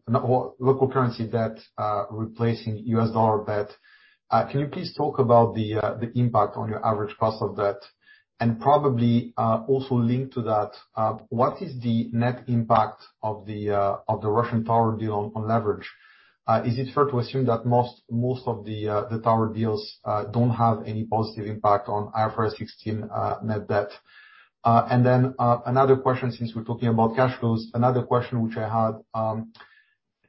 local currency debt replacing US dollar debt. Can you please talk about the impact on your average cost of debt, and probably also linked to that, what is the net impact of the Russian tower deal on leverage? Is it fair to assume that most of the tower deals don't have any positive impact on IFRS 16 net debt? And then another question since we're talking about cash flows, which I had, do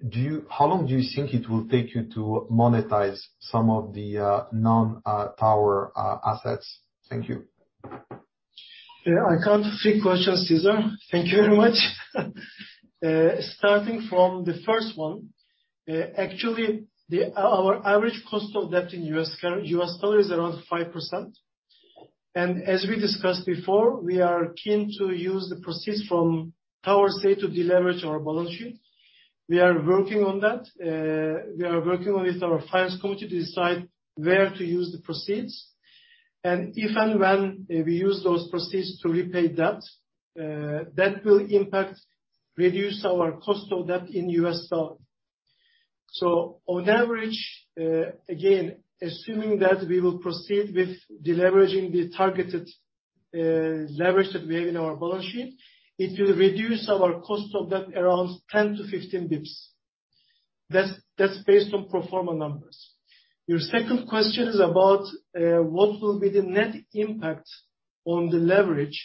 you... How long do you think it will take you to monetize some of the non tower assets? Thank you. Yeah. I count three questions, Cesar. Thank you very much. Starting from the first one, actually our average cost of debt in U.S. dollar is around 5%. As we discussed before, we are keen to use the proceeds from tower sale to deleverage our balance sheet. We are working on that. We are working with our finance committee to decide where to use the proceeds. If and when we use those proceeds to repay debt, that will reduce our cost of debt in U.S. dollar. On average, again, assuming that we will proceed with deleveraging the targeted leverage that we have in our balance sheet, it will reduce our cost of debt around 10-15 basis points. That's based on pro forma numbers. Your second question is about what will be the net impact on the leverage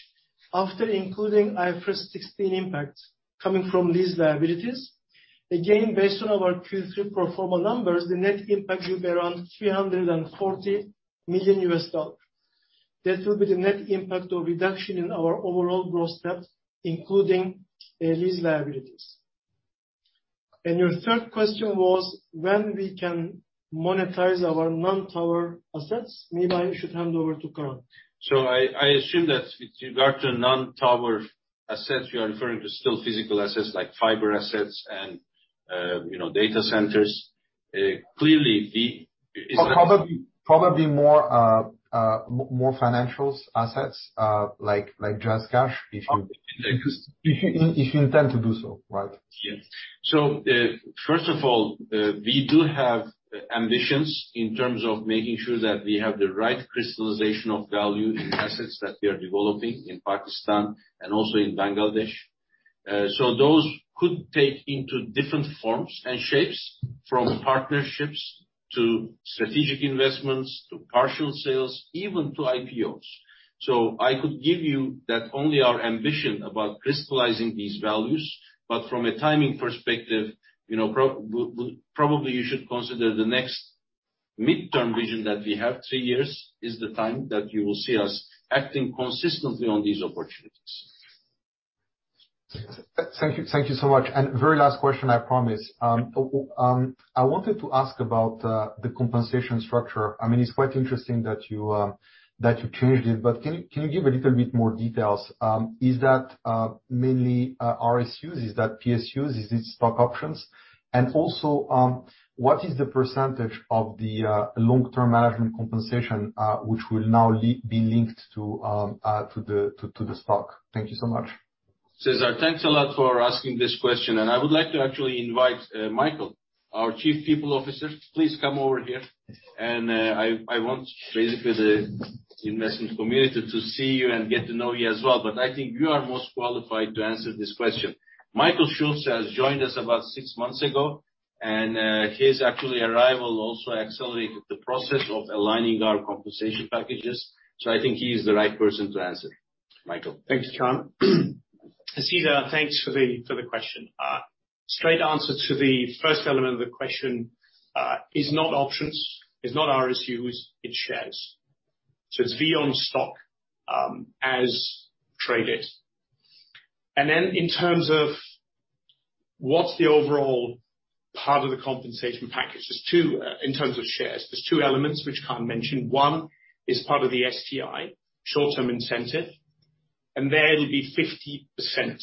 after including IFRS 16 impact coming from these liabilities. Again, based on our Q3 pro forma numbers, the net impact will be around $340 million. That will be the net impact of reduction in our overall gross debt, including these liabilities. Your third question was when we can monetize our non-tower assets. Maybe I should hand over to Kaan. I assume that with regard to non-tower assets, you are referring to still physical assets like fiber assets and, you know, data centers. Probably more financial assets, like just cash, if you Um, if you- If you intend to do so, right? Yes. First of all, we do have ambitions in terms of making sure that we have the right crystallization of value in assets that we are developing in Pakistan and also in Bangladesh. Those could take into different forms and shapes, from partnerships to strategic investments, to partial sales, even to IPOs. I could give you that only our ambition about crystallizing these values, but from a timing perspective, you know, probably you should consider the next midterm vision that we have. Three years is the time that you will see us acting consistently on these opportunities. Thank you. Thank you so much. Very last question, I promise. Well, I wanted to ask about the compensation structure. I mean, it's quite interesting that you changed it, but can you give a little bit more details? Is that mainly RSUs? Is that PSUs? Is it stock options? And also, what is the percentage of the long-term management compensation which will now be linked to the stock? Thank you so much. Cesar, thanks a lot for asking this question. I would like to actually invite Michael, our Chief People Officer, please come over here. I want basically the investment community to see you and get to know you as well, but I think you are most qualified to answer this question. Michael Schulz has joined us about six months ago, and his actual arrival also accelerated the process of aligning our compensation packages. I think he's the right person to answer. Michael. Thanks, Kaan. Cesar, thanks for the question. Straight answer to the first element of the question is not options, it's not RSUs, it's shares. So it's VEON stock as traded. In terms of what's the overall part of the compensation package, there's two elements which Kaan mentioned. One is part of the STI, short-term incentive, and there it'll be 50%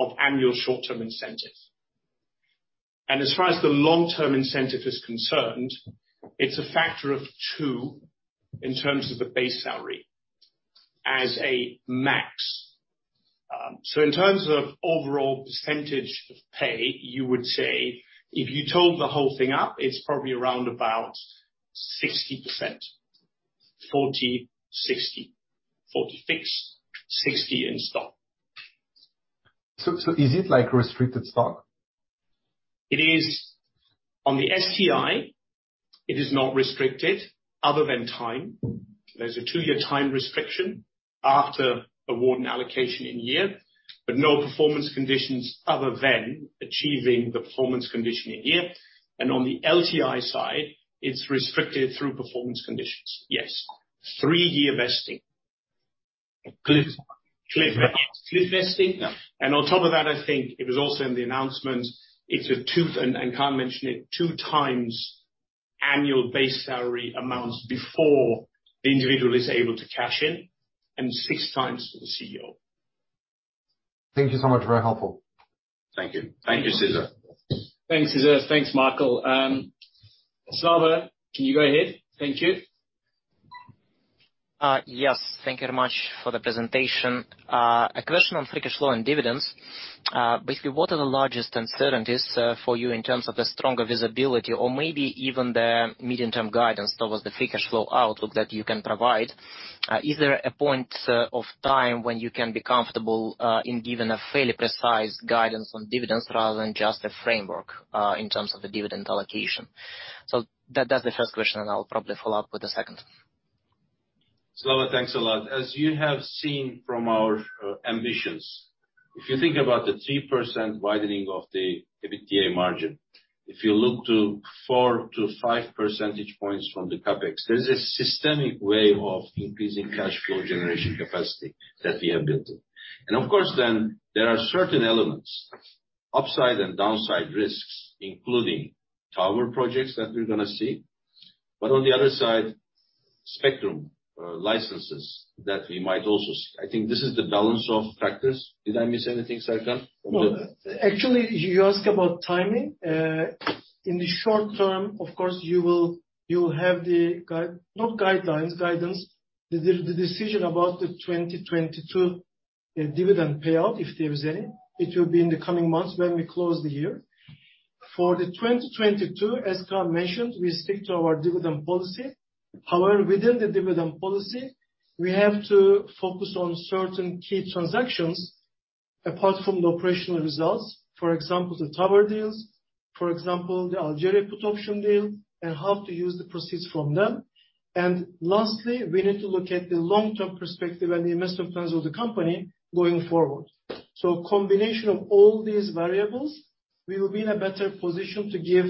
of annual short-term incentives. As far as the long-term incentive is concerned, it's a factor of 2 in terms of the base salary as a max. In terms of overall percentage of pay, you would say if you totaled the whole thing up, it's probably around 60%. 40, 60. 40 fixed, 60 in stock. Is it like restricted stock? It is. On the STI, it is not restricted other than time. There's a 2-year time restriction after award and allocation in year, but no performance conditions other than achieving the performance condition in year. On the LTI side, it's restricted through performance conditions. Yes. 3-year vesting. Cliff. Cliff vesting. Yeah. On top of that, I think it was also in the announcement, it's and Kaan mentioned it, 2 times annual base salary amounts before the individual is able to cash in, and 6 times for the CEO. Thank you so much. Very helpful. Thank you. Thank you, Cesar. Thanks, Cesar. Thanks, Michael. Slava, can you go ahead? Thank you. Yes. Thank you very much for the presentation. A question on free cash flow and dividends. Basically, what are the largest uncertainties for you in terms of the stronger visibility or maybe even the medium-term guidance towards the free cash flow outlook that you can provide? Is there a point of time when you can be comfortable in giving a fairly precise guidance on dividends rather than just a framework in terms of the dividend allocation? That's the first question, and I'll probably follow up with a second. Slava, thanks a lot. As you have seen from our ambitions, if you think about the 3% widening of the EBITDA margin, if you look to 4-5 percentage points from the CapEx, there's a systemic way of increasing cash flow generation capacity that we have built in. Of course, then there are certain elements, upside and downside risks, including tower projects that we're gonna see. On the other side, spectrum licenses that we might also see. I think this is the balance of factors. Did I miss anything, Serkan? No. Actually, you ask about timing. In the short term, of course, you will have the guidance. The decision about the 2022 dividend payout, if there is any, will be in the coming months when we close the year. For the 2022, as Kaan mentioned, we stick to our dividend policy. However, within the dividend policy, we have to focus on certain key transactions apart from the operational results, for example, the tower deals, for example, the Algeria put option deal and how to use the proceeds from them. Lastly, we need to look at the long-term perspective and the investment plans of the company going forward. Combination of all these variables, we will be in a better position to give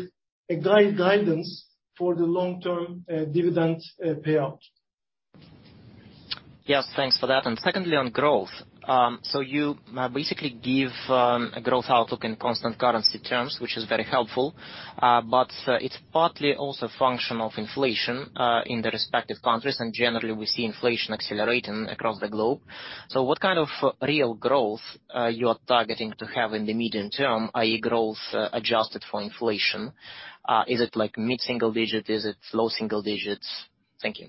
guidance for the long-term dividend payout. Yes. Thanks for that. Secondly, on growth, you basically give a growth outlook in constant currency terms, which is very helpful, but it's partly also function of inflation in the respective countries, and generally we see inflation accelerating across the globe. What kind of real growth you are targeting to have in the medium term, i.e. growth adjusted for inflation? Is it like mid-single digit? Is it low single digits? Thank you.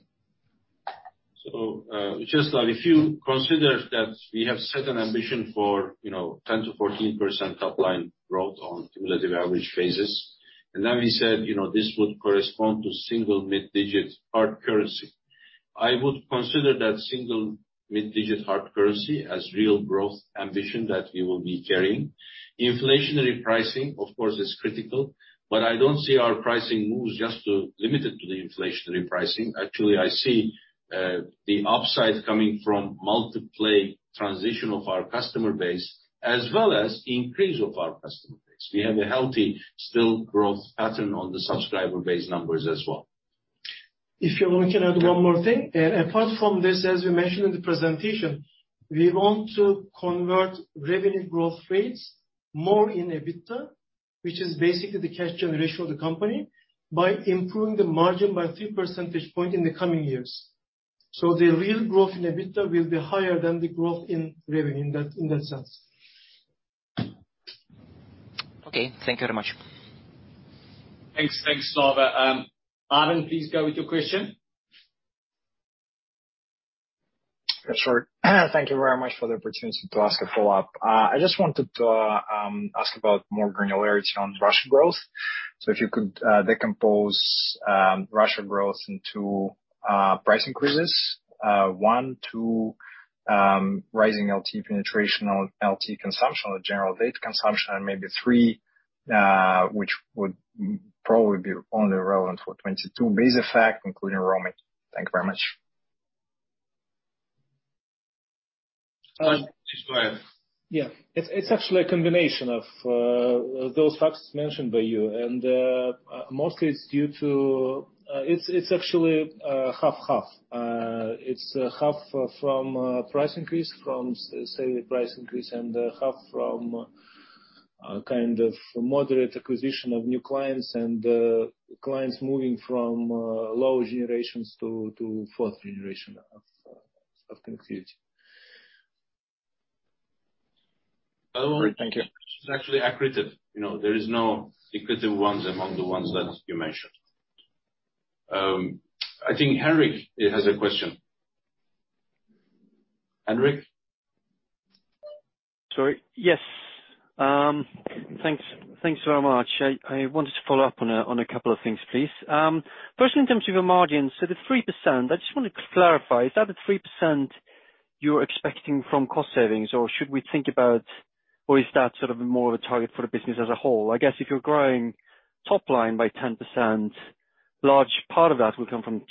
Just like if you consider that we have set an ambition for, you know, 10%-14% top line growth on cumulative average basis, and then we said, you know, this would correspond to single- to mid-single-digit hard currency. I would consider that single- to mid-single-digit hard currency as real growth ambition that we will be carrying. Inflationary pricing, of course, is critical, but I don't see our pricing moves just to limit it to the inflationary pricing. Actually, I see the upside coming from multi-play transition of our customer base as well as increase of our customer base. We have a healthy, still growth pattern on the subscriber base numbers as well. If you want, can I add one more thing? Yeah. Apart from this, as we mentioned in the presentation, we want to convert revenue growth rates more in EBITDA, which is basically the cash generation of the company, by improving the margin by three percentage point in the coming years. The real growth in EBITDA will be higher than the growth in revenue in that sense. Okay. Thank you very much. Thanks. Thanks, Slava. Ivan, please go with your question. Sure. Thank you very much for the opportunity to ask a follow-up. I just wanted to ask about more granularity on Russia growth. If you could decompose Russia growth into price increases, one, two, rising LTE penetration or LTE consumption or general data consumption, and maybe three, which would probably be only relevant for 2022, base effect, including roaming. Thank you very much. Please go ahead. Yeah. It's actually a combination of those facts mentioned by you. Mostly it's due to half-half. It's half from sale price increase, and half from kind of moderate acquisition of new clients and clients moving from lower generations to fourth generation of connectivity. All right. Thank you. It's actually accretive. You know, there is no accretive ones among the ones that you mentioned. I think Henrik has a question. Henrik? Sorry. Yes. Thanks. Thanks very much. I wanted to follow up on a couple of things please. Firstly in terms of your margins, so the 3%, I just wanna clarify, is that the 3% you're expecting from cost savings or should we think about or is that sort of more of a target for the business as a whole? I guess if you're growing top line by 10%, large part of that will come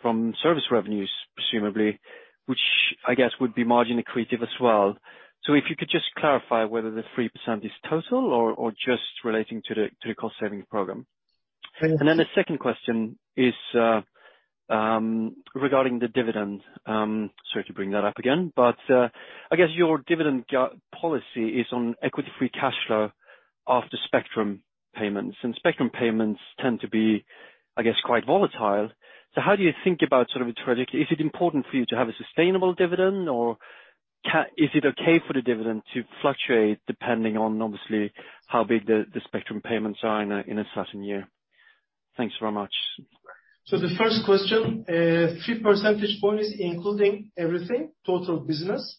from service revenues presumably, which I guess would be margin accretive as well. If you could just clarify whether the 3% is total or just relating to the cost saving program. Thank you. The second question is regarding the dividend. Sorry to bring that up again, but I guess your dividend policy is on equity free cash flow after spectrum payments. Spectrum payments tend to be, I guess, quite volatile. How do you think about sort of a. Is it important for you to have a sustainable dividend or is it okay for the dividend to fluctuate depending on obviously how big the spectrum payments are in a certain year? Thanks very much. The first question, 3 percentage points is including everything, total business.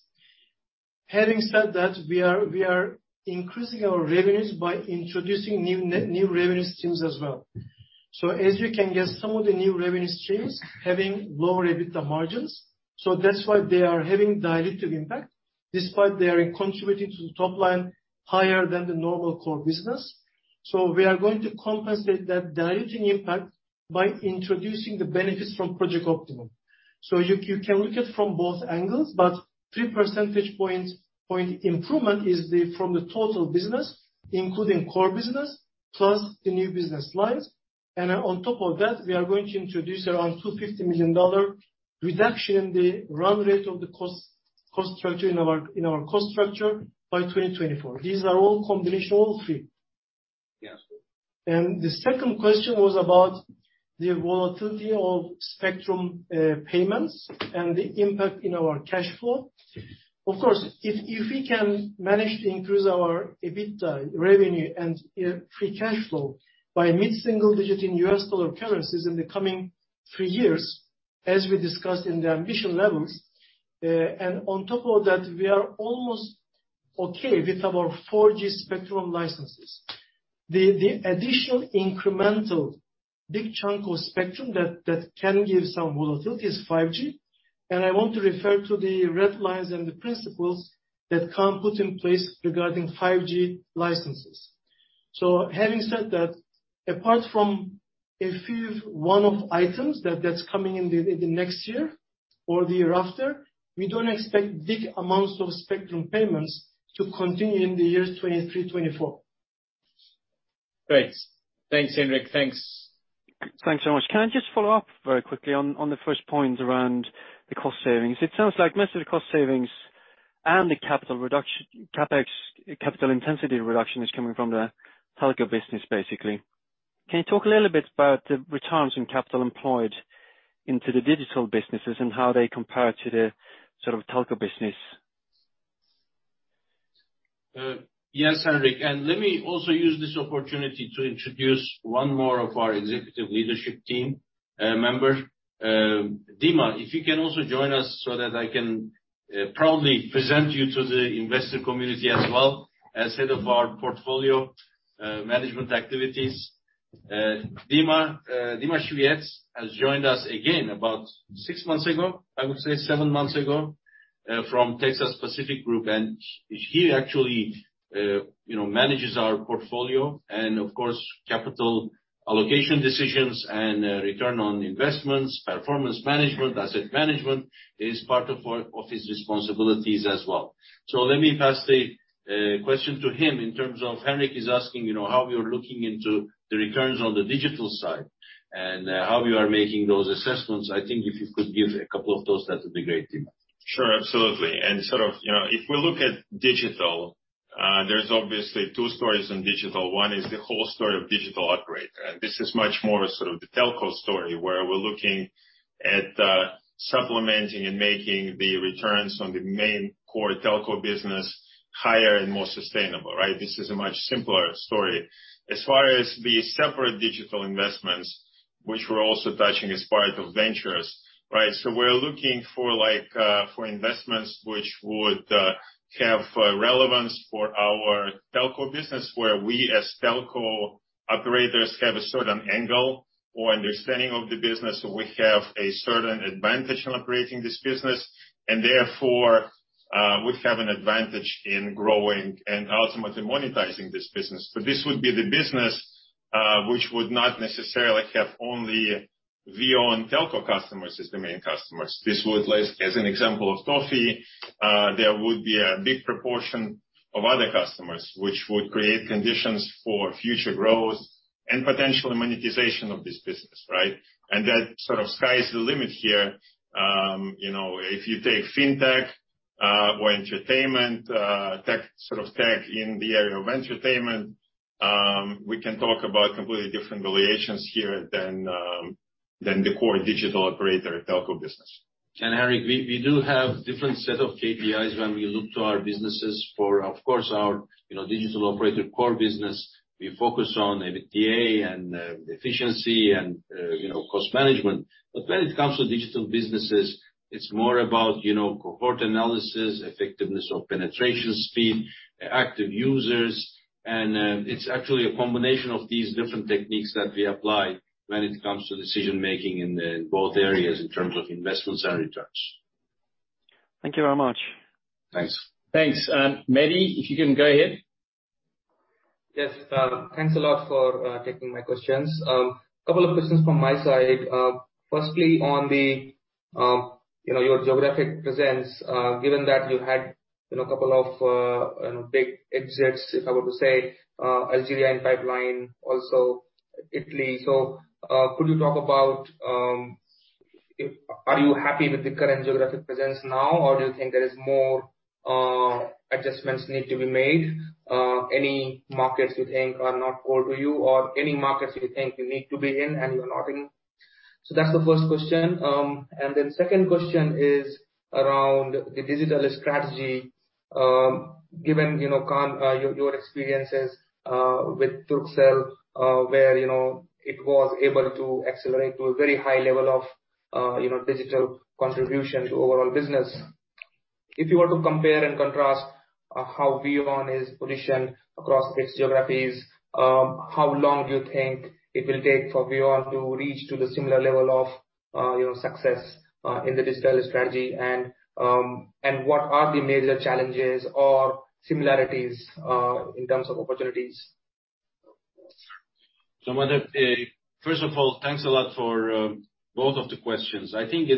Having said that, we are increasing our revenues by introducing new revenue streams as well. As you can guess, some of the new revenue streams having lower EBITDA margins, so that's why they are having dilutive impact, despite they are contributing to the top line higher than the normal core business. We are going to compensate that diluting impact by introducing the benefits from Project Optimum. You can look at from both angles, but 3 percentage points improvement is from the total business, including core business, plus the new business lines. On top of that, we are going to introduce around $250 million reduction in the run rate of the cost structure in our cost structure by 2024. These are all combination, all three. Yeah. The second question was about the volatility of spectrum payments and the impact in our cash flow. Of course, if we can manage to increase our EBITDA revenue and, you know, free cash flow by mid-single-digit% in US dollar currencies in the coming three years, as we discussed in the ambition levels, and on top of that, we are almost okay with our 4G spectrum licenses. The additional incremental big chunk of spectrum that can give some volatility is 5G, and I want to refer to the red lines and the principles that can put in place regarding 5G licenses. Having said that, apart from a few one-off items that's coming in the next year or the year after, we don't expect big amounts of spectrum payments to continue in the years 2023, 2024. Great. Thanks, Henrik. Thanks. Thanks so much. Can I just follow up very quickly on the first point around the cost savings? It sounds like most of the cost savings and the capital reduction, CapEx, capital intensity reduction is coming from the telco business, basically. Can you talk a little bit about the returns on capital employed into the digital businesses and how they compare to the sort of telco business? Yes, Henrik, let me also use this opportunity to introduce one more of our Executive Leadership Team member. Dima, if you can also join us so that I can proudly present you to the investor community as well as head of our portfolio management activities. Dima Shuvaev has joined us again about six months ago, I would say seven months ago, from Texas Pacific Group, and he actually, you know, manages our portfolio and of course, capital allocation decisions and return on investments, performance management, asset management is part of his responsibilities as well. Let me pass the question to him in terms of Henrik is asking, you know, how we are looking into the returns on the digital side and how we are making those assessments. I think if you could give a couple of those, that would be great, Dima. Sure, absolutely. Sort of, you know, if we look at digital, there's obviously two stories in digital. One is the whole story of digital operator, and this is much more sort of the telco story, where we're looking at supplementing and making the returns on the main core telco business higher and more sustainable, right? This is a much simpler story. As far as the separate digital investments, which we're also touching as part of ventures, right? We're looking for like, for investments which would have relevance for our telco business, where we as telco operators have a certain angle or understanding of the business, or we have a certain advantage in operating this business, and therefore, we have an advantage in growing and ultimately monetizing this business. This would be the business, which would not necessarily have only VEON telco customers as the main customers. This would last as an example of Toffee, there would be a big proportion of other customers, which would create conditions for future growth and potential monetization of this business, right? That sort of sky's the limit here. You know, if you take fintech or entertainment tech, sort of tech in the area of entertainment, we can talk about completely different valuations here than the core digital operator telco business. Henrik, we do have different set of KPIs when we look to our businesses for, of course our, you know, digital operator core business. We focus on EBITDA and efficiency and, you know, cost management. When it comes to digital businesses, it's more about, you know, cohort analysis, effectiveness of penetration speed, active users, and it's actually a combination of these different techniques that we apply when it comes to decision-making in both areas in terms of investments and returns. Thank you very much. Thanks. Thanks. Mehdi, if you can go ahead. Yes. Thanks a lot for taking my questions. Couple of questions from my side. Firstly, on the you know your geographic presence, given that you had you know a couple of you know big exits, if I were to say, Algeria and pipeline also Italy, so could you talk about are you happy with the current geographic presence now, or do you think there is more adjustments need to be made? Any markets you think are not core to you or any markets you think you need to be in and you're not in? That's the first question. Second question is around the digital strategy. Given, you know, Kaan, your experiences with Turkcell, where, you know, it was able to accelerate to a very high level of, you know, digital contribution to overall business. If you were to compare and contrast how VEON is positioned across its geographies, how long do you think it will take for VEON to reach to the similar level of, you know, success in the digital strategy? What are the major challenges or similarities in terms of opportunities? First of all, thanks a lot for both of the questions. I think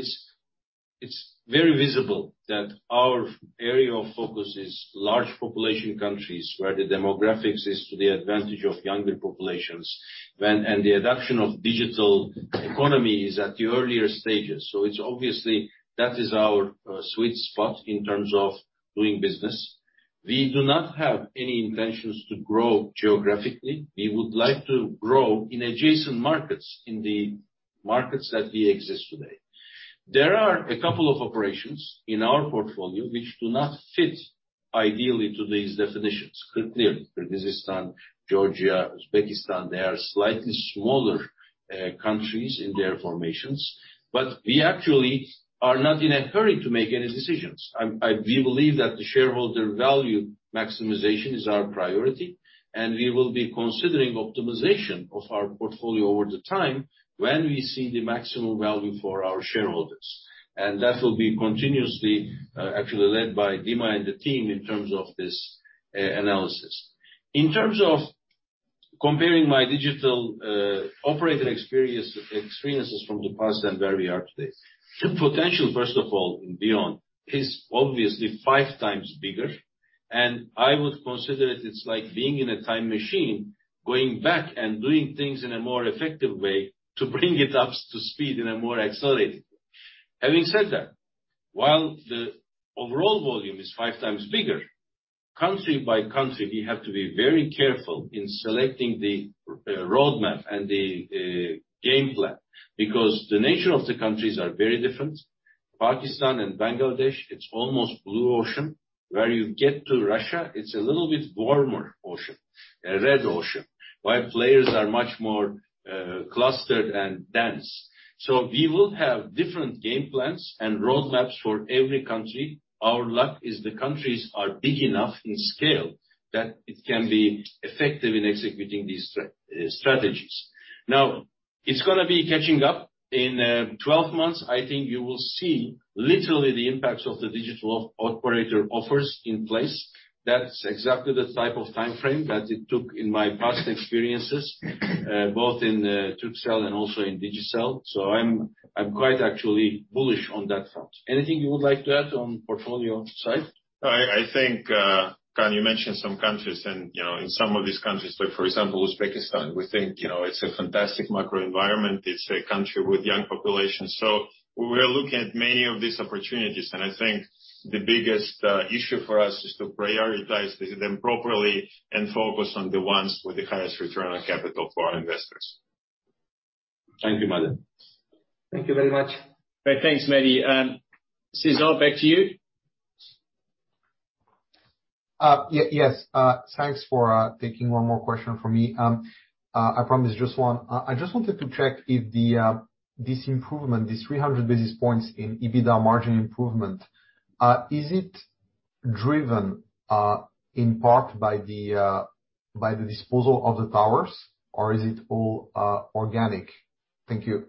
it's very visible that our area of focus is large population countries, where the demographics is to the advantage of younger populations and the adoption of digital economy is at the earlier stages. It's obviously that is our sweet spot in terms of doing business. We do not have any intentions to grow geographically. We would like to grow in adjacent markets, in the markets that we exist today. There are a couple of operations in our portfolio which do not fit ideally to these definitions, clearly. Kyrgyzstan, Georgia, Uzbekistan, they are slightly smaller countries in their formations, but we actually are not in a hurry to make any decisions. We believe that the shareholder value maximization is our priority, and we will be considering optimization of our portfolio over time when we see the maximum value for our shareholders. That will be continuously actually led by Dima and the team in terms of this analysis. In terms of comparing my digital operating experience from the past and where we are today, the potential, first of all, in VEON is obviously five times bigger, and I would consider it. It's like being in a time machine, going back and doing things in a more effective way to bring it up to speed in a more accelerated way. Having said that, while the overall volume is five times bigger, country by country, we have to be very careful in selecting the roadmap and the game plan, because the nature of the countries are very different. Pakistan and Bangladesh, it's almost blue ocean. Where you get to Russia, it's a little bit warmer ocean, a red ocean, where players are much more clustered and dense. So we will have different game plans and roadmaps for every country. Our luck is the countries are big enough in scale that it can be effective in executing these strategies. Now, it's gonna be catching up in 12 months. I think you will see literally the impacts of the digital operator offers in place. That's exactly the type of timeframe that it took in my past experiences, both in Turkcell and also in Digicel. I'm quite actually bullish on that front. Anything you would like to add on portfolio side? I think, Kaan, you mentioned some countries and, you know, in some of these countries, like for example, Uzbekistan, we think, you know, it's a fantastic microenvironment. It's a country with young population. We are looking at many of these opportunities, and I think the biggest issue for us is to prioritize them properly and focus on the ones with the highest return on capital for our investors. Thank you, Dima. Thank you very much. All right. Thanks, Mehdi. Cesar, back to you. Yes. Thanks for taking one more question from me. I promise just one. I just wanted to check if this improvement, this 300 basis points in EBITDA margin improvement, is it driven in part by the disposal of the towers, or is it all organic? Thank you.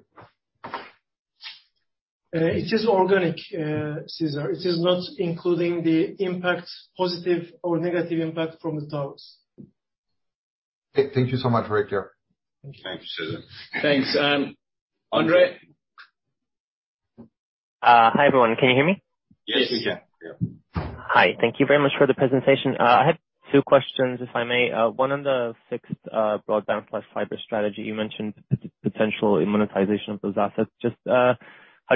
It is organic, Cesar. It is not including the impact, positive or negative impact from the towers. Thank you so much, Kaan. Thank you. Thanks, Cesar. Thanks. Andrzej? Hi, everyone. Can you hear me? Yes, we can. Yeah. Hi. Thank you very much for the presentation. I had two questions, if I may. One on the fixed broadband plus fiber strategy. You mentioned the potential in monetization of those assets. Just how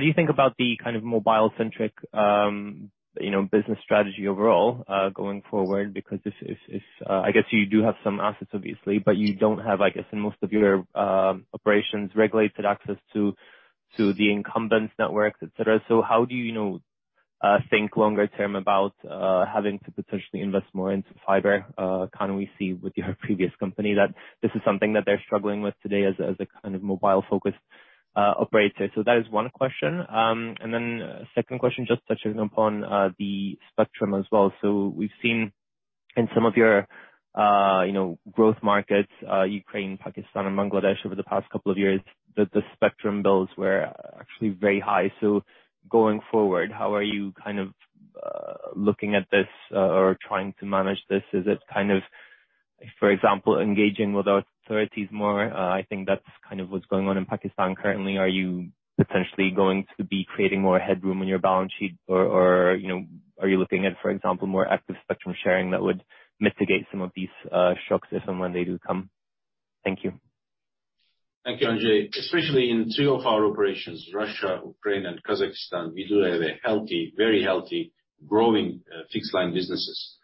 do you think about the kind of mobile-centric, you know, business strategy overall going forward? Because this is. I guess you do have some assets, obviously, but you don't have, I guess, in most of your operations, regulated access to the incumbents networks, et cetera. So how do you know, think longer term about having to potentially invest more into fiber. Kind of, we see with your previous company that this is something that they're struggling with today as a kind of mobile-focused operator. So that is one question. Second question, just touching upon the spectrum as well. We've seen in some of your, you know, growth markets, Ukraine, Pakistan and Bangladesh over the past couple of years, that the spectrum bills were actually very high. Going forward, how are you kind of looking at this, or trying to manage this? Is it kind of, for example, engaging with authorities more? I think that's kind of what's going on in Pakistan currently. Are you potentially going to be creating more headroom on your balance sheet? Or, you know, are you looking at, for example, more active spectrum sharing that would mitigate some of these shocks if and when they do come? Thank you. Thank you, Andrzej. Especially in two of our operations, Russia, Ukraine and Kazakhstan, we do have a healthy, very healthy, growing fixed line businesses.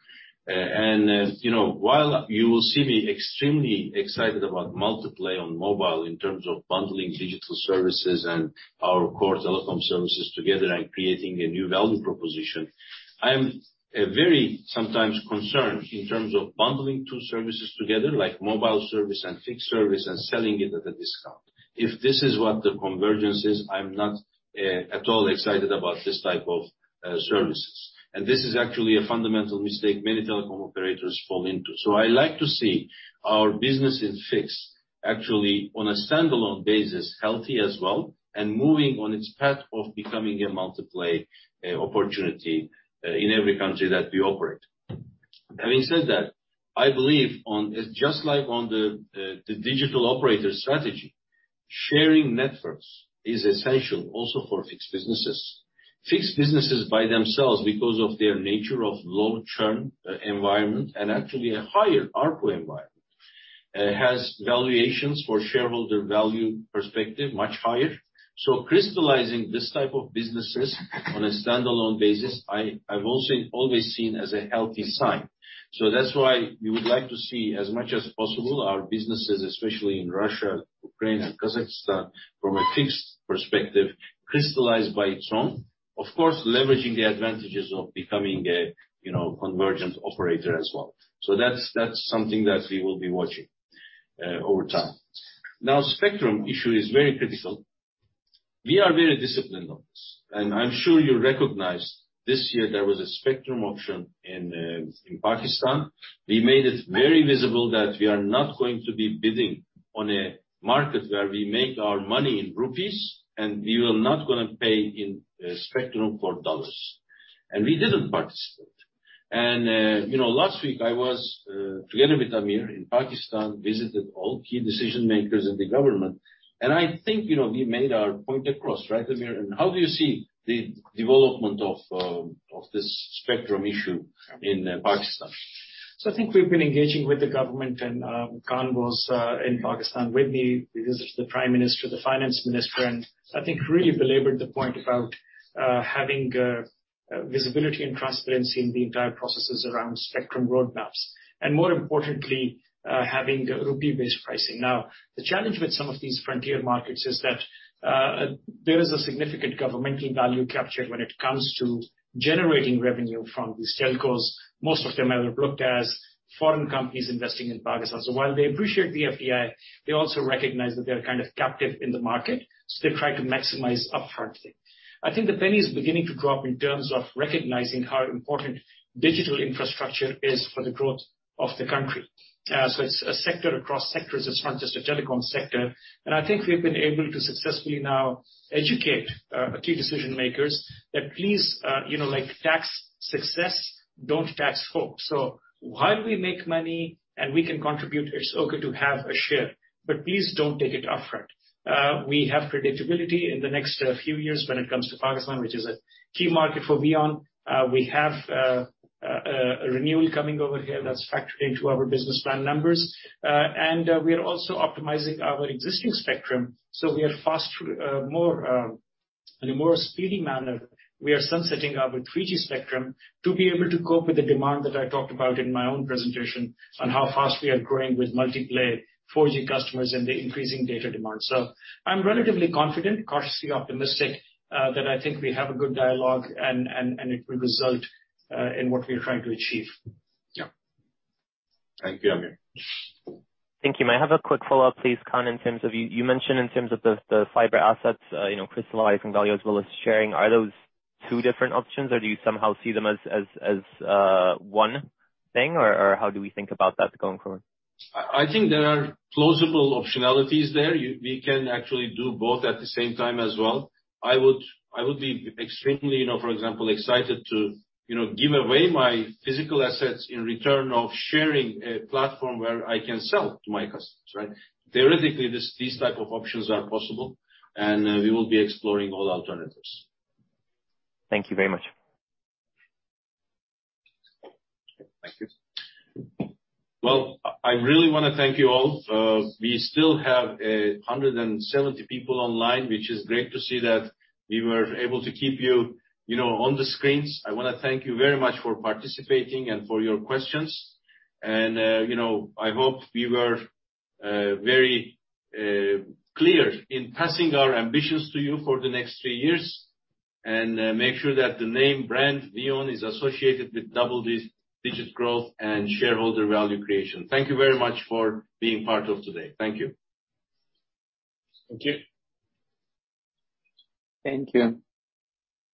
You know, while you will see me extremely excited about multi-play on mobile in terms of bundling digital services and our core telecom services together and creating a new value proposition, I am very sometimes concerned in terms of bundling two services together, like mobile service and fixed service and selling it at a discount. If this is what the convergence is, I'm not at all excited about this type of services. This is actually a fundamental mistake many telecom operators fall into. I like to see our businesses fixed actually on a standalone basis, healthy as well, and moving on its path of becoming a multi-play opportunity in every country that we operate. Having said that, I believe, just like on the digital operator strategy, sharing networks is essential also for fixed businesses. Fixed businesses by themselves because of their nature of low churn environment and actually a higher ARPU environment has valuations for shareholder value perspective much higher. So crystallizing this type of businesses on a standalone basis, I've also always seen as a healthy sign. So that's why we would like to see as much as possible our businesses, especially in Russia, Ukraine and Kazakhstan from a fixed perspective, crystallized by its own. Of course, leveraging the advantages of becoming a, you know, convergent operator as well. So that's something that we will be watching over time. Now, spectrum issue is very critical. We are very disciplined on this, and I'm sure you recognize this year there was a spectrum auction in Pakistan. We made it very visible that we are not going to be bidding on a market where we make our money in rupees, and we will not gonna pay for spectrum in dollars. You know, last week I was together with Amir in Pakistan, visited all key decision-makers in the government. I think, you know, we made our point across. Right, Amir? How do you see the development of this spectrum issue in Pakistan? I think we've been engaging with the government and, Kaan was in Pakistan with me. We visited the Prime Minister, the Finance Minister, and I think really belabored the point about having visibility and transparency in the entire processes around spectrum roadmaps, and more importantly, having rupee-based pricing. Now, the challenge with some of these frontier markets is that there is a significant governmental value captured when it comes to generating revenue from these telcos. Most of them are looked as foreign companies investing in Pakistan. While they appreciate the FDI, they also recognize that they're kind of captive in the market, so they try to maximize upfront things. I think the penny is beginning to drop in terms of recognizing how important digital infrastructure is for the growth of the country. It's a sector across sectors, it's not just a telecom sector. I think we've been able to successfully now educate key decision-makers that please, you know, like tax success, don't tax hope. While we make money and we can contribute, it's okay to have a share, but please don't take it upfront. We have predictability in the next few years when it comes to Pakistan, which is a key market for VEON. We have a renewal coming over here that's factored into our business plan numbers. We are also optimizing our existing spectrum, so we are fast more. In a more speedy manner, we are sunsetting our 3G spectrum to be able to cope with the demand that I talked about in my own presentation on how fast we are growing with multi-play 4G customers and the increasing data demand. I'm relatively confident, cautiously optimistic, that I think we have a good dialogue and it will result in what we are trying to achieve. Yeah. Thank you, Aamir. Thank you. May I have a quick follow-up, please, Kaan, in terms of you mentioned in terms of the fiber assets, you know, crystallizing value as well as sharing. Are those two different options or do you somehow see them as one thing? Or how do we think about that going forward? I think there are plausible optionalities there. We can actually do both at the same time as well. I would be extremely, you know, for example, excited to, you know, give away my physical assets in return of sharing a platform where I can sell to my customers, right? Theoretically, these type of options are possible and we will be exploring all alternatives. Thank you very much. Thank you. Well, I really wanna thank you all. We still have 170 people online, which is great to see that we were able to keep you know, on the screens. I wanna thank you very much for participating and for your questions. You know, I hope we were very clear in passing our ambitions to you for the next three years, and make sure that the name brand VEON is associated with double-digit growth and shareholder value creation. Thank you very much for being part of today. Thank you. Thank you. Thank you.